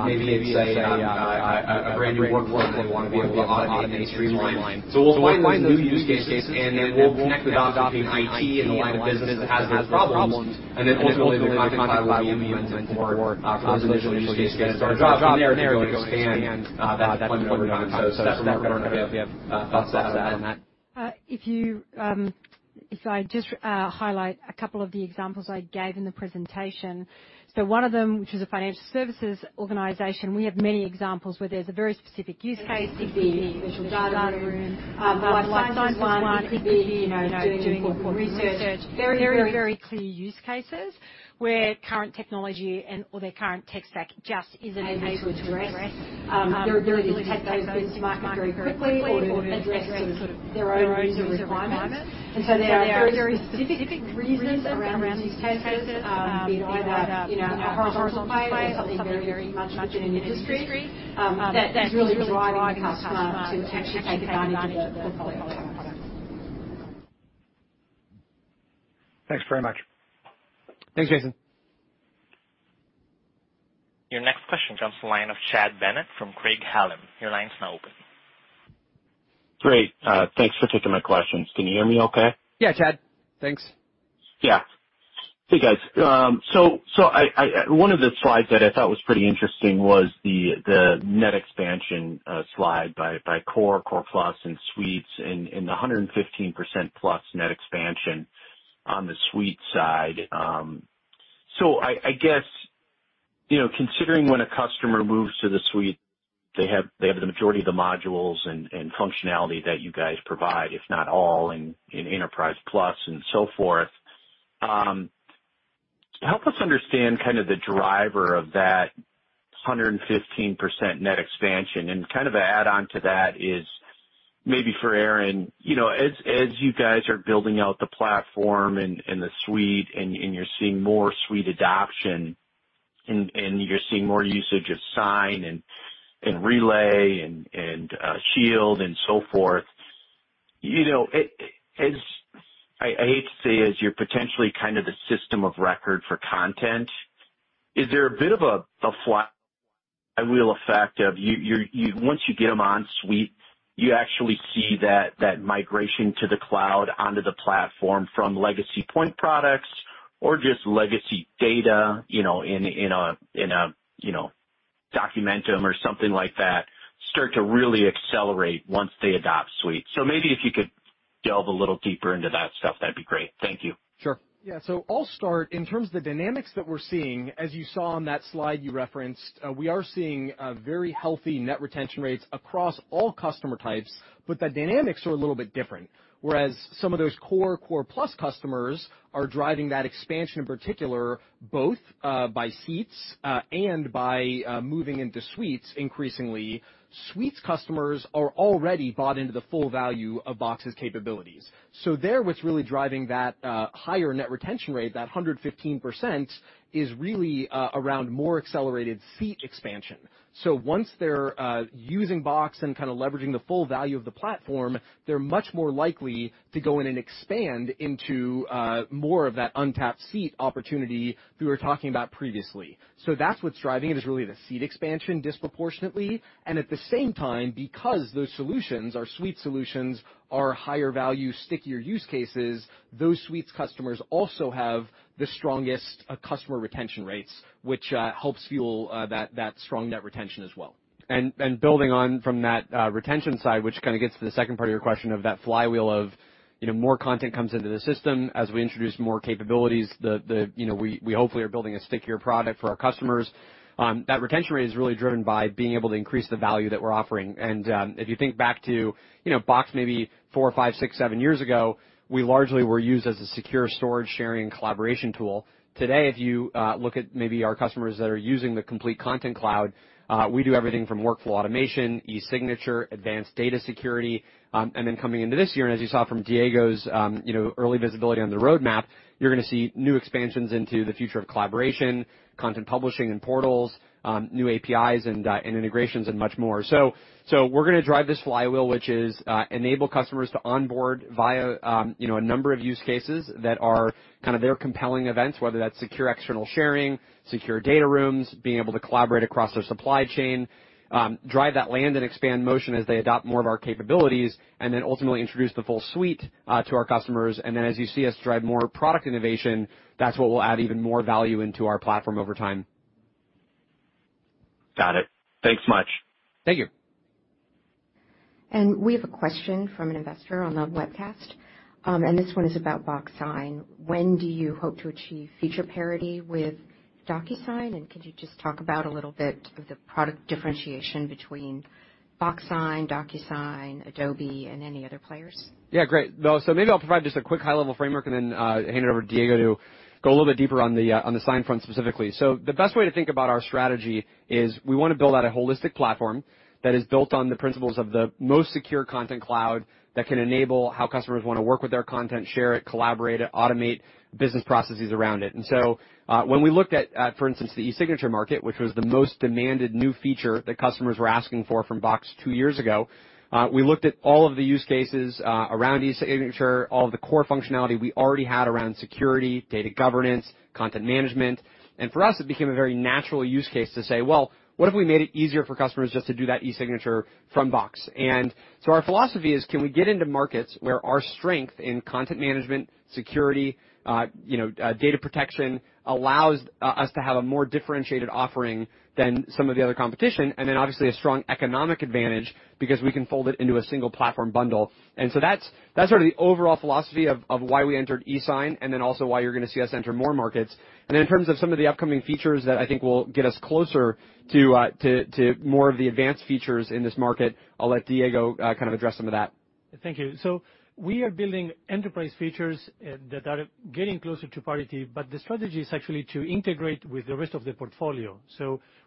Maybe it's a brand new workflow that they want to be able to automate and streamline. We'll find those new use cases, and then we'll connect the dots between IT and the line of business that has those problems, and then ultimately, the content platform and the end-to-end work for those initial use cases. Our job from there is to go and expand that deployment over time. Mark, I don't know if you have thoughts to add on that. If I just highlight a couple of the examples I gave in the presentation. One of them, which was a financial services organization, we have many examples where there's a very specific use case. It could be a virtual data room. The life sciences one, it could be, you know, doing important research. Very clear use cases where current technology and/or their current tech stack just isn't able to address their ability to take those to market very quickly or to address sort of their own user requirements. There are very specific reasons around these cases, be it a, you know, horizontal play or something very much within an industry, that is really driving the customer to actually take advantage of Box products. Thanks very much. Thanks, Jason. Your next question comes from the line of Chad Bennett from Craig-Hallum. Your line's now open. Great. Thanks for taking my questions. Can you hear me okay? Yeah, Chad. Thanks. Yeah. Hey, guys. One of the slides that I thought was pretty interesting was the net expansion slide by Core Plus and Suites and the 115%+ net expansion on the suite side. I guess, you know, considering when a customer moves to the suite, they have the majority of the modules and functionality that you guys provide, if not all in Enterprise Plus and so forth. Help us understand kind of the driver of that 115% net expansion. Kind of an add-on to that is maybe for Aaron, you know, as you guys are building out the platform and the suite and you're seeing more suite adoption and you're seeing more usage of Sign and Relay and Shield and so forth, you know, as I hate to say, as you're potentially kind of the system of record for content, is there a bit of a flywheel effect of you. Once you get them on suite, you actually see that migration to the cloud onto the platform from legacy point products or just legacy data, you know, in a Documentum or something like that, start to really accelerate once they adopt Suite. Maybe if you could delve a little deeper into that stuff, that'd be great. Thank you. Sure. Yeah. I'll start. In terms of the dynamics that we're seeing, as you saw on that slide you referenced, we are seeing very healthy net retention rates across all customer types, but the dynamics are a little bit different. Whereas some of those Core Plus customers are driving that expansion in particular, both by seats and by moving into Suites increasingly, Suites customers are already bought into the full value of Box's capabilities. There, what's really driving that higher net retention rate, that 115%, is really around more accelerated seat expansion. Once they're using Box and kinda leveraging the full value of the platform, they're much more likely to go in and expand into more of that untapped seat opportunity we were talking about previously. That's what's driving it, is really the seat expansion disproportionately. At the same time, because those solutions, our Suites solutions, are higher value, stickier use cases, those Suites customers also have the strongest customer retention rates, which helps fuel that strong net retention as well. Building on from that retention side, which kinda gets to the second part of your question of that flywheel of you know, more content comes into the system. As we introduce more capabilities, you know, we hopefully are building a stickier product for our customers. That retention rate is really driven by being able to increase the value that we're offering. If you think back to you know, Box maybe four, five, six, seven years ago, we largely were used as a secure storage sharing and collaboration tool. Today, if you look at maybe our customers that are using the complete Content Cloud, we do everything from workflow automation, e-signature, advanced data security. Coming into this year, and as you saw from Diego's, you know, early visibility on the roadmap, you're gonna see new expansions into the future of collaboration, content publishing and portals, new APIs and integrations, and much more. So we're gonna drive this flywheel, which is enable customers to onboard via, you know, a number of use cases that are kind of their compelling events, whether that's secure external sharing, secure data rooms, being able to collaborate across their supply chain. Drive that land and expand motion as they adopt more of our capabilities, and then ultimately introduce the full suite to our customers. As you see us drive more product innovation, that's what will add even more value into our platform over time. Got it. Thanks much. Thank you. We have a question from an investor on the webcast, and this one is about Box Sign. When do you hope to achieve feature parity with DocuSign? Could you just talk about a little bit of the product differentiation between Box Sign, DocuSign, Adobe, and any other players? Yeah, great. So maybe I'll provide just a quick high-level framework and then hand it over to Diego to go a little bit deeper on the Sign front specifically. The best way to think about our strategy is we wanna build out a holistic platform that is built on the principles of the most secure Content Cloud that can enable how customers wanna work with their content, share it, collaborate it, automate business processes around it. When we looked at, for instance, the e-signature market, which was the most demanded new feature that customers were asking for from Box two years ago, we looked at all of the use cases around e-signature, all of the core functionality we already had around security, data governance, content management. For us, it became a very natural use case to say, "Well, what if we made it easier for customers just to do that e-signature from Box?" Our philosophy is can we get into markets where our strength in content management, security, you know, data protection allows us to have a more differentiated offering than some of the other competition, and then obviously a strong economic advantage because we can fold it into a single platform bundle. That's sort of the overall philosophy of why we entered e-sign and then also why you're gonna see us enter more markets. In terms of some of the upcoming features that I think will get us closer to more of the advanced features in this market, I'll let Diego kind of address some of that. Thank you. We are building enterprise features that are getting closer to parity, but the strategy is actually to integrate with the rest of the portfolio.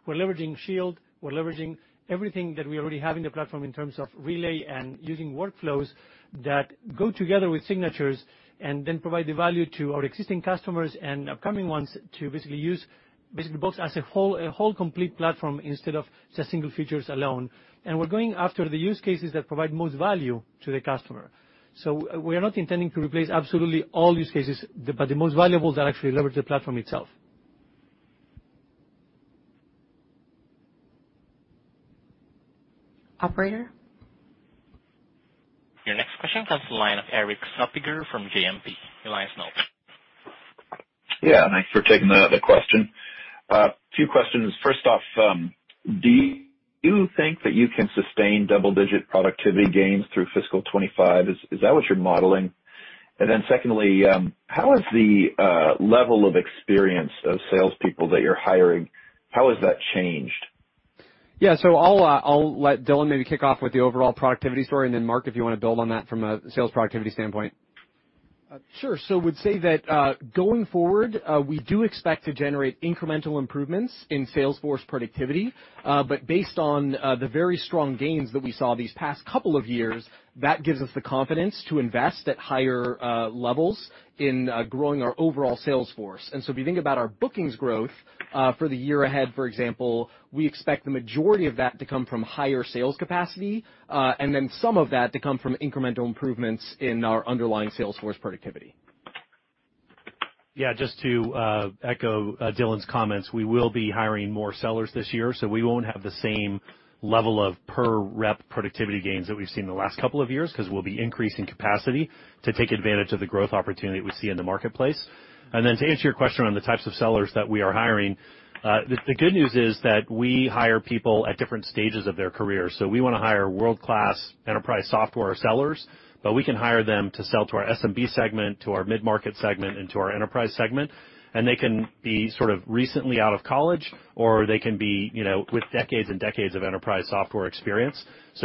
We're leveraging Shield, we're leveraging everything that we already have in the platform in terms of Relay and using workflows that go together with signatures and then provide the value to our existing customers and upcoming ones to basically use Box as a whole complete platform instead of just single features alone. We're going after the use cases that provide most value to the customer. We are not intending to replace absolutely all use cases, but the most valuable that actually leverage the platform itself. Operator? Your next question comes from the line of Erik Suppiger from JMP. Your line is now open. Yeah, thanks for taking the question. Two questions. First off, do you think that you can sustain double-digit productivity gains through fiscal 2025? Is that what you're modeling? Then secondly, how is the level of experience of salespeople that you're hiring, how has that changed? I'll let Dylan maybe kick off with the overall productivity story, and then Mark, if you wanna build on that from a sales productivity standpoint. I would say that going forward we do expect to generate incremental improvements in sales force productivity. Based on the very strong gains that we saw these past couple of years, that gives us the confidence to invest at higher levels in growing our overall sales force. If you think about our bookings growth for the year ahead, for example, we expect the majority of that to come from higher sales capacity and then some of that to come from incremental improvements in our underlying sales force productivity. Yeah. Just to echo Dylan's comments, we will be hiring more sellers this year, so we won't have the same level of per rep productivity gains that we've seen the last couple of years 'cause we'll be increasing capacity to take advantage of the growth opportunity that we see in the marketplace. To answer your question on the types of sellers that we are hiring, the good news is that we hire people at different stages of their career. We wanna hire world-class enterprise software sellers, but we can hire them to sell to our SMB segment, to our mid-market segment, and to our enterprise segment. They can be sort of recently out of college, or they can be, you know, with decades and decades of enterprise software experience.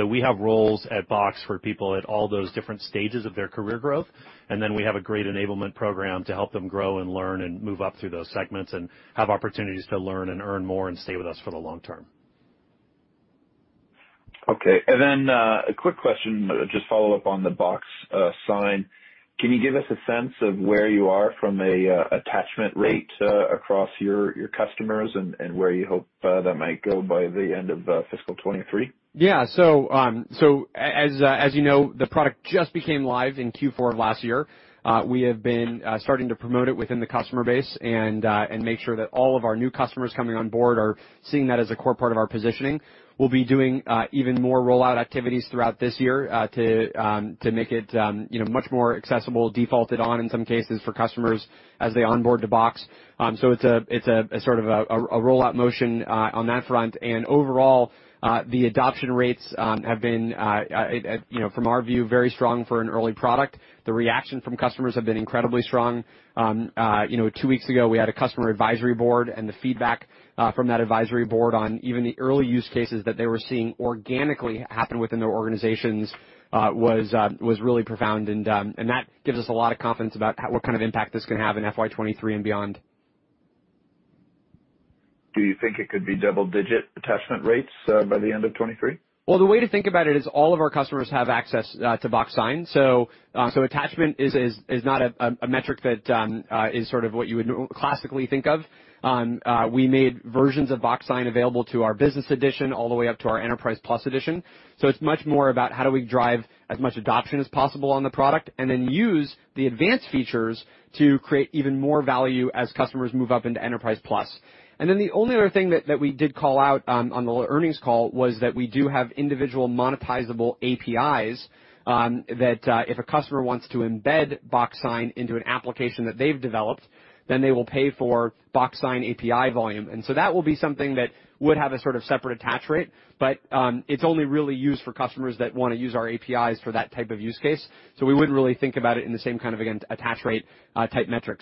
We have roles at Box for people at all those different stages of their career growth, and then we have a great enablement program to help them grow and learn and move up through those segments and have opportunities to learn and earn more and stay with us for the long term. Okay. A quick question, just follow up on the Box Sign. Can you give us a sense of where you are from a attachment rate across your customers and where you hope that might go by the end of fiscal 2023? As you know, the product just became live in Q4 of last year. We have been starting to promote it within the customer base and make sure that all of our new customers coming on board are seeing that as a core part of our positioning. We'll be doing even more rollout activities throughout this year to make it, you know, much more accessible, defaulted on in some cases for customers as they onboard to Box. It's a sort of a rollout motion on that front. Overall, the adoption rates have been, you know, from our view, very strong for an early product. The reaction from customers have been incredibly strong. You know, two weeks ago, we had a customer advisory Board, and the feedback from that advisory board on even the early use cases that they were seeing organically happen within their organizations was really profound. That gives us a lot of confidence about what kind of impact this can have in FY 2023 and beyond. Do you think it could be double-digit attachment rates by the end of 2023? Well, the way to think about it is all of our customers have access to Box Sign. Attachment is not a metric that is sort of what you would classically think of. We made versions of Box Sign available to our Business Edition all the way up to our Enterprise Plus edition. It's much more about how do we drive as much adoption as possible on the product and then use the advanced features to create even more value as customers move up into Enterprise Plus. The only other thing that we did call out on the earnings call was that we do have individual monetizable APIs that if a customer wants to embed Box Sign into an application that they've developed, then they will pay for Box Sign API volume. That will be something that would have a sort of separate attach rate. It's only really used for customers that wanna use our APIs for that type of use case. We wouldn't really think about it in the same kind of, again, attach rate, type metric.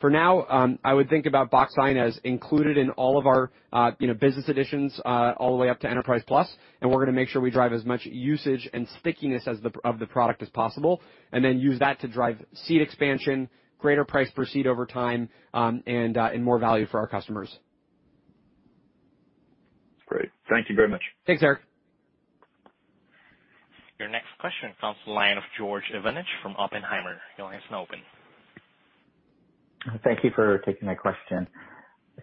For now, I would think about Box Sign as included in all of our, you know, business editions, all the way up to Enterprise Plus. We're gonna make sure we drive as much usage and stickiness of the product as possible, and then use that to drive seat expansion, greater price per seat over time, and more value for our customers. Great. Thank you very much. Thanks, Erik. Your next question comes from the line of George Iwanyc from Oppenheimer. Your line is now open. Thank you for taking my question.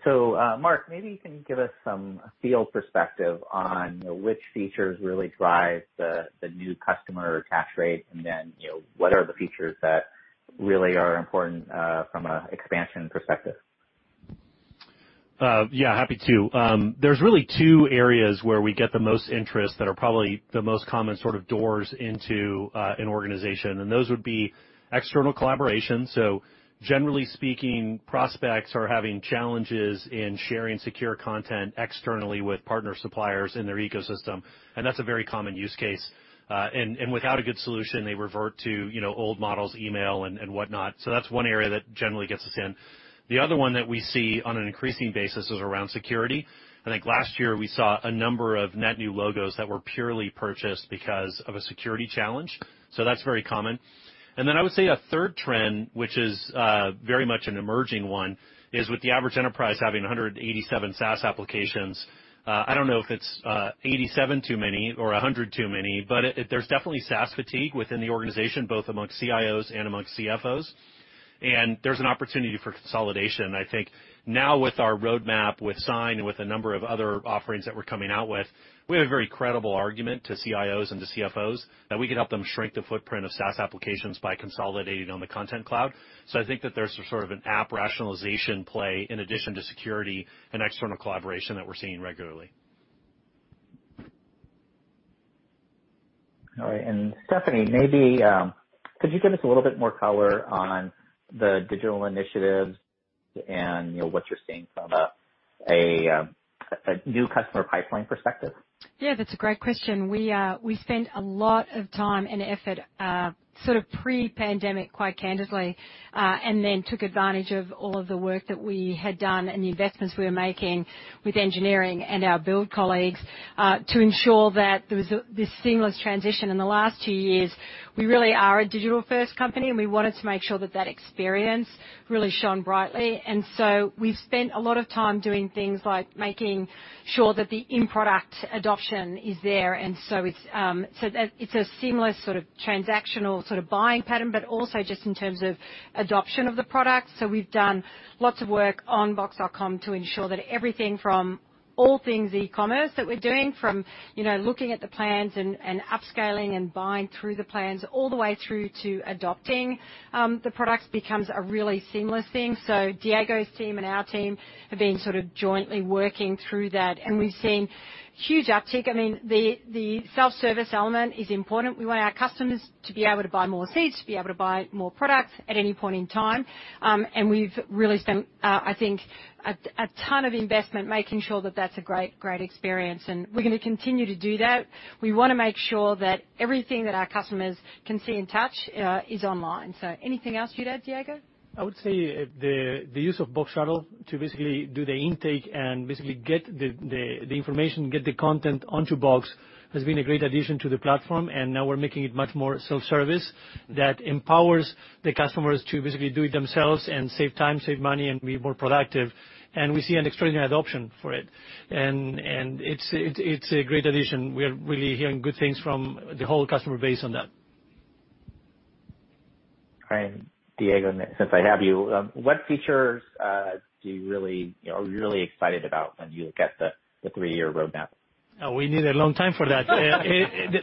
Mark, maybe you can give us some field perspective on which features really drive the new customer attach rate, and then, you know, what are the features that really are important from a expansion perspective? Yeah, happy to. There's really two areas where we get the most interest that are probably the most common sort of doors into an organization, and those would be external collaboration. Generally speaking, prospects are having challenges in sharing secure content externally with partner suppliers in their ecosystem, and that's a very common use case. Without a good solution, they revert to, you know, old models, email and whatnot. That's one area that generally gets us in. The other one that we see on an increasing basis is around security. I think last year we saw a number of net new logos that were purely purchased because of a security challenge. That's very common. Then I would say a third trend, which is very much an emerging one, is with the average enterprise having 187 SaaS applications. I don't know if it's 87 too many or 100 too many, but there's definitely SaaS fatigue within the organization, both among CIOs and among CFOs. There's an opportunity for consolidation. I think now with our roadmap, with Sign, and with a number of other offerings that we're coming out with, we have a very credible argument to CIOs and to CFOs that we can help them shrink the footprint of SaaS applications by consolidating on the Content Cloud. I think that there's sort of an app rationalization play in addition to security and external collaboration that we're seeing regularly. All right. Stephanie, maybe, could you give us a little bit more color on the digital initiatives and, you know, what you're seeing from a new customer pipeline perspective? Yeah, that's a great question. We spent a lot of time and effort sort of pre-pandemic, quite candidly, and then took advantage of all of the work that we had done and the investments we were making with engineering and our build colleagues to ensure that there was this seamless transition. In the last two years, we really are a digital-first company, and we wanted to make sure that that experience really shone brightly. We've spent a lot of time doing things like making sure that the in-product adoption is there. It's so that it's a seamless sort of transactional sort of buying pattern, but also just in terms of adoption of the product. We've done lots of work on box.com to ensure that everything from all things e-commerce that we're doing, from, you know, looking at the plans and upscaling and buying through the plans all the way through to adopting the products becomes a really seamless thing. Diego's team and our team have been sort of jointly working through that, and we've seen huge uptick. I mean, the self-service element is important. We want our customers to be able to buy more seats, to be able to buy more products at any point in time. We've really spent, I think a ton of investment making sure that that's a great experience, and we're gonna continue to do that. We wanna make sure that everything that our customers can see and touch is online. Anything else you'd add, Diego? I would say the use of Box Shuttle to basically do the intake and basically get the information, get the content onto Box, has been a great addition to the platform, and now we're making it much more self-service. That empowers the customers to basically do it themselves and save time, save money, and be more productive. We see an extraordinary adoption for it. It's a great addition. We are really hearing good things from the whole customer base on that. All right. Diego, since I have you, what features do you really, you know, are you really excited about when you look at the three-year roadmap? Oh, we need a long time for that.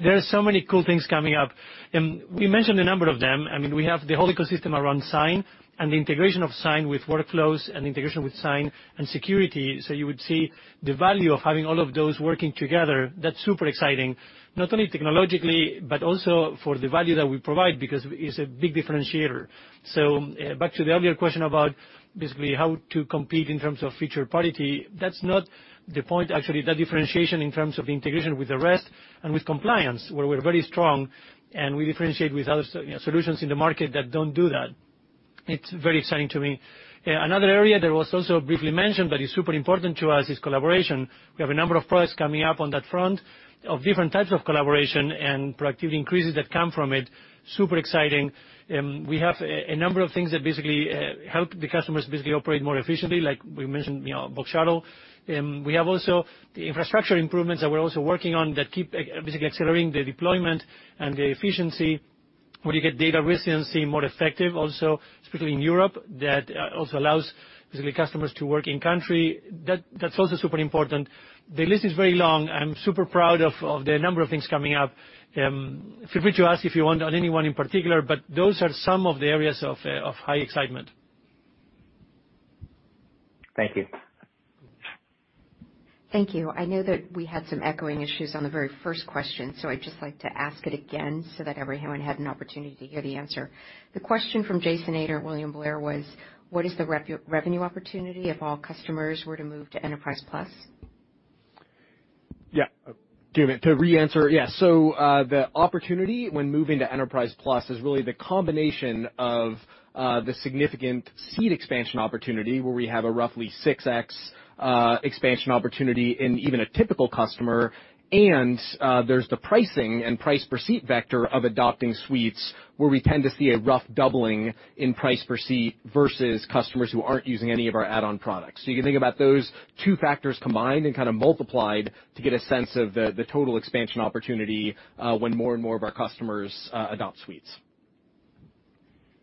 There are so many cool things coming up, and we mentioned a number of them. I mean, we have the whole ecosystem around Sign and the integration of Sign with workflows and integration with Sign and Security. You would see the value of having all of those working together. That's super exciting, not only technologically, but also for the value that we provide because it's a big differentiator. Back to the earlier question about basically how to compete in terms of feature parity, that's not the point. Actually, the differentiation in terms of the integration with the rest and with compliance, where we're very strong and we differentiate with other so, you know, solutions in the market that don't do that. It's very exciting to me. Another area that was also briefly mentioned but is super important to us is collaboration. We have a number of products coming up on that front of different types of collaboration and productivity increases that come from it. Super exciting. We have a number of things that basically help the customers basically operate more efficiently, like we mentioned, you know, Box Shuttle. We have also the infrastructure improvements that we're also working on that keep basically accelerating the deployment and the efficiency. Where you get data resiliency more effective also, especially in Europe, that also allows basically customers to work in country. That's also super important. The list is very long. I'm super proud of the number of things coming up. Feel free to ask if you want on any one in particular, but those are some of the areas of high excitement. Thank you. Thank you. I know that we had some echoing issues on the very first question, so I'd just like to ask it again so that everyone had an opportunity to hear the answer. The question from Jason Ader, William Blair, was what is the revenue opportunity if all customers were to move to Enterprise Plus? Yes. The opportunity when moving to Enterprise Plus is really the combination of the significant seat expansion opportunity, where we have a roughly 6x expansion opportunity in even a typical customer. There's the pricing and price per seat vector of adopting Suites, where we tend to see a rough doubling in price per seat versus customers who aren't using any of our add-on products. You can think about those two factors combined and kind of multiplied to get a sense of the total expansion opportunity when more and more of our customers adopt Suites.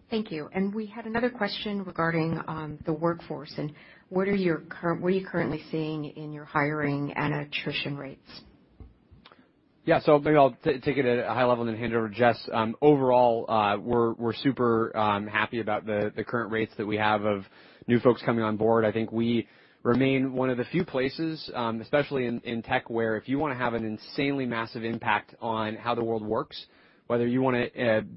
Thank you. We had another question regarding the workforce and what you are currently seeing in your hiring and attrition rates? Yeah. Maybe I'll take it at a high level and then hand it over to Jess. Overall, we're super happy about the current rates that we have of new folks coming on board. I think we remain one of the few places, especially in tech, where if you wanna have an insanely massive impact on how the world works, whether you wanna,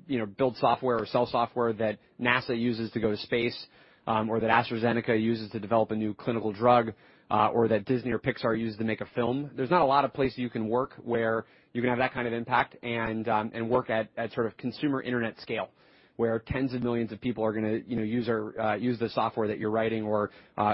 you know, build software or sell software that NASA uses to go to space, or that AstraZeneca uses to develop a new clinical drug, or that Disney or Pixar use to make a film, there's not a lot of places you can work where you can have that kind of impact and work at sort of consumer internet scale, where tens of millions of people are gonna, you know, use our use the software that you're writing or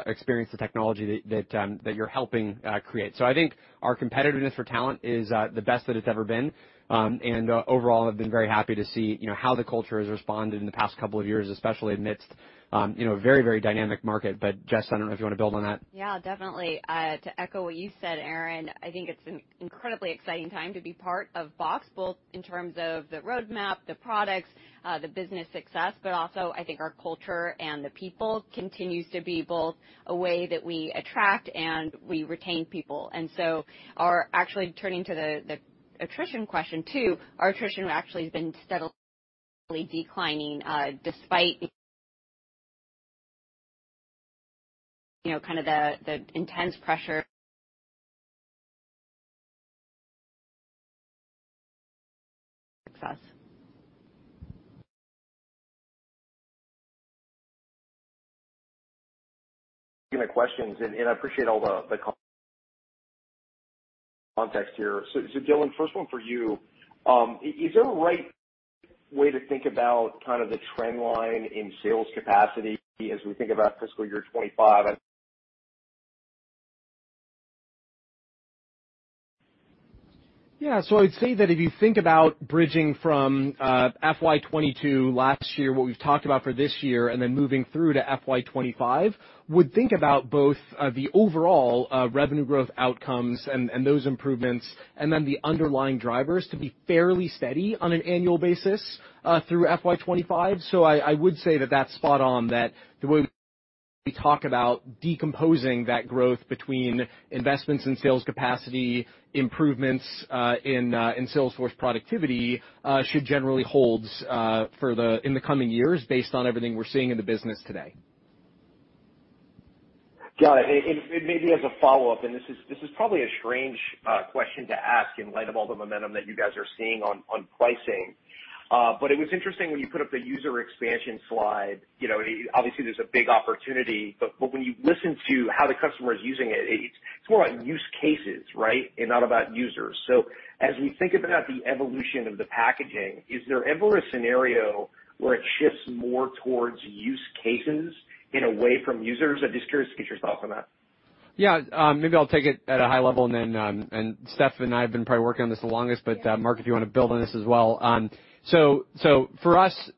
experience the technology that that you're helping create. I think our competitiveness for talent is the best that it's ever been. Overall I've been very happy to see, you know, how the culture has responded in the past couple of years, especially amidst, you know, a very, very dynamic market. Jess, I don't know if you want to build on that. Yeah, definitely. To echo what you said, Aaron, I think it's an incredibly exciting time to be part of Box, both in terms of the roadmap, the products, the business success, but also I think our culture and the people continues to be both a way that we attract and we retain people. We're actually turning to the attrition question too. Our attrition actually has been steadily declining, despite, you know, kind of the intense pressure of success. Questions, and I appreciate all the context here. Dylan, first one for you. Is there a right way to think about kind of the trend line in sales capacity as we think about fiscal year 2025? Yeah. I'd say that if you think about bridging from FY 2022 last year, what we've talked about for this year, and then moving through to FY 2025, you would think about both the overall revenue growth outcomes and those improvements and then the underlying drivers to be fairly steady on an annual basis through FY 2025. I would say that that's spot on, that the way we talk about decomposing that growth between investments in sales capacity, improvements in sales force productivity, should generally hold in the coming years based on everything we're seeing in the business today. Got it. Maybe as a follow-up, this is probably a strange question to ask in light of all the momentum that you guys are seeing on pricing. It was interesting when you put up the user expansion slide, you know, obviously there's a big opportunity, but when you listen to how the customer is using it's more about use cases, right, and not about users. As we think about the evolution of the packaging, is there ever a scenario where it shifts more towards use cases in a way from users? I'm just curious to get your thoughts on that. Yeah. Maybe I'll take it at a high level and then Steph and I have been probably working on this the longest, but Mark, if you wanna build on this as well. For us,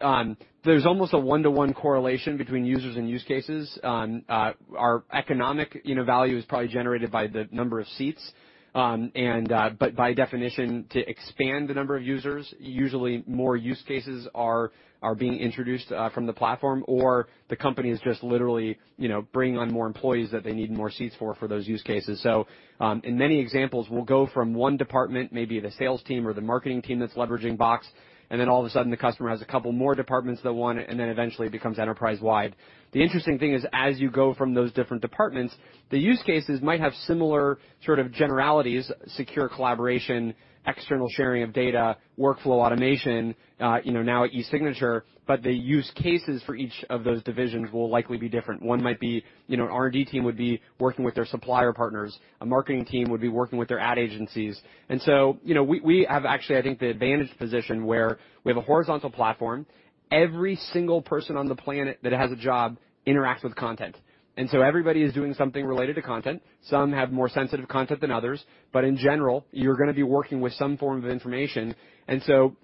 there's almost a one-to-one correlation between users and use cases. Our economic, you know, value is probably generated by the number of seats. By definition, to expand the number of users, usually more use cases are being introduced from the platform or the company is just literally, you know, bringing on more employees that they need more seats for those use cases. In many examples we'll go from one department, maybe the sales team or the marketing team that's leveraging Box, and then all of a sudden the customer has a couple more departments that want it, and then eventually it becomes enterprise-wide. The interesting thing is, as you go from those different departments, the use cases might have similar sort of generalities, secure collaboration, external sharing of data, workflow automation, you know, now e-signature, but the use cases for each of those divisions will likely be different. One might be, you know, an R&D team would be working with their supplier partners. A marketing team would be working with their ad agencies. You know, we have actually, I think, the advantaged position where we have a horizontal platform. Every single person on the planet that has a job interacts with content, and so everybody is doing something related to content. Some have more sensitive content than others, but in general, you're gonna be working with some form of information.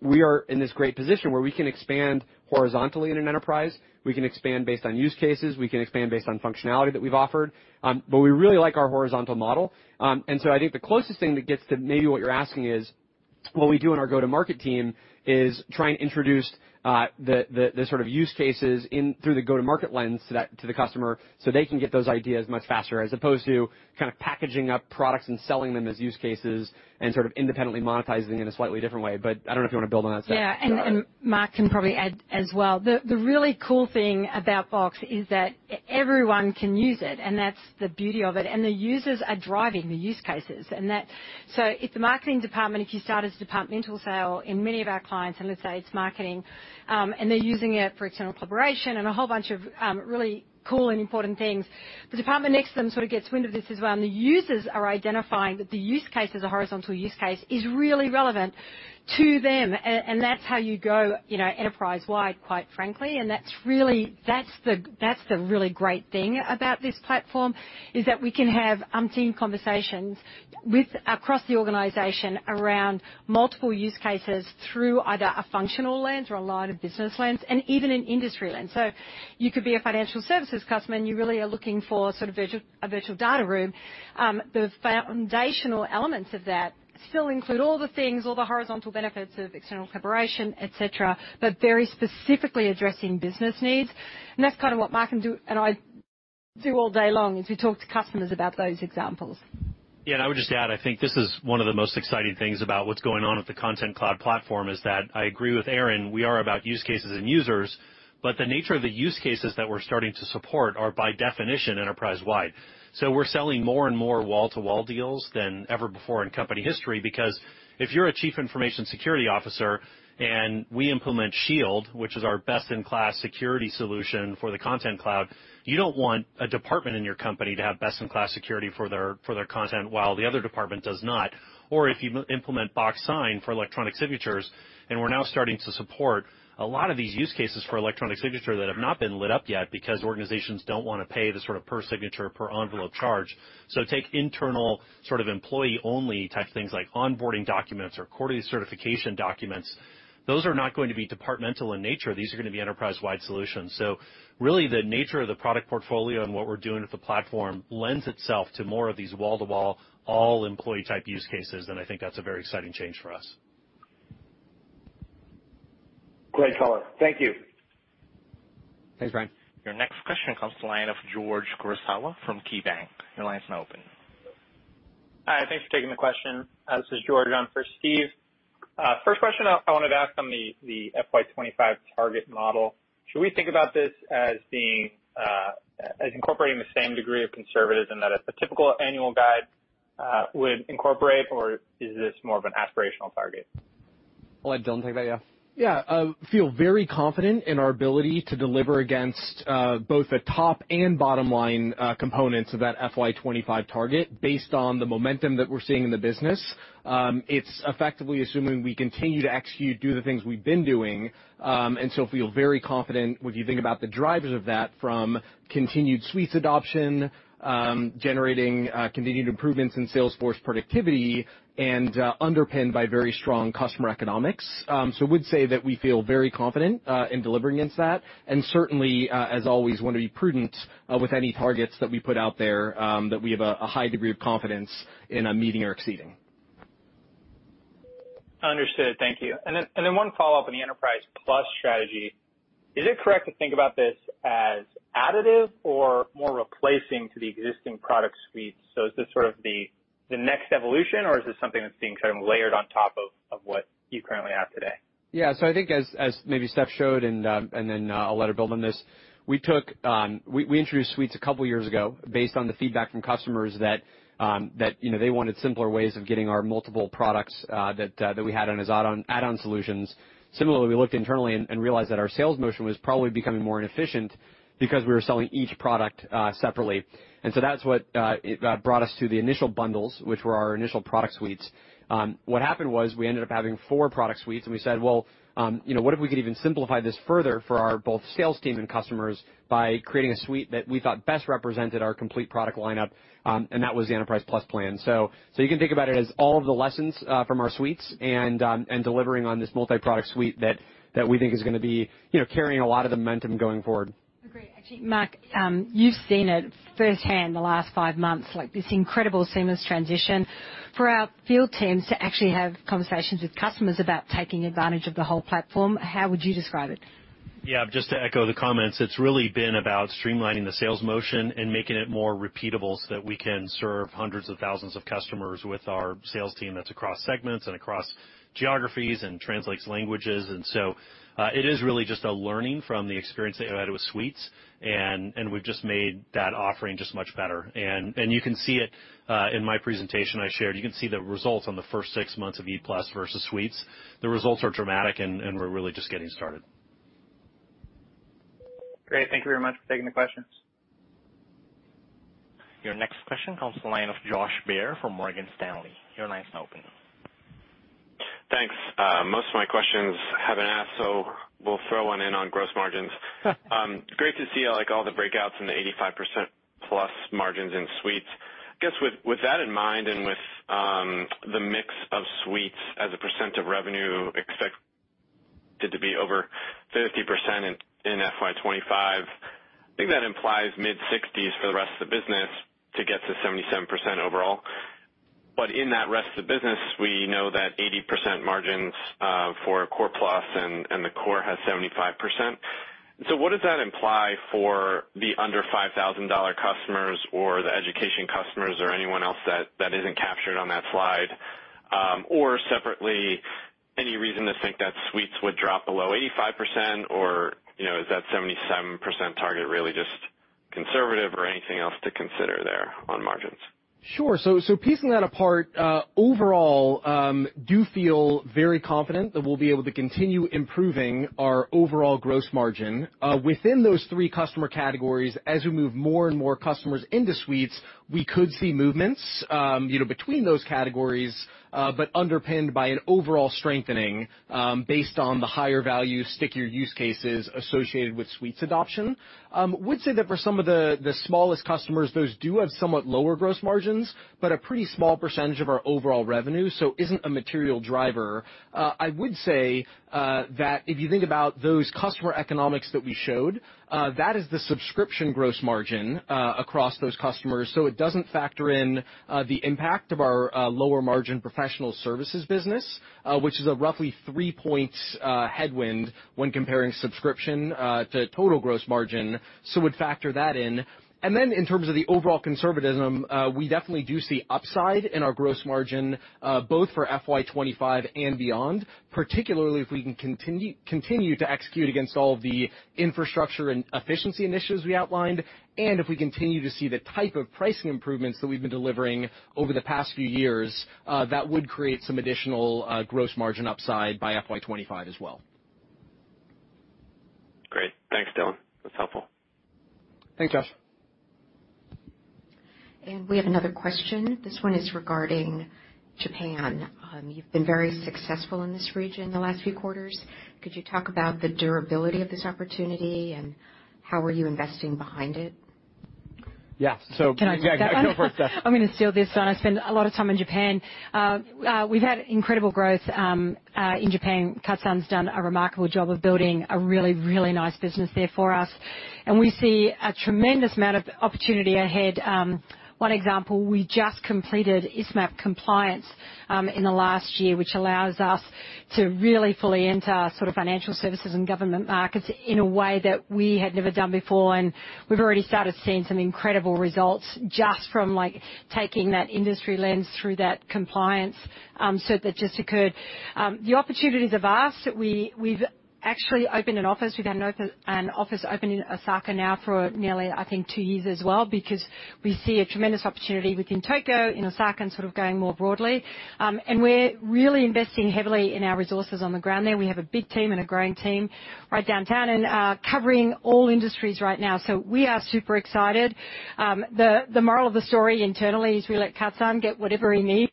We are in this great position where we can expand horizontally in an enterprise. We can expand based on use cases. We can expand based on functionality that we've offered. But we really like our horizontal model. I think the closest thing that gets to maybe what you're asking is what we do in our go-to-market team is try and introduce the sort of use cases through the go-to-market lens to the customer, so they can get those ideas much faster as opposed to kind of packaging up products and selling them as use cases and sort of independently monetizing in a slightly different way. But I don't know if you want to build on that, Steph. Yeah. Mark can probably add as well. The really cool thing about Box is that everyone can use it, and that's the beauty of it. The users are driving the use cases and that if the marketing department, if you start as a departmental sale in many of our clients, and let's say it's marketing, and they're using it for external collaboration and a whole bunch of, really cool and important things. The department next to them sort of gets wind of this as well, and the users are identifying that the use case as a horizontal use case is really relevant to them. That's how you go, you know, enterprise-wide, quite frankly. That's the really great thing about this platform, is that we can have umpteen conversations across the organization around multiple use cases through either a functional lens or a line of business lens and even an industry lens. You could be a financial services customer, and you really are looking for a virtual data room. The foundational elements of that still include all the horizontal benefits of external collaboration, et cetera, but very specifically addressing business needs. That's kind of what Mark and I do all day long, is we talk to customers about those examples. Yeah. I would just add, I think this is one of the most exciting things about what's going on with the Content Cloud platform, is that I agree with Aaron, we are about use cases and users, but the nature of the use cases that we're starting to support are by definition enterprise-wide. We're selling more and more wall-to-wall deals than ever before in company history, because if you're a Chief Information Security Officer and we implement Shield, which is our best-in-class security solution for the Content Cloud, you don't want a department in your company to have best-in-class security for their content while the other department does not. If you implement Box Sign for electronic signatures, and we're now starting to support a lot of these use cases for electronic signature that have not been lit up yet because organizations don't wanna pay the sort of per signature, per envelope charge. Take internal sort of employee only type things like onboarding documents or quarterly certification documents. Those are not going to be departmental in nature. These are gonna be enterprise-wide solutions. Really the nature of the product portfolio and what we're doing with the platform lends itself to more of these wall-to-wall, all employee type use cases, and I think that's a very exciting change for us. Great color. Thank you. Thanks, Jason. Your next question comes to the line of George Kurosawa from KeyBanc. Your line is now open. Hi, thanks for taking the question. This is George, on for Steve. First question I wanted to ask on the FY 2025 target model. Should we think about this as being as incorporating the same degree of conservatism that a typical annual guide would incorporate, or is this more of an aspirational target? I'll let Dylan take that. Yeah. Yeah, feel very confident in our ability to deliver against both the top and bottom line components of that FY 2025 target based on the momentum that we're seeing in the business. It's effectively assuming we continue to execute, do the things we've been doing, and so feel very confident when you think about the drivers of that from continued Suites adoption, generating continued improvements in sales force productivity and underpinned by very strong customer economics. Would say that we feel very confident in delivering against that. Certainly, as always, wanna be prudent with any targets that we put out there that we have a high degree of confidence in meeting or exceeding. Understood. Thank you. One follow-up on the Enterprise Plus strategy. Is it correct to think about this as additive or more replacing to the existing product suites? Is this sort of the next evolution, or is this something that's being sort of layered on top of what you currently have today? Yeah. I think maybe Steph showed, and then I'll let her build on this. We introduced Suites a couple years ago based on the feedback from customers that, you know, they wanted simpler ways of getting our multiple products that we had on as add-on solutions. Similarly, we looked internally and realized that our sales motion was probably becoming more inefficient because we were selling each product separately. That's what brought us to the initial bundles, which were our initial product suites. What happened was we ended up having four product suites, and we said, "Well, you know, what if we could even simplify this further for our both sales team and customers by creating a suite that we thought best represented our complete product lineup?" That was the Enterprise Plus plan. You can think about it as all of the lessons from our suites and delivering on this multi-product suite that we think is gonna be, you know, carrying a lot of the momentum going forward. Great. Actually, Mark, you've seen it firsthand the last five months, like this incredible seamless transition for our field teams to actually have conversations with customers about taking advantage of the whole platform. How would you describe it? Yeah. Just to echo the comments, it's really been about streamlining the sales motion and making it more repeatable so that we can serve hundreds of thousands of customers with our sales team that's across segments and across geographies and translates languages. It is really just a learning from the experience they have had with Suites, and we've just made that offering much better. You can see it in my presentation I shared. You can see the results on the first six months of E plus versus Suites. The results are dramatic, and we're really just getting started. Great. Thank you very much for taking the questions. Your next question comes to the line of Josh Baer from Morgan Stanley. Your line is now open. Thanks. Most of my questions have been asked, so we'll throw one in on gross margins. Great to see, like, all the breakouts in the 85%+ margins in Suites. I guess with that in mind and with the mix of Suites as a percent of revenue expected to be over 50% in FY 2025. I think that implies mid-60s for the rest of the business to get to 77% overall. But in that rest of the business, we know that 80% margins for Core Plus and the Core has 75%. So what does that imply for the under $5,000 customers or the education customers or anyone else that isn't captured on that slide? Separately, any reason to think that Suites would drop below 85% or, you know, is that 77% target really just conservative or anything else to consider there on margins? Piecing that apart, overall, I do feel very confident that we'll be able to continue improving our overall gross margin. Within those three customer categories, as we move more and more customers into Suites, we could see movements, you know, between those categories, but underpinned by an overall strengthening, based on the higher value stickier use cases associated with Suites adoption. I would say that for some of the smallest customers, those do have somewhat lower gross margins, but a pretty small percentage of our overall revenue, so isn't a material driver. I would say that if you think about those customer economics that we showed, that is the subscription gross margin across those customers. It doesn't factor in the impact of our lower margin professional services business, which is a roughly 3-point headwind when comparing subscription to total gross margin. Would factor that in. Then in terms of the overall conservatism, we definitely do see upside in our gross margin both for FY 2025 and beyond, particularly if we can continue to execute against all of the infrastructure and efficiency initiatives we outlined, and if we continue to see the type of pricing improvements that we've been delivering over the past few years, that would create some additional gross margin upside by FY 2025 as well. Great. Thanks, Dylan. That's helpful. Thanks, Josh. We have another question. This one is regarding Japan. You've been very successful in this region the last few quarters. Could you talk about the durability of this opportunity and how are you investing behind it? Yes. Can I just- Yeah. Go for it, Steph. I'm gonna steal this one. I spend a lot of time in Japan. We've had incredible growth in Japan. Katsunori's done a remarkable job of building a really nice business there for us, and we see a tremendous amount of opportunity ahead. One example, we just completed ISMAP compliance in the last year, which allows us to really fully enter sort of financial services and government markets in a way that we had never done before. We've already started seeing some incredible results just from, like, taking that industry lens through that compliance, so that just occurred. The opportunities are vast. We've actually opened an office. We've had an office open in Osaka now for nearly, I think, two years as well because we see a tremendous opportunity within Tokyo, in Osaka, and sort of going more broadly. We're really investing heavily in our resources on the ground there. We have a big team and a growing team right downtown and covering all industries right now. We are super excited. The moral of the story internally is we let Katsan get whatever he needs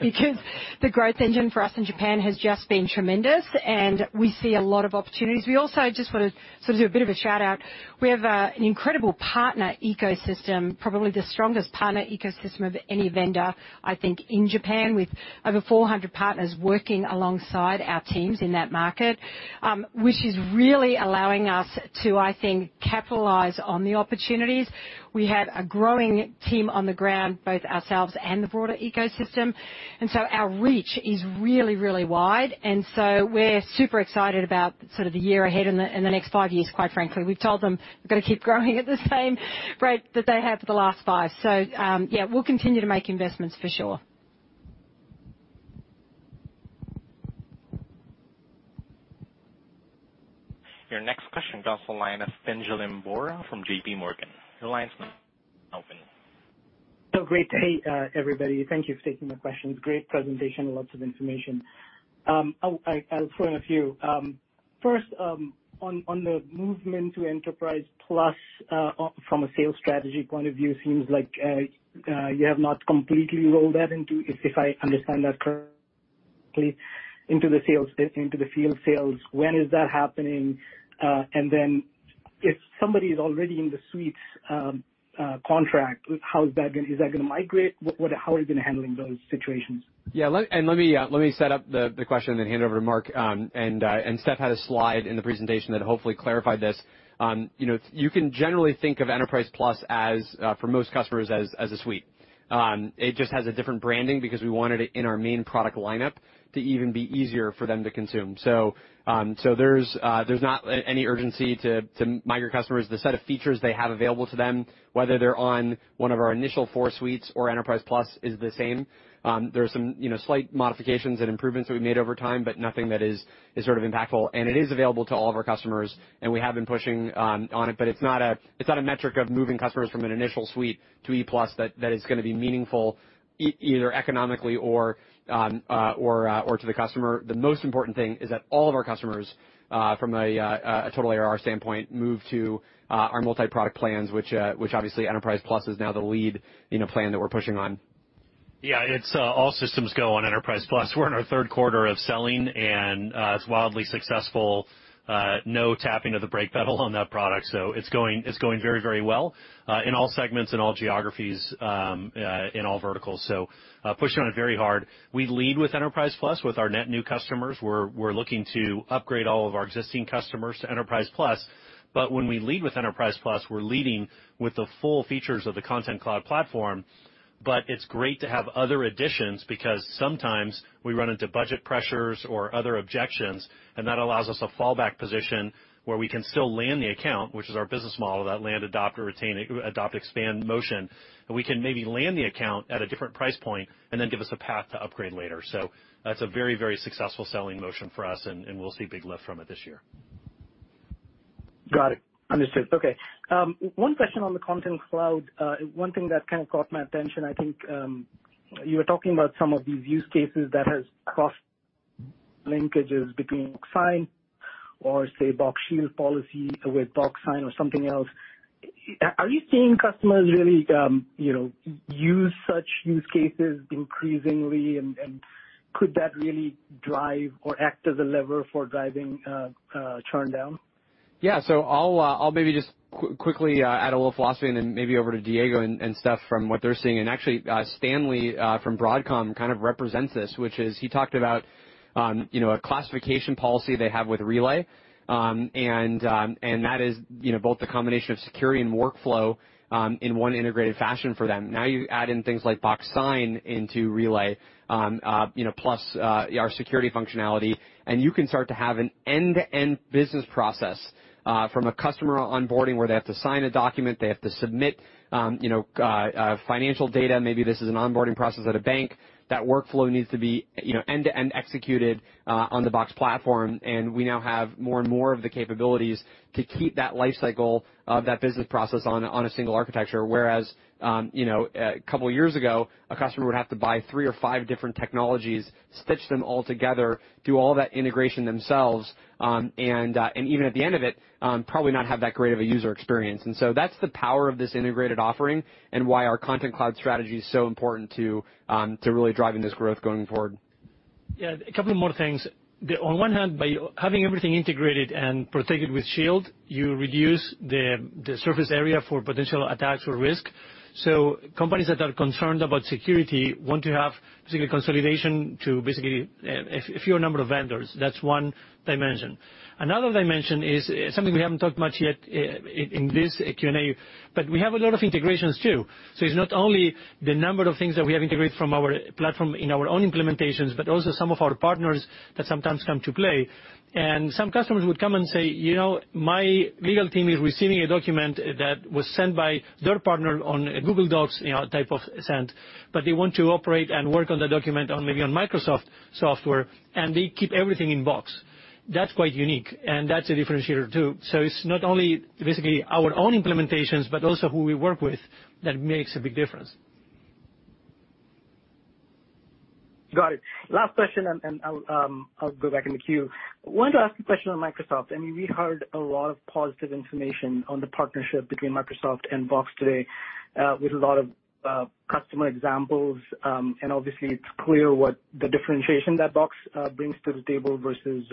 because the growth engine for us in Japan has just been tremendous and we see a lot of opportunities. We also just wanna sort of do a bit of a shout-out. We have an incredible partner ecosystem, probably the strongest partner ecosystem of any vendor, I think, in Japan, with over 400 partners working alongside our teams in that market, which is really allowing us to, I think, capitalize on the opportunities. We have a growing team on the ground, both ourselves and the broader ecosystem, and so our reach is really, really wide. We're super excited about sort of the year ahead and the, and the next five years, quite frankly. We've told them we've got to keep growing at the same rate that they have for the last five. Yeah, we'll continue to make investments for sure. Your next question comes from the line of Pinjalim Bora from JPMorgan. Your line's now open. Great to hear, everybody. Thank you for taking my questions. Great presentation, lots of information. I'll throw in a few. First, on the movement to Enterprise Plus, from a sales strategy point of view, seems like you have not completely rolled that into, if I understand that correctly, into the sales, into the field sales. When is that happening? Then if somebody is already in the Suites contract, how is that gonna? Is that gonna migrate? What? How are you gonna handle those situations? Let me set up the question then hand over to Mark. Steph had a slide in the presentation that hopefully clarified this. You know, you can generally think of Enterprise Plus as for most customers as a suite. It just has a different branding because we wanted it in our main product lineup to even be easier for them to consume. There's not any urgency to migrate customers. The set of features they have available to them, whether they're on one of our initial four suites or Enterprise Plus is the same. There are some, you know, slight modifications and improvements that we made over time, but nothing that is sort of impactful. It is available to all of our customers, and we have been pushing on it, but it's not a metric of moving customers from an initial suite to E Plus that is gonna be meaningful either economically or to the customer. The most important thing is that all of our customers from a total ARR standpoint move to our multi-product plans, which obviously Enterprise Plus is now the lead, you know, plan that we're pushing on. Yeah, it's all systems go on Enterprise Plus. We're in our third quarter of selling, and it's wildly successful. No tapping of the brake pedal on that product, so it's going very, very well in all segments, in all geographies, in all verticals. Pushing on it very hard. We lead with Enterprise Plus with our net new customers. We're looking to upgrade all of our existing customers to Enterprise Plus. When we lead with Enterprise Plus, we're leading with the full features of the Content Cloud platform. It's great to have other additions because sometimes we run into budget pressures or other objections, and that allows us a fallback position where we can still land the account, which is our business model, that land, adopt, expand motion. We can maybe land the account at a different price point and then give us a path to upgrade later. That's a very, very successful selling motion for us, and we'll see big lift from it this year. Got it. Understood. Okay. One question on the Content Cloud. One thing that kind of caught my attention, I think, you were talking about some of these use cases that has crossed linkages between Box Sign or, say, Box Shield policy with Box Sign or something else. Are you seeing customers really, you know, use such use cases increasingly? And could that really drive or act as a lever for driving churn down? Yeah. I'll maybe just quickly add a little philosophy and then maybe over to Diego and Steph from what they're seeing. Actually, Stanley from Broadcom kind of represents this, which is he talked about you know a classification policy they have with Relay. That is you know both the combination of security and workflow in one integrated fashion for them. Now you add in things like Box Sign into Relay you know plus our security functionality, and you can start to have an end-to-end business process from a customer onboarding, where they have to sign a document, they have to submit you know financial data. Maybe this is an onboarding process at a bank. That workflow needs to be you know end-to-end executed on the Box platform. We now have more and more of the capabilities to keep that life cycle of that business process on a single architecture. Whereas a couple of years ago, a customer would have to buy three or five different technologies, stitch them all together, do all that integration themselves, and even at the end of it, probably not have that great of a user experience. That's the power of this integrated offering and why our Content Cloud strategy is so important to really driving this growth going forward. Yeah, a couple more things. On one hand, by having everything integrated and protected with Shield, you reduce the surface area for potential attacks or risk. Companies that are concerned about security want basically consolidation to a fewer number of vendors. That's one dimension. Another dimension is something we haven't talked much yet in this Q&A, but we have a lot of integrations, too. It's not only the number of things that we have integrated from our platform in our own implementations, but also some of our partners that sometimes come to play. Some customers would come and say, "You know, my legal team is receiving a document that was sent by their partner on a Google Docs, you know, type of send, but they want to operate and work on the document on maybe on Microsoft software, and they keep everything in Box." That's quite unique, and that's a differentiator, too. It's not only basically our own implementations, but also who we work with that makes a big difference. Got it. Last question, I'll go back in the queue. Wanted to ask a question on Microsoft. I mean, we heard a lot of positive information on the partnership between Microsoft and Box today, with a lot of customer examples. Obviously it's clear what the differentiation that Box brings to the table versus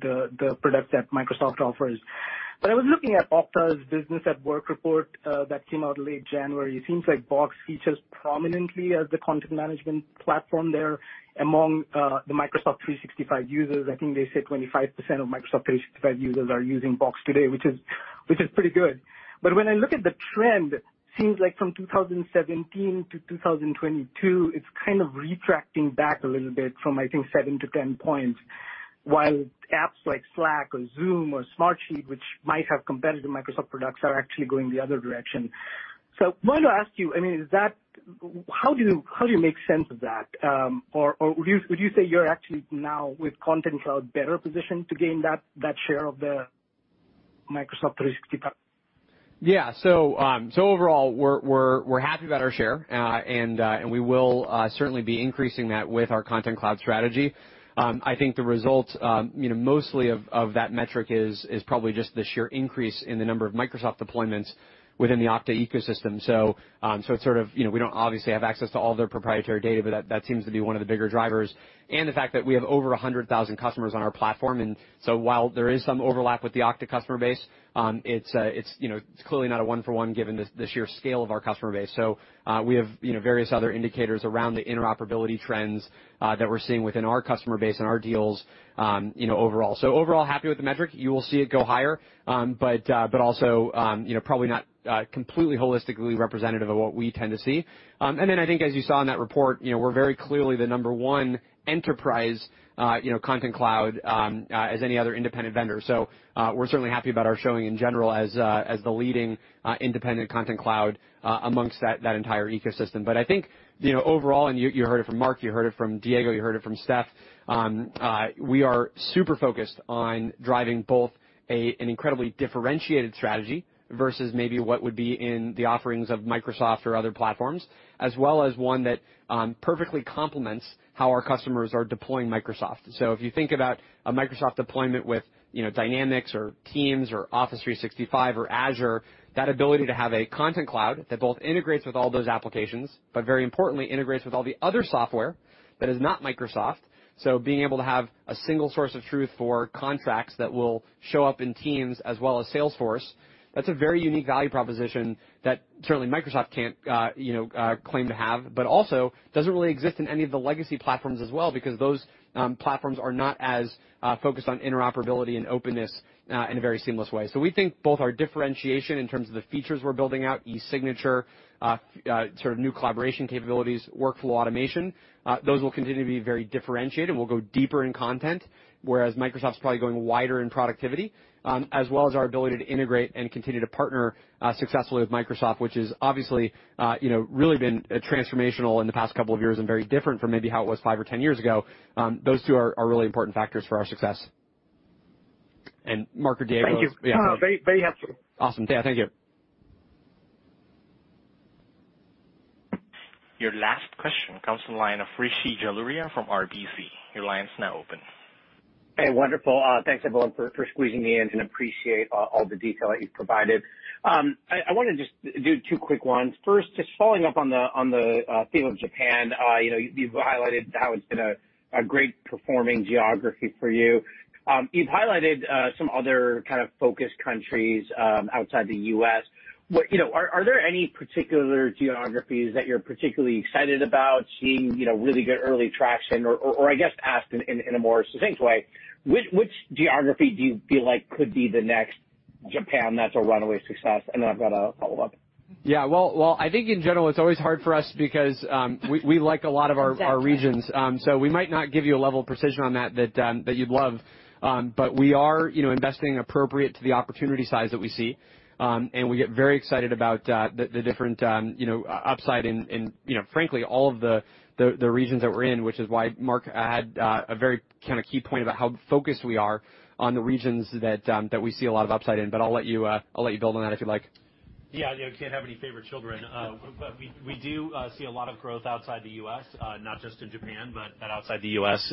the products that Microsoft offers. I was looking at Okta's Businesses at Work report that came out late January. It seems like Box features prominently as the content management platform there among the Microsoft 365 users. I think they say 25% of Microsoft 365 users are using Box today, which is pretty good. When I look at the trend, seems like from 2017 to 2022, it's kind of retracting back a little bit from, I think, 7-10 points, while apps like Slack or Zoom or Smartsheet, which might have competed with Microsoft products, are actually going the other direction. Wanted to ask you, I mean, is that? How do you make sense of that? Or would you say you're actually now with Content Cloud better positioned to gain that share of the Microsoft 365? Yeah. Overall, we're happy about our share and we will certainly be increasing that with our Content Cloud strategy. I think the results you know mostly of that metric is probably just the sheer increase in the number of Microsoft deployments within the Okta ecosystem. It's sort of you know we don't obviously have access to all their proprietary data but that seems to be one of the bigger drivers and the fact that we have over 100,000 customers on our platform. While there is some overlap with the Okta customer base it's you know it's clearly not a one for one given the sheer scale of our customer base. We have, you know, various other indicators around the interoperability trends that we're seeing within our customer base and our deals, you know, overall. Overall happy with the metric. You will see it go higher, but also, you know, probably not completely holistically representative of what we tend to see. And then I think as you saw in that report, you know, we're very clearly the number one enterprise Content Cloud ahead of any other independent vendor. We're certainly happy about our showing in general as the leading independent Content Cloud amongst that entire ecosystem. But I think, you know, overall, and you heard it from Mark, you heard it from Diego, you heard it from Steph, we are super focused on driving both a... An incredibly differentiated strategy versus maybe what would be in the offerings of Microsoft or other platforms, as well as one that perfectly complements how our customers are deploying Microsoft. If you think about a Microsoft deployment with, you know, Dynamics or Teams or Office 365 or Azure, that ability to have a Content Cloud that both integrates with all those applications, but very importantly integrates with all the other software that is not Microsoft. Being able to have a single source of truth for contracts that will show up in Teams as well as Salesforce, that's a very unique value proposition that certainly Microsoft can't, you know, claim to have, but also doesn't really exist in any of the legacy platforms as well, because those platforms are not as focused on interoperability and openness in a very seamless way. We think both our differentiation in terms of the features we're building out, e-signature, sort of new collaboration capabilities, workflow automation, those will continue to be very differentiated, and we'll go deeper in content, whereas Microsoft's probably going wider in productivity, as well as our ability to integrate and continue to partner successfully with Microsoft, which has obviously, you know, really been transformational in the past couple of years and very different from maybe how it was five or ten years ago. Those two are really important factors for our success. Mark or Diego? Thank you. No, very, very helpful. Awesome. Yeah, thank you. Your last question comes from the line of Rishi Jaluria from RBC. Your line is now open. Hey, wonderful. Thanks everyone for squeezing me in and appreciate all the detail that you've provided. I wanna just do two quick ones. First, just following up on the theme of Japan. You know, you've highlighted how it's been a great performing geography for you. You've highlighted some other kind of focus countries outside the U.S. You know, are there any particular geographies that you're particularly excited about seeing really good early traction or I guess asked in a more succinct way, which geography do you feel like could be the next Japan that's a runaway success? Then I've got a follow-up. Yeah. Well, I think in general it's always hard for us because we like a lot of our Exactly. Our regions. We might not give you a level of precision on that that you'd love. We are, you know, investing appropriate to the opportunity size that we see. We get very excited about the different upside and, you know, frankly, all of the regions that we're in, which is why Mark had a very kinda key point about how focused we are on the regions that we see a lot of upside in. I'll let you build on that if you'd like. Yeah. You can't have any favorite children. But we do see a lot of growth outside the U.S., not just in Japan, but outside the U.S.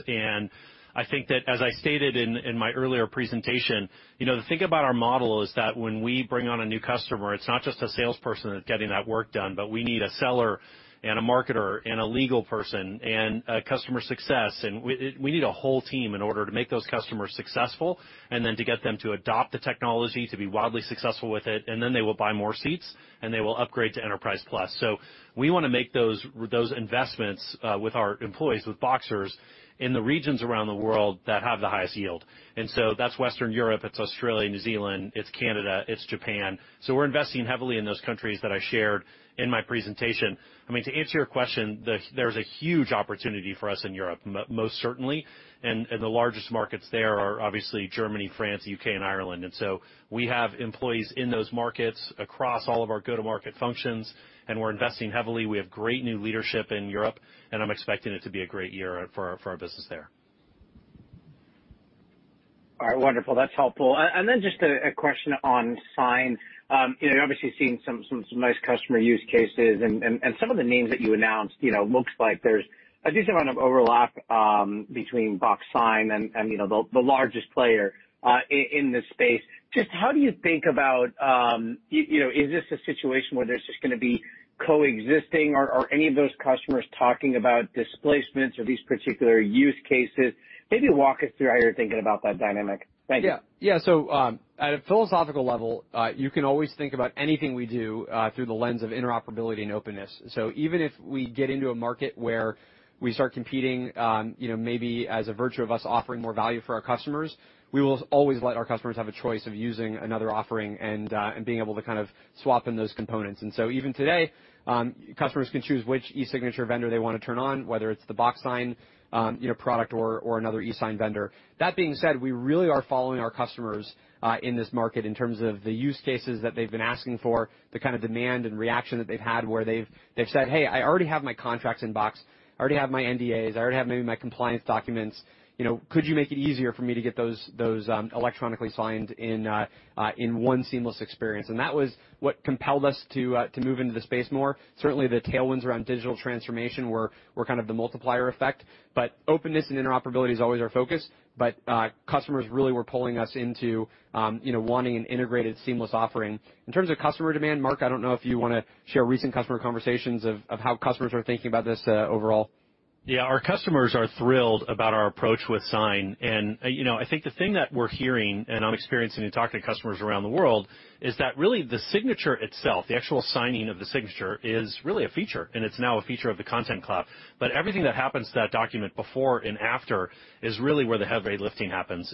I think that as I stated in my earlier presentation, you know, the thing about our model is that when we bring on a new customer, it's not just a salesperson that's getting that work done, but we need a seller and a marketer and a legal person and a customer success. We need a whole team in order to make those customers successful and then to get them to adopt the technology, to be wildly successful with it, and then they will buy more seats, and they will upgrade to Enterprise Plus. We wanna make those investments with our employees, with Boxers in the regions around the world that have the highest yield. That's Western Europe, it's Australia, New Zealand, it's Canada, it's Japan. We're investing heavily in those countries that I shared in my presentation. I mean, to answer your question, there's a huge opportunity for us in Europe most certainly, and the largest markets there are obviously Germany, France, U.K., and Ireland. We have employees in those markets across all of our go-to-market functions, and we're investing heavily. We have great new leadership in Europe, and I'm expecting it to be a great year for our business there. All right. Wonderful. That's helpful. Just a question on Box Sign. You know, obviously seeing some nice customer use cases and some of the names that you announced, you know, looks like there's a decent amount of overlap between Box Sign and you know, the largest player in this space. Just how do you think about, you know, is this a situation where there's just gonna be coexisting or any of those customers talking about displacements or these particular use cases? Maybe walk us through how you're thinking about that dynamic. Thank you. Yeah. At a philosophical level, you can always think about anything we do through the lens of interoperability and openness. Even if we get into a market where we start competing, you know, maybe as a virtue of us offering more value for our customers, we will always let our customers have a choice of using another offering and being able to kind of swap in those components. Even today, customers can choose which e-signature vendor they wanna turn on, whether it's the Box Sign product or another e-sign vendor. That being said, we really are following our customers in this market in terms of the use cases that they've been asking for, the kind of demand and reaction that they've had where they've said, "Hey, I already have my contracts in Box. I already have my NDAs. I already have maybe my compliance documents. You know, could you make it easier for me to get those electronically signed in one seamless experience?" That was what compelled us to move into the space more. Certainly, the tailwinds around digital transformation were kind of the multiplier effect. Openness and interoperability is always our focus, but customers really were pulling us into you know, wanting an integrated seamless offering. In terms of customer demand, Mark, I don't know if you wanna share recent customer conversations of how customers are thinking about this, overall. Yeah. Our customers are thrilled about our approach with Sign. You know, I think the thing that we're hearing, and I'm experiencing in talking to customers around the world, is that really the signature itself, the actual signing of the signature, is really a feature, and it's now a feature of the Content Cloud. Everything that happens to that document before and after is really where the heavy lifting happens.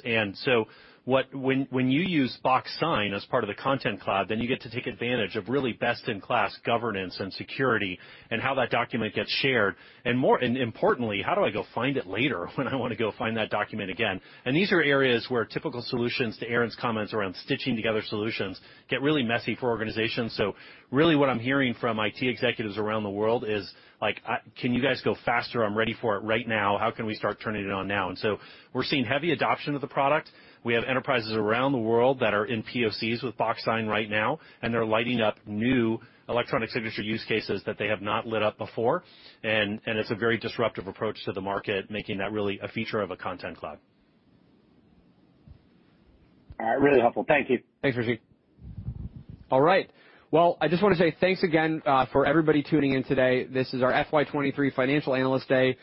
When you use Box Sign as part of the Content Cloud, then you get to take advantage of really best-in-class governance and security and how that document gets shared. More importantly, how do I go find it later when I wanna go find that document again? These are areas where typical solutions, to Aaron's comments around stitching together solutions, get really messy for organizations. Really what I'm hearing from IT executives around the world is, like, "Can you guys go faster? I'm ready for it right now. How can we start turning it on now?" We're seeing heavy adoption of the product. We have enterprises around the world that are in POCs with Box Sign right now, and they're lighting up new electronic signature use cases that they have not lit up before. And it's a very disruptive approach to the market, making that really a feature of a Content Cloud. All right. Really helpful. Thank you. Thanks, Rishi. All right. Well, I just wanna say thanks again for everybody tuning in today. This is our FY 2023 Financial Analyst Day.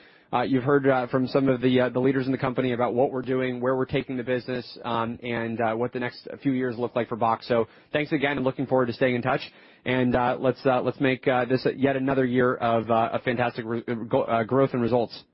You heard from some of the leaders in the company about what we're doing, where we're taking the business, and what the next few years look like for Box. So thanks again, and looking forward to staying in touch. Let's make this yet another year of a fantastic growth and results.